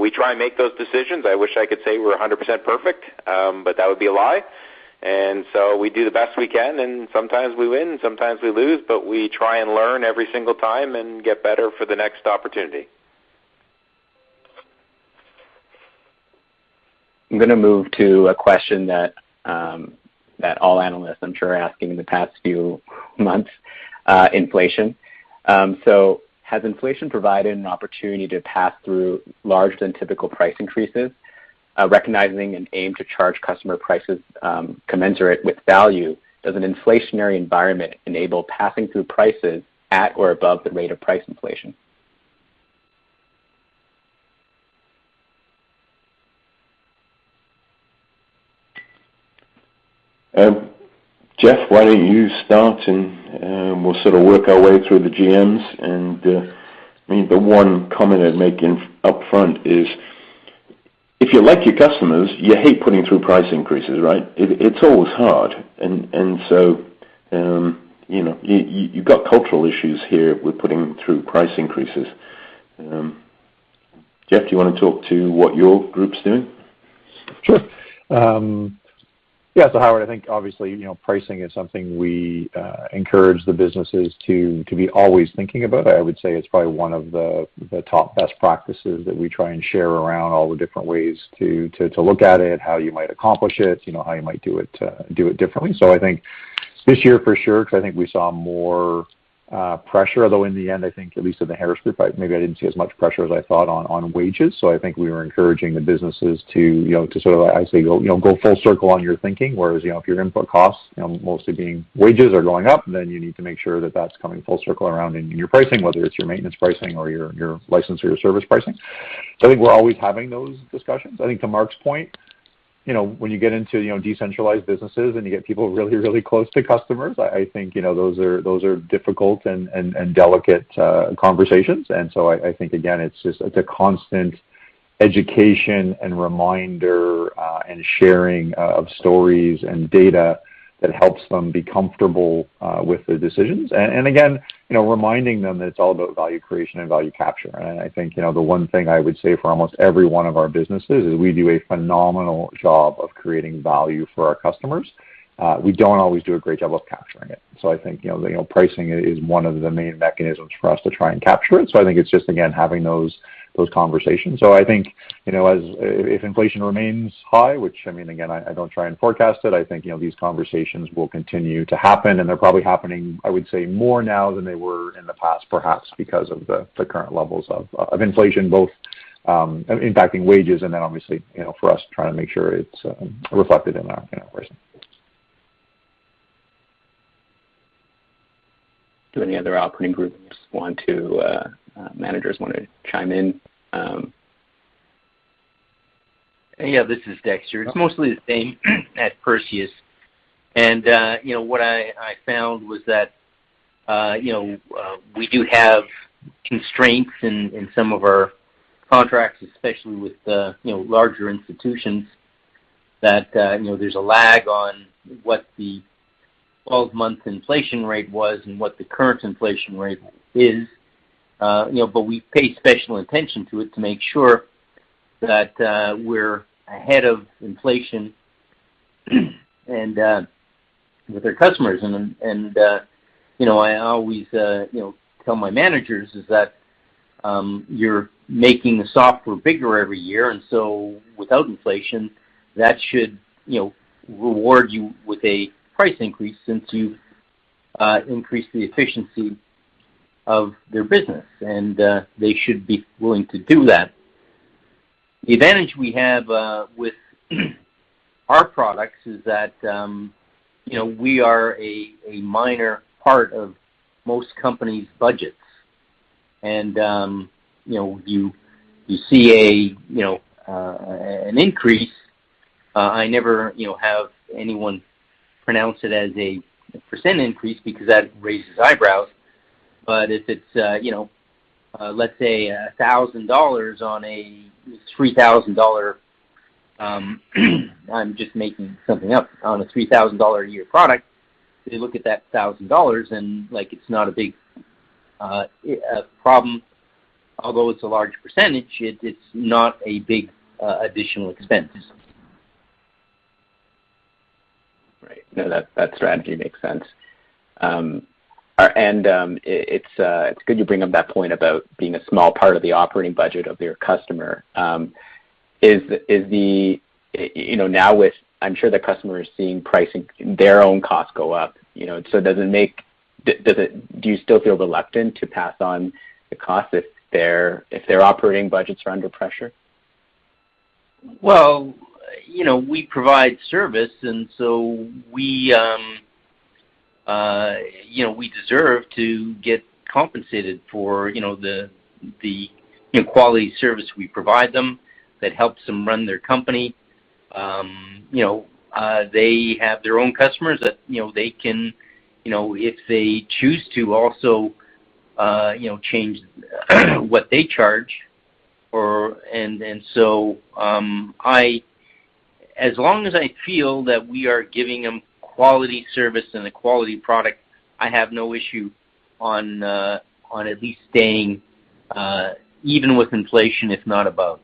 We try and make those decisions. I wish I could say we're 100% perfect, but that would be a lie. We do the best we can, and sometimes we win, sometimes we lose, but we try and learn every single time and get better for the next opportunity. I'm gonna move to a question that all analysts, I'm sure, are asking in the past few months, inflation. Has inflation provided an opportunity to pass through larger than typical price increases? Recognizing an aim to charge customer prices commensurate with value, does an inflationary environment enable passing through prices at or above the rate of price inflation? Jeff, why don't you start, and we'll sort of work our way through the GMs. I mean, the one comment I'd make up front is, if you like your customers, you hate putting through price increases, right? It's always hard. So, you know, you've got cultural issues here with putting through price increases. Jeff, do you want to talk to what your group's doing? Sure, Howard. I think obviously, you know, pricing is something we encourage the businesses to be always thinking about. I would say it's probably one of the top best practices that we try and share around all the different ways to look at it, how you might accomplish it, you know, how you might do it differently. I think this year for sure, because I think we saw more pressure, although in the end, I think at least in the Harris group, maybe I didn't see as much pressure as I thought on wages. I think we were encouraging the businesses to, you know, to sort of, I say, you know, go full circle on your thinking. Whereas, you know, if your input costs, you know, mostly being wages are going up, then you need to make sure that that's coming full circle around in your pricing, whether it's your maintenance pricing or your license or your service pricing. I think we're always having those discussions. I think to Mark's point, you know, when you get into, you know, decentralized businesses and you get people really close to customers, I think, you know, those are difficult and delicate conversations. I think again, it's just a constant education and reminder, and sharing of stories and data that helps them be comfortable with their decisions. Again, you know, reminding them that it's all about value creation and value capture. I think, you know, the one thing I would say for almost every one of our businesses is we do a phenomenal job of creating value for our customers. We don't always do a great job of capturing it. I think, you know, pricing is one of the main mechanisms for us to try and capture it. I think it's just, again, having those conversations. I think, you know, if inflation remains high, which I mean, again, I don't try and forecast it, I think, you know, these conversations will continue to happen, and they're probably happening, I would say, more now than they were in the past, perhaps because of the current levels of inflation, both impacting wages and then obviously, you know, for us trying to make sure it's reflected in our, you know, pricing. Do any other operating groups want to, managers wanna chime in? Yeah, this is Dexter. It's mostly the same at Perseus. You know, what I found was that you know, we do have constraints in some of our contracts, especially with the you know, larger institutions that you know, there's a lag on what the 12 month inflation rate was and what the current inflation rate is. You know, we pay special attention to it to make sure that we're ahead of inflation and with our customers. You know, I always you know, tell my managers is that you're making the software bigger every year, and so without inflation, that should you know, reward you with a price increase since you've increased the efficiency of their business, and they should be willing to do that. The advantage we have with our products is that, you know, we are a minor part of most companies' budgets. You see, you know, an increase. I never, you know, have anyone pronounce it as a percent increase because that raises eyebrows. If it's, you know, let's say 1,000 dollars on a CAD 3,000-a-year product, they look at that 1,000 dollars and like it's not a big problem. Although it's a large percentage, it's not a big additional expense. Right. No, that strategy makes sense. It's good you bring up that point about being a small part of the operating budget of your customer. You know, now I'm sure the customer is seeing pricing, their own costs go up, you know. Do you still feel reluctant to pass on the cost if their operating budgets are under pressure? Well, you know, we provide service, and so we deserve to get compensated for you know, the quality service we provide them that helps them run their company. You know, they have their own customers that you know, they can you know, if they choose to also you know, change what they charge or. As long as I feel that we are giving them quality service and a quality product, I have no issue on at least staying even with inflation, if not above.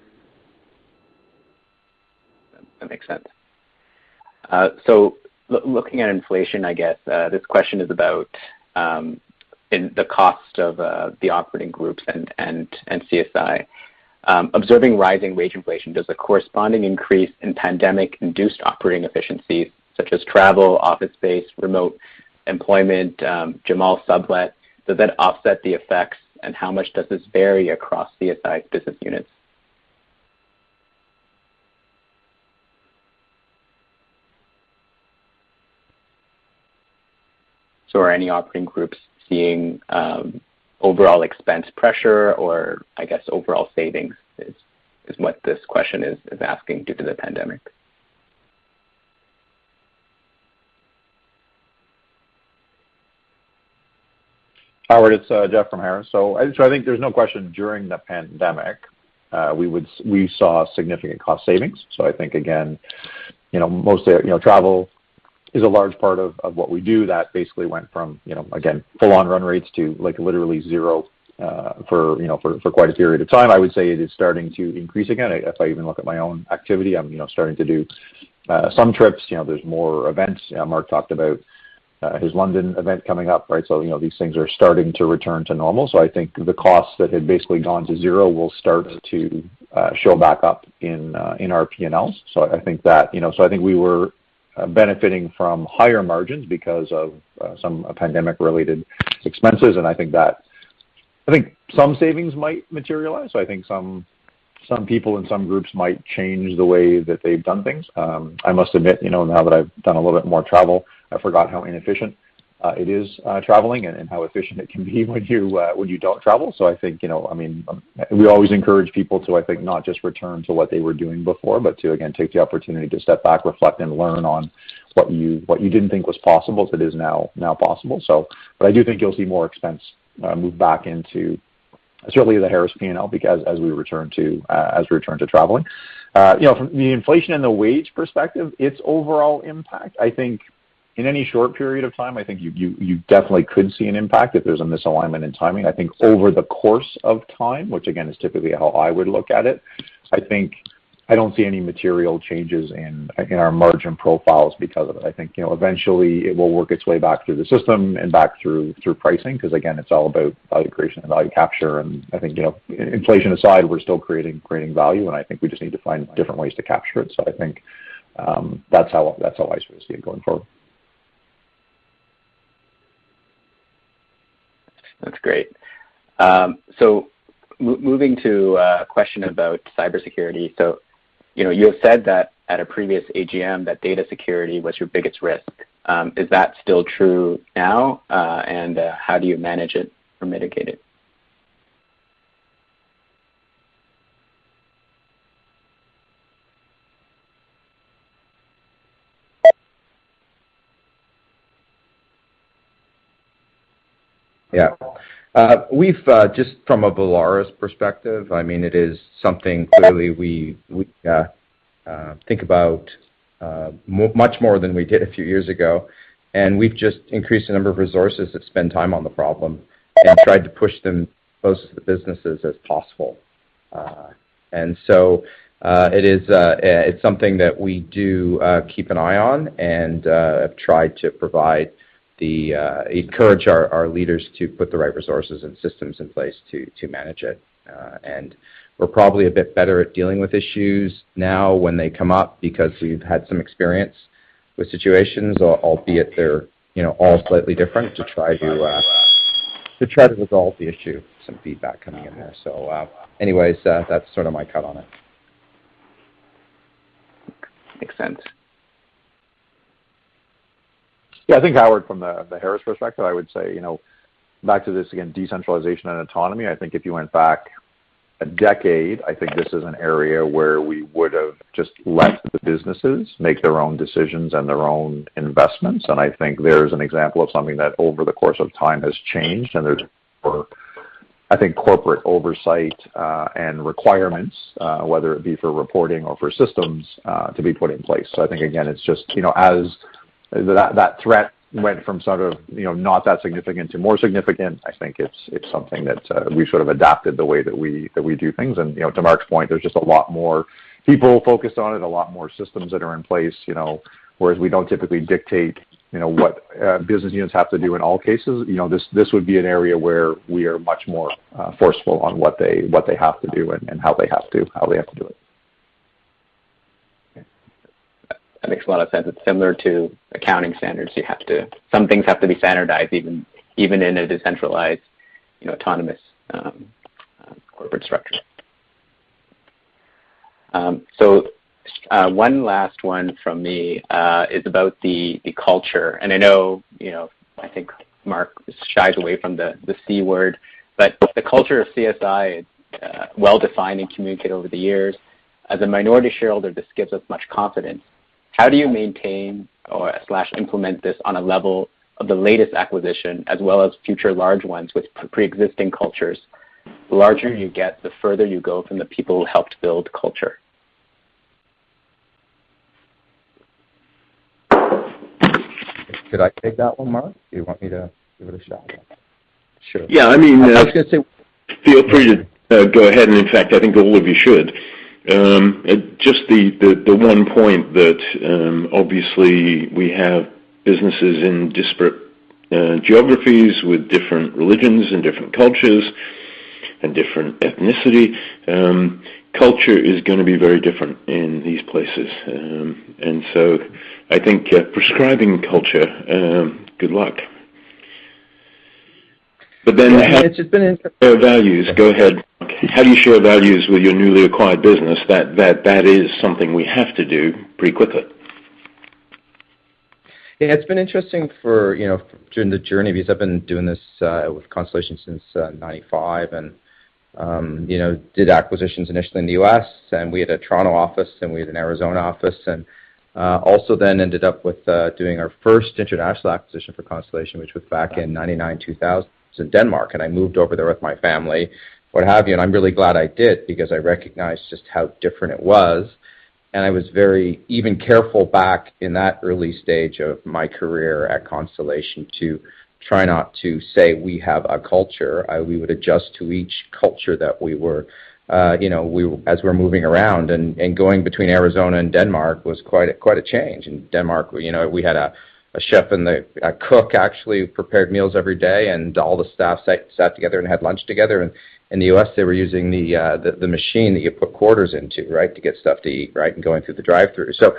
That makes sense. Looking at inflation, I guess, this question is about the cost of the operating groups and CSI. Observing rising wage inflation, does the corresponding increase in pandemic-induced operating efficiencies such as travel, office space, remote employment, Jamal's sublet offset the effects, and how much does this vary across CSI's business units? Are any operating groups seeing overall expense pressure or, I guess, overall savings, what this question is asking due to the pandemic? Howard, it's Jeff from Harris. I think there's no question during the pandemic, we saw significant cost savings. I think, again, you know, mostly, you know, travel is a large part of what we do that basically went from, you know, again, full on run rates to, like, literally 0, for quite a period of time. I would say it is starting to increase again. If I even look at my own activity, I'm, you know, starting to do some trips. You know, there's more events. Mark talked about his London event coming up, right? You know, these things are starting to return to normal. I think the costs that had basically gone to 0 will start to show back up in our P&Ls. I think that. You know, I think we were benefiting from higher margins because of some pandemic-related expenses. I think some savings might materialize. I think some people and some groups might change the way that they've done things. I must admit, you know, now that I've done a little bit more travel, I forgot how inefficient it is traveling and how efficient it can be when you don't travel. I think, you know, I mean, we always encourage people to, I think, not just return to what they were doing before, but to, again, take the opportunity to step back, reflect, and learn on what you didn't think was possible that is now possible. I do think you'll see more expense move back into certainly the Harris P&L because as we return to traveling. You know, from the inflation and the wage perspective, its overall impact, I think in any short period of time, I think you definitely could see an impact if there's a misalignment in timing. I think over the course of time, which again is typically how I would look at it, I think I don't see any material changes in our margin profiles because of it. I think, you know, eventually it will work its way back through the system and back through pricing, 'cause again, it's all about value creation and value capture. I think, you know, inflation aside, we're still creating value, and I think we just need to find different ways to capture it. I think that's how I sort of see it going forward. That's great. Moving to a question about cybersecurity. You know, you have said that at a previous AGM, that data security was your biggest risk. Is that still true now? And how do you manage it or mitigate it? Yeah. Just from a Volaris perspective, I mean, it is something clearly we think about much more than we did a few years ago. We've just increased the number of resources that spend time on the problem and tried to push them close to the businesses as possible. It is something that we do keep an eye on and have tried to encourage our leaders to put the right resources and systems in place to manage it. We're probably a bit better at dealing with issues now when they come up because we've had some experience with situations, albeit they're, you know, all slightly different, to try to resolve the issue. Some feedback coming in there. Anyways, that's sort of my take on it. Makes sense. Yeah, I think, Howard, from the Harris perspective, I would say, you know, back to this, again, decentralization and autonomy. I think if you went back a decade, I think this is an area where we would have just left the businesses make their own decisions and their own investments. I think there's an example of something that over the course of time has changed. There's more, I think, corporate oversight and requirements, whether it be for reporting or for systems to be put in place. I think, again, it's just, you know, as that threat went from sort of, you know, not that significant to more significant, I think it's something that we sort of adapted the way that we do things. You know, to Mark's point, there's just a lot more people focused on it, a lot more systems that are in place, you know. Whereas we don't typically dictate, you know, what business units have to do in all cases, you know, this would be an area where we are much more forceful on what they have to do and how they have to do it. That makes a lot of sense. It's similar to accounting standards. Some things have to be standardized, even in a decentralized, you know, autonomous corporate structure. One last one from me is about the culture. I know, you know, I think Mark shies away from the C word, but the culture of CSI is well-defined and communicated over the years. As a minority shareholder, this gives us much confidence. How do you maintain or implement this on a level of the latest acquisition as well as future large ones with preexisting cultures? The larger you get, the further you go from the people who helped build culture. Should I take that one, Mark? Do you want me to give it a shot? Sure. Yeah, I mean. I was gonna say- Feel free to go ahead, and in fact, I think all of you should. Just the one point that obviously we have businesses in disparate geographies with different religions and different cultures and different ethnicity. Culture is gonna be very different in these places. I think prescribing culture, good luck. Then- It's been inter- Values. Go ahead. How do you share values with your newly acquired business? That is something we have to do pretty quickly. Yeah. It's been interesting for, you know, during the journey because I've been doing this with Constellation since 1995 and, you know, did acquisitions initially in the U.S., and we had a Toronto office, and we had an Arizona office, and also then ended up with doing our first international acquisition for Constellation, which was back in 1999, 2000. It's in Denmark, and I moved over there with my family, what have you. I'm really glad I did because I recognized just how different it was, and I was very even careful back in that early stage of my career at Constellation to try not to say we have a culture. We would adjust to each culture that we were, you know, as we're moving around. Going between Arizona and Denmark was quite a change. In Denmark, we had a chef and a cook actually prepared meals every day, and all the staff sat together and had lunch together. In the U.S., they were using the machine that you put quarters into, right? To get stuff to eat, right? And going through the drive-thru. The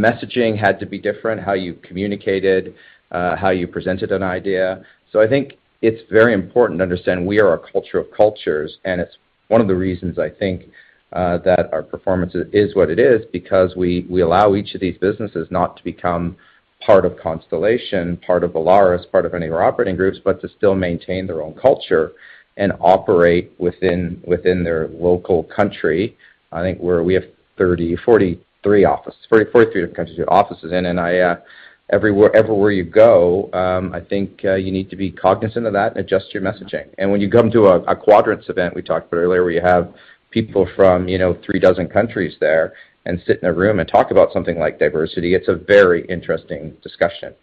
messaging had to be different, how you communicated, how you presented an idea. I think it's very important to understand we are a culture of cultures, and it's one of the reasons I think that our performance is what it is because we allow each of these businesses not to become part of Constellation, part of Volaris, part of any of our operating groups, but to still maintain their own culture and operate within their local country. I think we have offices in 43 different countries. Everywhere you go, I think you need to be cognizant of that and adjust your messaging. When you come to a quadrants event we talked about earlier, where you have people from, you know, 36 countries there and sit in a room and talk about something like diversity, it's a very interesting discussion.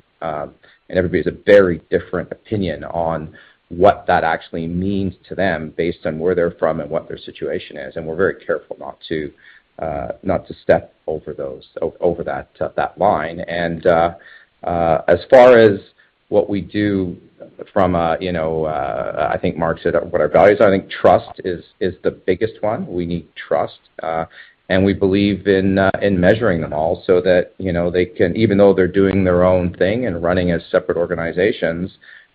Everybody has a very different opinion on what that actually means to them based on where they're from and what their situation is. We're very careful not to step over that line. As far as what we do from a, you know, I think Mark said what our values are. I think trust is the biggest one. We need trust. We believe in measuring them all so that, you know, they can even though they're doing their own thing and running as separate organizations,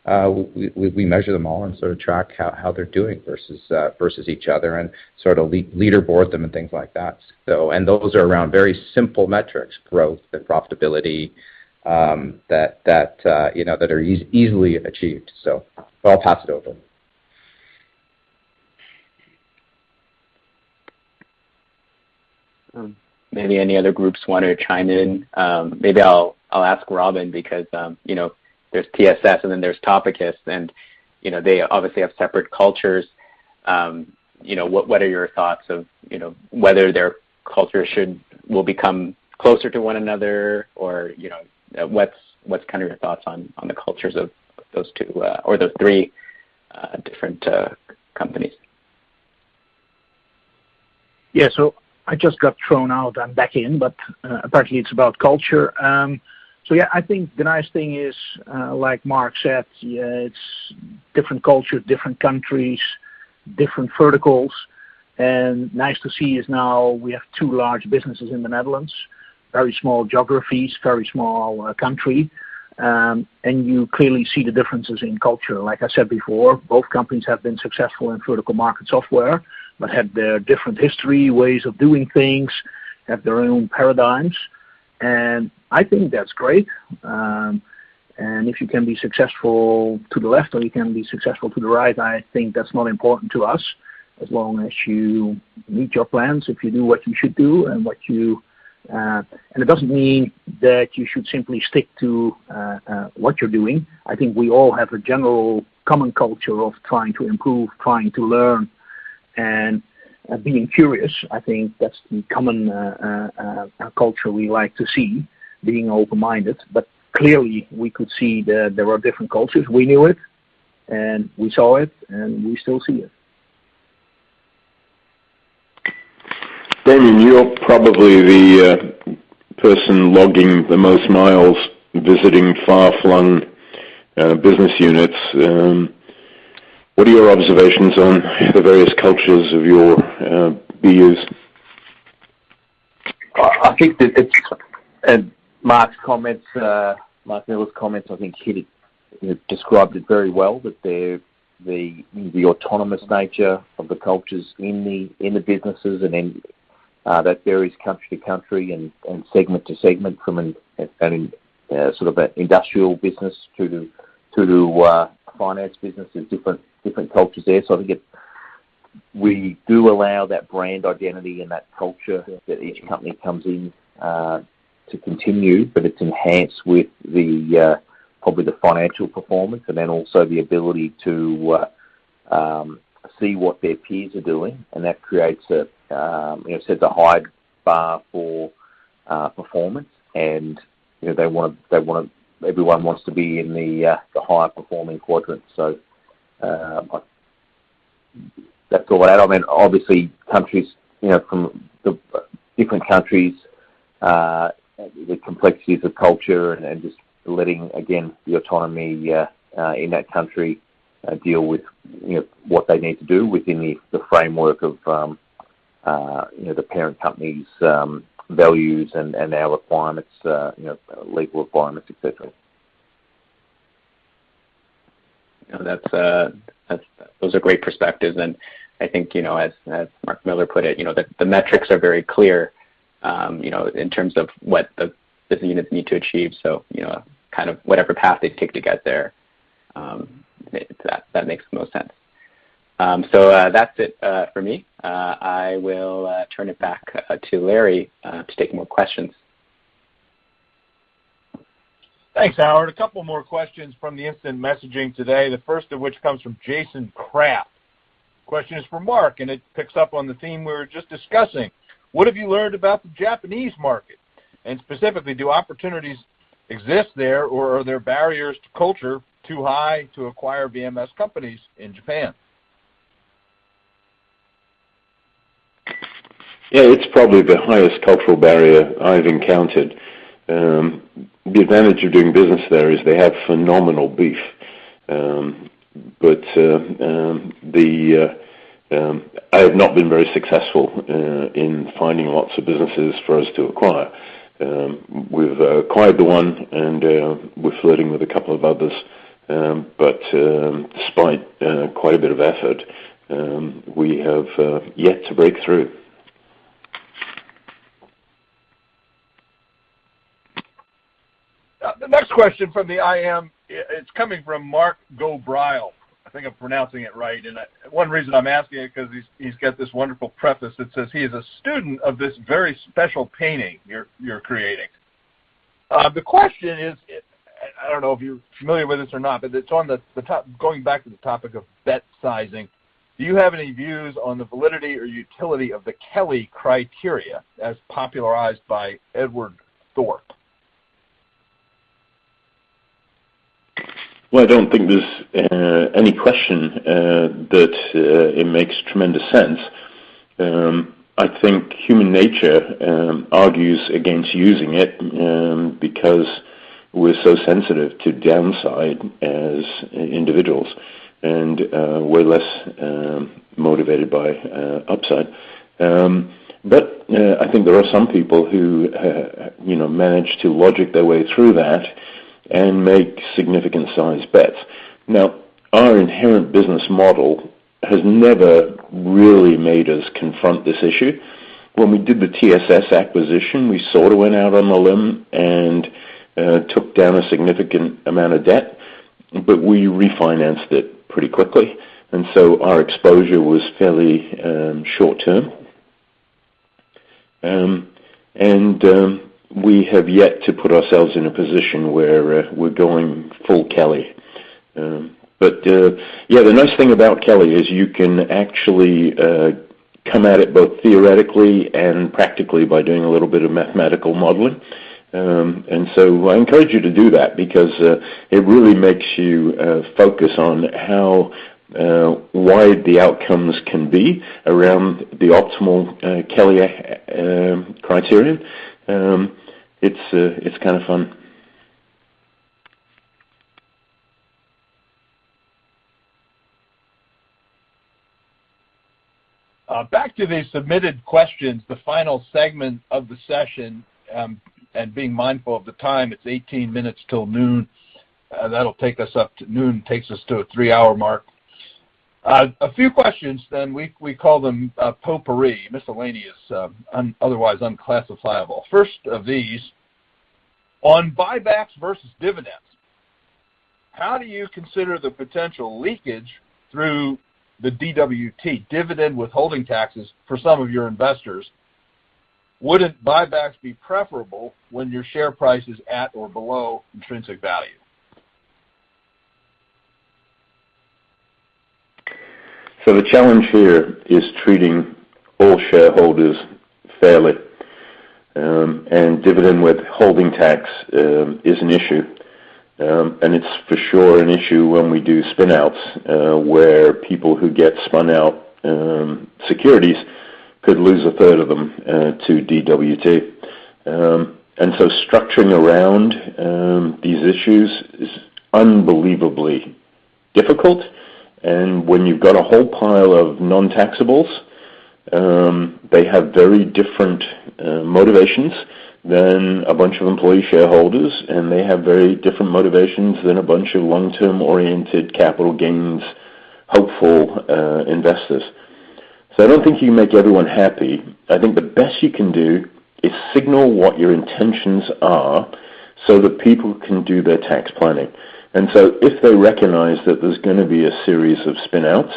we measure them all and sort of track how they're doing versus each other and sort of leaderboard them and things like that. Those are around very simple metrics, growth and profitability, you know, that are easily achieved. I'll pass it over. Maybe any other groups want to chime in? Maybe I'll ask Robin because, you know, there's TSS and then there's Topicus, and, you know, they obviously have separate cultures. You know, what are your thoughts of, you know, whether their culture will become closer to one another or, you know, what's kind of your thoughts on the cultures of those two or those three different companies? Yeah. I just got thrown out and back in, but apparently it's about culture. Yeah, I think the nice thing is, like Mark said, yeah, it's different culture, different countries, different verticals. Nice to see is now we have two large businesses in the Netherlands, very small geographies, very small country. You clearly see the differences in culture. Like I said before, both companies have been successful in vertical market software but have their different history, ways of doing things, have their own paradigms. I think that's great. If you can be successful to the left or you can be successful to the right, I think that's not important to us, as long as you meet your plans, if you do what you should do and what you... It doesn't mean that you should simply stick to what you're doing. I think we all have a general common culture of trying to improve, trying to learn, and being curious. I think that's the common culture we like to see, being open-minded. But clearly we could see there were different cultures. We knew it, and we saw it, and we still see it. Ben, you're probably the person logging the most miles visiting far-flung business units. What are your observations on the various cultures of your BUs? I think that it's Mark's comments, Mark Miller's comments I think hit it, described it very well. That the autonomous nature of the cultures in the businesses and then that varies country to country and segment to segment from an sort of an industrial business to a finance business. There's different cultures there. I think it we do allow that brand identity and that culture that each company comes in to continue, but it's enhanced with probably the financial performance and then also the ability to see what their peers are doing. That creates a you know sets a high bar for performance. You know, they wanna everyone wants to be in the high-performing quadrant. That's all I... I mean, obviously countries, you know, different countries, the complexities of culture and just letting, again, the autonomy in that country deal with, you know, what they need to do within the framework of, you know, the parent company's values and our requirements, you know, legal requirements, etc. No, that's. Those are great perspectives. I think, you know, as Mark Miller put it, you know, the metrics are very clear, you know, in terms of what the business units need to achieve. You know, kind of whatever path they take to get there, that makes the most sense. That's it, for me. I will turn it back to Larry to take more questions. Thanks, Howard. A couple more questions from the instant messaging today. The first of which comes from Jason Craft. Question is for Mark, and it picks up on the theme we were just discussing. What have you learned about the Japanese market? Specifically, do opportunities exist there, or are there barriers to culture too high to acquire VMS companies in Japan? Yeah. It's probably the highest cultural barrier I've encountered. The advantage of doing business there is they have phenomenal beef. I have not been very successful in finding lots of businesses for us to acquire. We've acquired the one, and we're flirting with a couple of others. Despite quite a bit of effort, we have yet to break through. The next question from the IM, it's coming from Mark Ghobrial. I think I'm pronouncing it right. One reason I'm asking it, 'cause he's got this wonderful preface that says he is a student of this very special painting you're creating. The question is. I don't know if you're familiar with this or not, but it's on the top going back to the topic of bet sizing. Do you have any views on the validity or utility of the Kelly criterion as popularized by Edward Thorp? Well, I don't think there's any question that it makes tremendous sense. I think human nature argues against using it because we're so sensitive to downside as individuals and we're less motivated by upside. I think there are some people who you know manage to logic their way through that and make significant-sized bets. Now, our inherent business model has never really made us confront this issue. When we did the TSS acquisition, we sort of went out on a limb and took down a significant amount of debt, but we refinanced it pretty quickly, and so our exposure was fairly short-term. We have yet to put ourselves in a position where we're going full Kelly. Yeah, the nice thing about Kelly is you can actually come at it both theoretically and practically by doing a little bit of mathematical modeling. I encourage you to do that because it really makes you focus on how wide the outcomes can be around the optimal Kelly criterion. It's kinda fun. Back to the submitted questions, the final segment of the session, and being mindful of the time, it's 18 minutes till noon. That'll take us up to noon. Takes us to a three hour mark. A few questions then, we call them a potpourri, miscellaneous, otherwise unclassifiable. First of these, on buybacks versus dividends, how do you consider the potential leakage through the DWT, dividend withholding taxes, for some of your investors? Wouldn't buybacks be preferable when your share price is at or below intrinsic value? The challenge here is treating all shareholders fairly. Dividend withholding tax is an issue, and it's for sure an issue when we do spin-outs, where people who get spun out securities could lose a third of them to DWT. Structuring around these issues is unbelievably difficult. When you've got a whole pile of non-taxables, they have very different motivations than a bunch of employee shareholders, and they have very different motivations than a bunch of long-term oriented capital gains hopeful investors. I don't think you can make everyone happy. I think the best you can do is signal what your intentions are so that people can do their tax planning. If they recognize that there's gonna be a series of spin-outs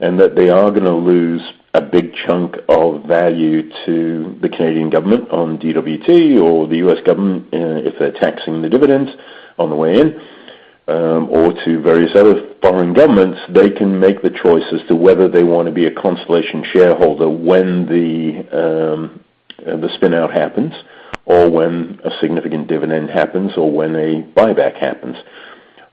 and that they are gonna lose a big chunk of value to the Canadian government on DWT or the U.S. government, if they're taxing the dividends on the way in, or to various other foreign governments, they can make the choice as to whether they wanna be a Constellation shareholder when the spin-out happens or when a significant dividend happens or when a buyback happens.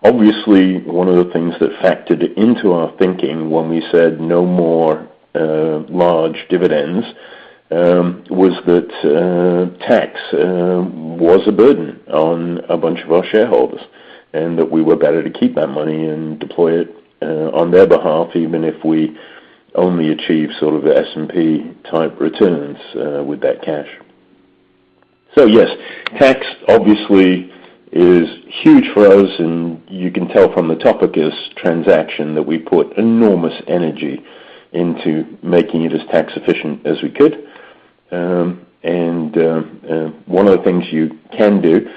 Obviously, one of the things that factored into our thinking when we said no more large dividends was that tax was a burden on a bunch of our shareholders, and that we were better to keep that money and deploy it on their behalf, even if we only achieve sort of S&P-type returns with that cash. Yes, tax obviously is huge for us, and you can tell from the Topicus transaction that we put enormous energy into making it as tax efficient as we could. One of the things you can do,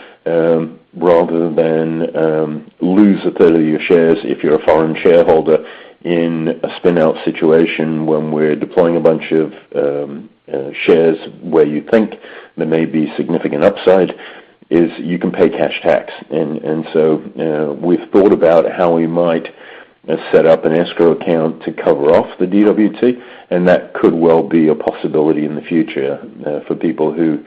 rather than lose a third of your shares if you're a foreign shareholder in a spin-out situation when we're deploying a bunch of shares where you think there may be significant upside, is you can pay cash tax. We've thought about how we might set up an escrow account to cover off the DWT, and that could well be a possibility in the future, for people who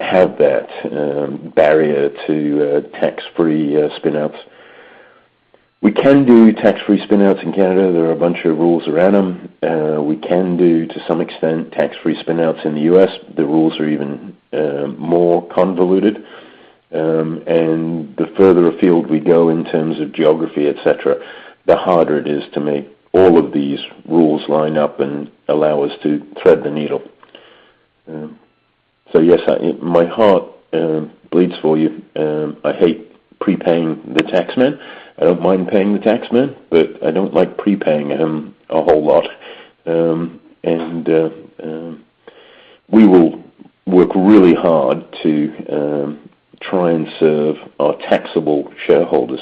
have that barrier to a tax-free spin-outs. We can do tax-free spin-outs in Canada. There are a bunch of rules around them. We can do, to some extent, tax-free spin-outs in the U.S.. The rules are even more convoluted. The further afield we go in terms of geography, etc, the harder it is to make all of these rules line up and allow us to thread the needle. Yes, my heart bleeds for you. I hate prepaying the tax man. I don't mind paying the tax man, but I don't like prepaying him a whole lot. We will work really hard to try and serve our taxable shareholders.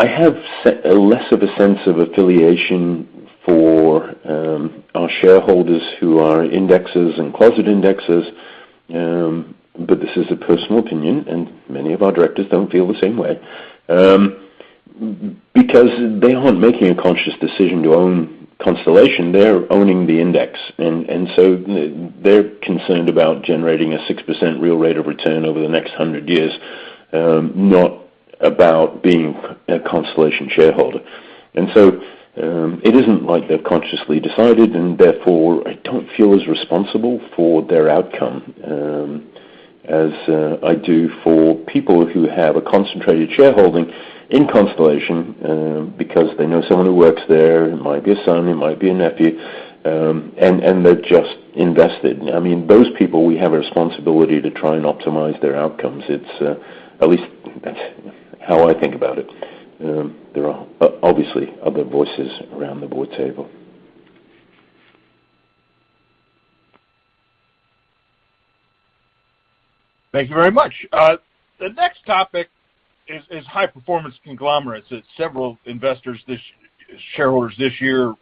I have a less of a sense of affiliation for our shareholders who are indexes and closet indexes, but this is a personal opinion, and many of our directors don't feel the same way. Because they aren't making a conscious decision to own Constellation, they're owning the index. They're concerned about generating a 6% real rate of return over the next 100 years, not about being a Constellation shareholder. It isn't like they've consciously decided, and therefore I don't feel as responsible for their outcome as I do for people who have a concentrated shareholding in Constellation, because they know someone who works there. It might be a son, it might be a nephew, and they're just invested. I mean, those people, we have a responsibility to try and optimize their outcomes. It's at least that's how I think about it. There are obviously other voices around the board table. Thank you very much. The next topic is high-performance conglomerates, that several shareholders this year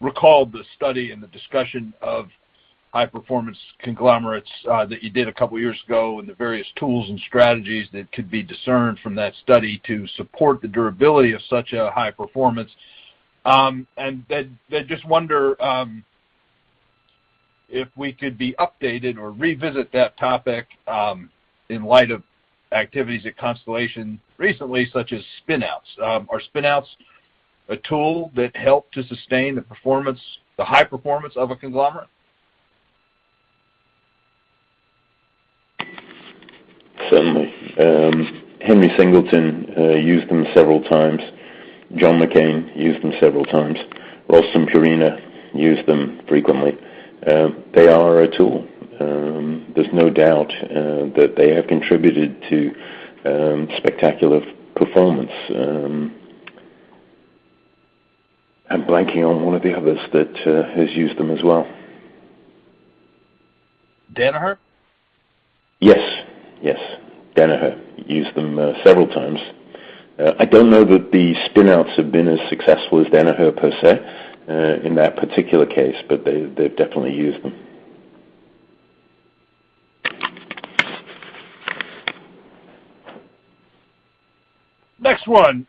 recalled the study and the discussion of high-performance conglomerates that you did a couple of years ago, and the various tools and strategies that could be discerned from that study to support the durability of such a high-performance. They just wonder if we could be updated or revisit that topic in light of activities at Constellation recently, such as spin-outs. Are spin-outs a tool that help to sustain the performance, the high-performance of a conglomerate? Certainly. Henry Singleton used them several times. John Malone used them several times. Ralston Purina used them frequently. They are a tool. There's no doubt that they have contributed to spectacular performance. I'm blanking on one of the others that has used them as well. Danaher? Yes, yes. Danaher used them, several times. I don't know that the spin-outs have been as successful as Danaher per se, in that particular case, but they've definitely used them. Next one.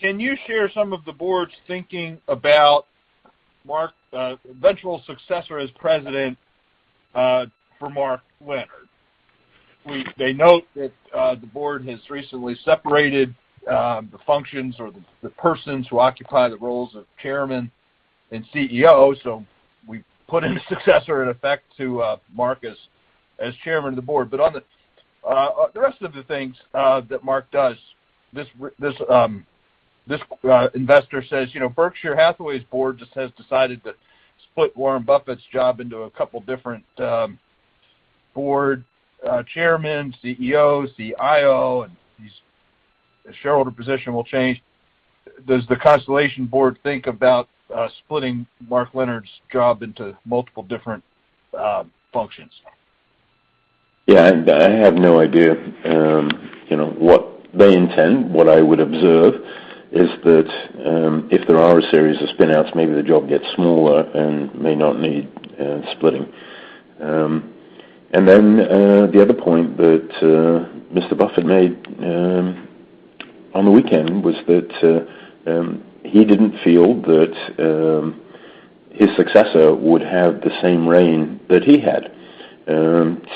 Can you share some of the board's thinking about the eventual successor as president for Mark Leonard? They note that the board has recently separated the functions or the persons who occupy the roles of chairman and CEO, so we put in a successor in effect to Mark as chairman of the board. On the rest of the things that Mark does, this investor says, you know, "Berkshire Hathaway's board just has decided to split Warren Buffett's job into a couple different board chairman, CEOs, CIO, and his shareholder position will change. Does the Constellation board think about splitting Mark Leonard's job into multiple different functions? I have no idea, you know, what they intend. What I would observe is that if there are a series of spin-outs, maybe the job gets smaller and may not need splitting. The other point that Mr. Buffett made on the weekend was that he didn't feel that his successor would have the same rein that he had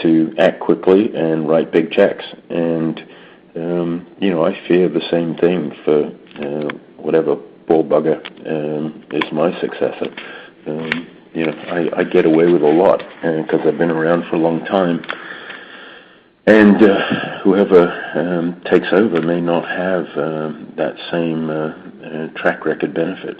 to act quickly and write big checks. You know, I fear the same thing for whatever poor bugger is my successor. You know, I get away with a lot 'cause I've been around for a long time. Whoever takes over may not have that same track record benefit.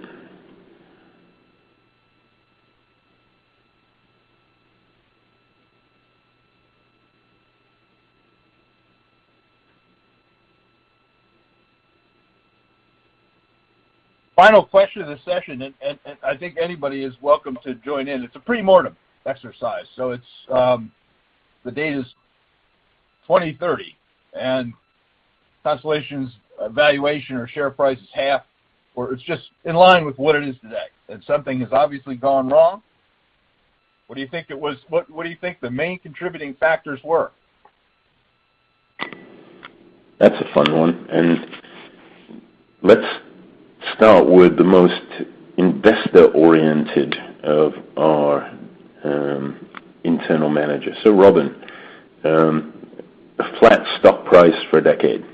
Final question of the session, and I think anybody is welcome to join in. It's a pre-mortem exercise. The date is 2030, and Constellation's valuation or share price is half, or it's just in line with what it is today, and something has obviously gone wrong. What do you think the main contributing factors were? That's a fun one. Let's start with the most investor-oriented of our internal managers. Robin, a flat stock price for a decade.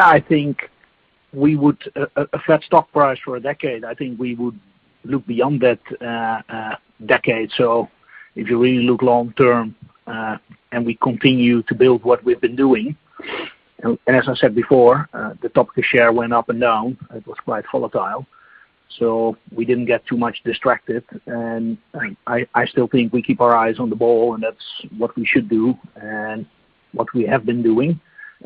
I think we would look beyond a flat stock price for a decade. If you really look long-term, and we continue to build what we've been doing, and as I said before, the Topicus share went up and down. It was quite volatile. We didn't get too much distracted and I still think we keep our eyes on the ball and that's what we should do and what we have been doing.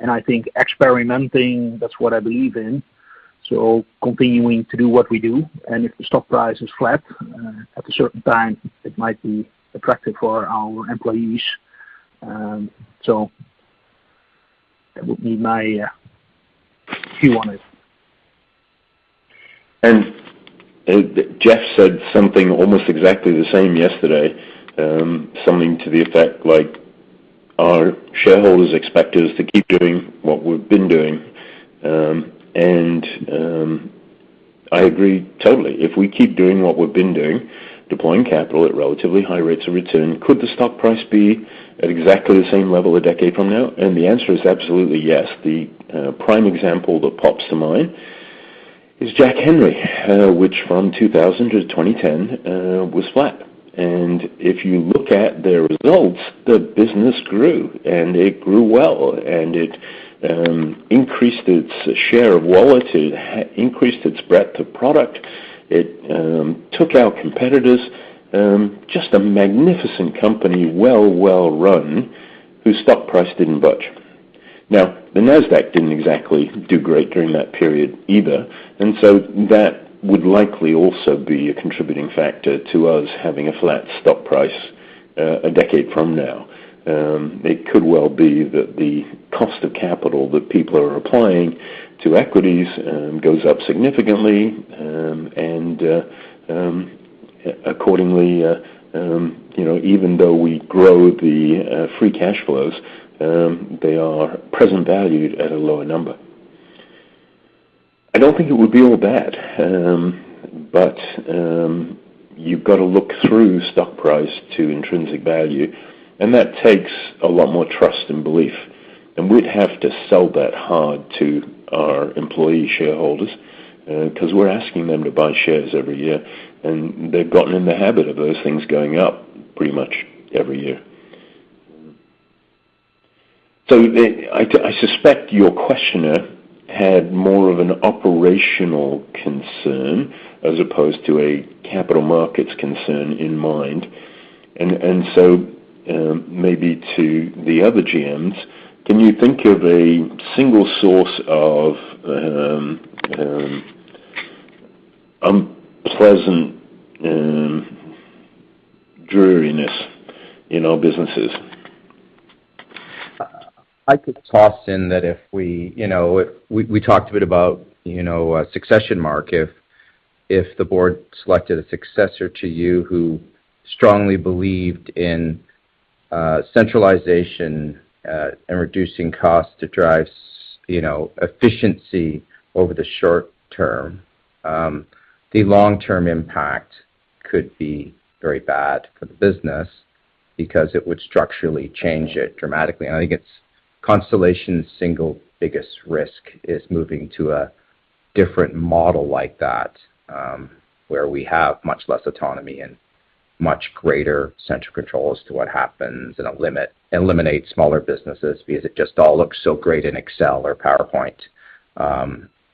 I think experimenting, that's what I believe in. Continuing to do what we do, and if the stock price is flat at a certain time, it might be attractive for our employees. That would be my view on it. Jeff said something almost exactly the same yesterday, something to the effect like our shareholders expect us to keep doing what we've been doing. I agree totally. If we keep doing what we've been doing, deploying capital at relatively high rates of return, could the stock price be at exactly the same level a decade from now? The answer is absolutely yes. The prime example that pops to mind is Jack Henry, which from 2000-2010 was flat. If you look at their results, the business grew, and it grew well, and it increased its share of wallet. It increased its breadth of product. It took out competitors. Just a magnificent company, well run, whose stock price didn't budge. Now, the Nasdaq didn't exactly do great during that period either. That would likely also be a contributing factor to us having a flat stock price a decade from now. It could well be that the cost of capital that people are applying to equities goes up significantly. Accordingly, you know, even though we grow the free cash flows, they are present valued at a lower number. I don't think it would be all bad. You've got to look through stock price to intrinsic value, and that takes a lot more trust and belief. We'd have to sell that hard to our employee shareholders, 'cause we're asking them to buy shares every year, and they've gotten in the habit of those things going up pretty much every year. I suspect your questioner had more of an operational concern as opposed to a capital markets concern in mind. Maybe to the other GMs, can you think of a single source of unpleasant dreariness in our businesses? I could toss in that if we talked a bit about succession, Mark. If the board selected a successor to you who strongly believed in centralization and reducing costs to drive efficiency over the short term, the long-term impact could be very bad for the business because it would structurally change it dramatically. I think it's Constellation's single biggest risk is moving to a different model like that, where we have much less autonomy and much greater central control as to what happens and eliminate smaller businesses because it just all looks so great in Excel or PowerPoint.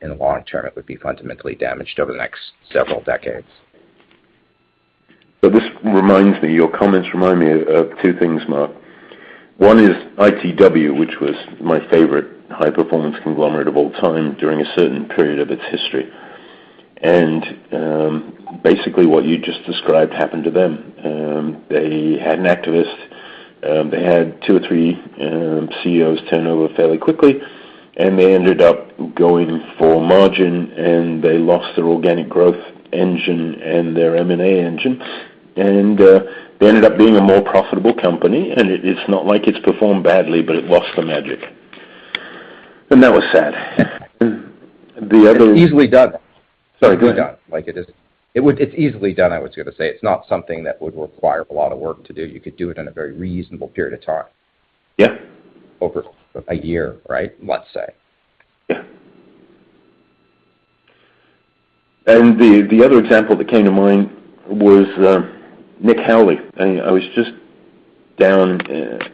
In the long term, it would be fundamentally damaged over the next several decades. This reminds me. Your comments remind me of two things, Mark. One is ITW, which was my favorite high-performance conglomerate of all time during a certain period of its history. Basically what you just described happened to them. They had an activist. They had two or three CEOs turn over fairly quickly, and they ended up going for margin, and they lost their organic growth engine and their M&A engine. They ended up being a more profitable company. It's not like it's performed badly, but it lost the magic. That was sad. The other. It's easily done. Sorry, go ahead. It's easily done, I was gonna say. It's not something that would require a lot of work to do. You could do it in a very reasonable period of time. Yeah. Over a year, right? Let's say. The other example that came to mind was Nick Howley. I was just down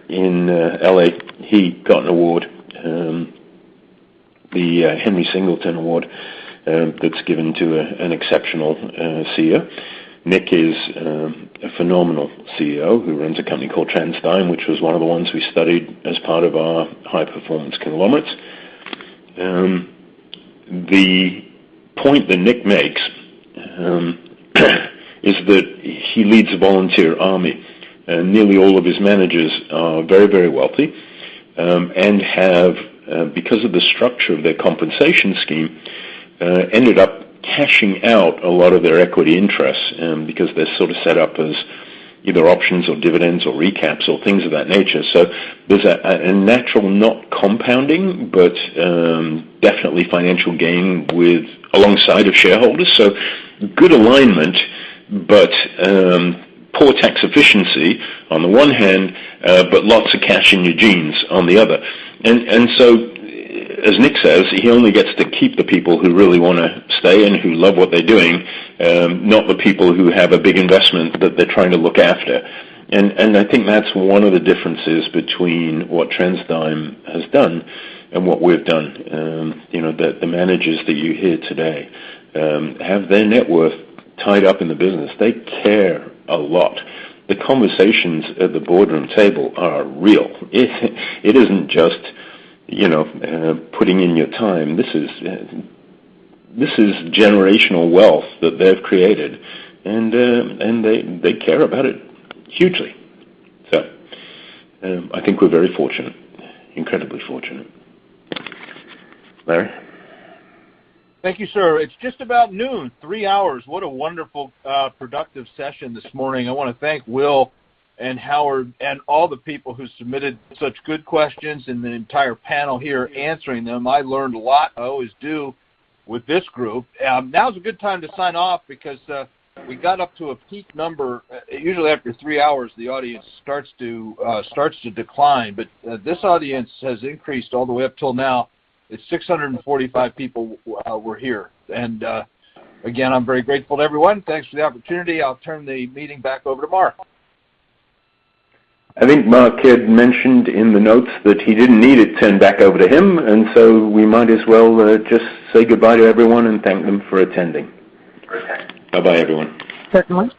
in L.A. He got an award, the Henry Singleton Award, that's given to an exceptional CEO. Nick is a phenomenal CEO who runs a company called TransDigm, which was one of the ones we studied as part of our high-performance conglomerates. The point that Nick makes is that he leads a volunteer army. Nearly all of his managers are very, very wealthy and have, because of the structure of their compensation scheme, ended up cashing out a lot of their equity interests because they're sort of set up as either options or dividends or recaps or things of that nature. There's a natural not compounding, but definitely financial gain alongside shareholders. Good alignment, but poor tax efficiency on the one hand, but lots of cash in your jeans on the other. As Nick says, he only gets to keep the people who really wanna stay and who love what they're doing, not the people who have a big investment that they're trying to look after. I think that's one of the differences between what TransDigm has done and what we've done. You know, the managers that you hear today have their net worth tied up in the business. They care a lot. The conversations at the boardroom table are real. It isn't just, you know, putting in your time. This is generational wealth that they've created, and they care about it hugely. I think we're very fortunate. Incredibly fortunate. Larry? Thank you, sir. It's just about noon. Three hours. What a wonderful, productive session this morning. I wanna thank Will and Howard and all the people who submitted such good questions and the entire panel here answering them. I learned a lot. I always do with this group. Now is a good time to sign off because we got up to a peak number. Usually after three hours, the audience starts to decline. This audience has increased all the way up till now. It's 645 people who were here. Again, I'm very grateful to everyone. Thanks for the opportunity. I'll turn the meeting back over to Mark. I think Mark had mentioned in the notes that he didn't need it turned back over to him, and so we might as well just say goodbye to everyone and thank them for attending. Okay. Bye-bye, everyone. Certainly.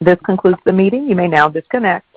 This concludes the meeting. You may now disconnect.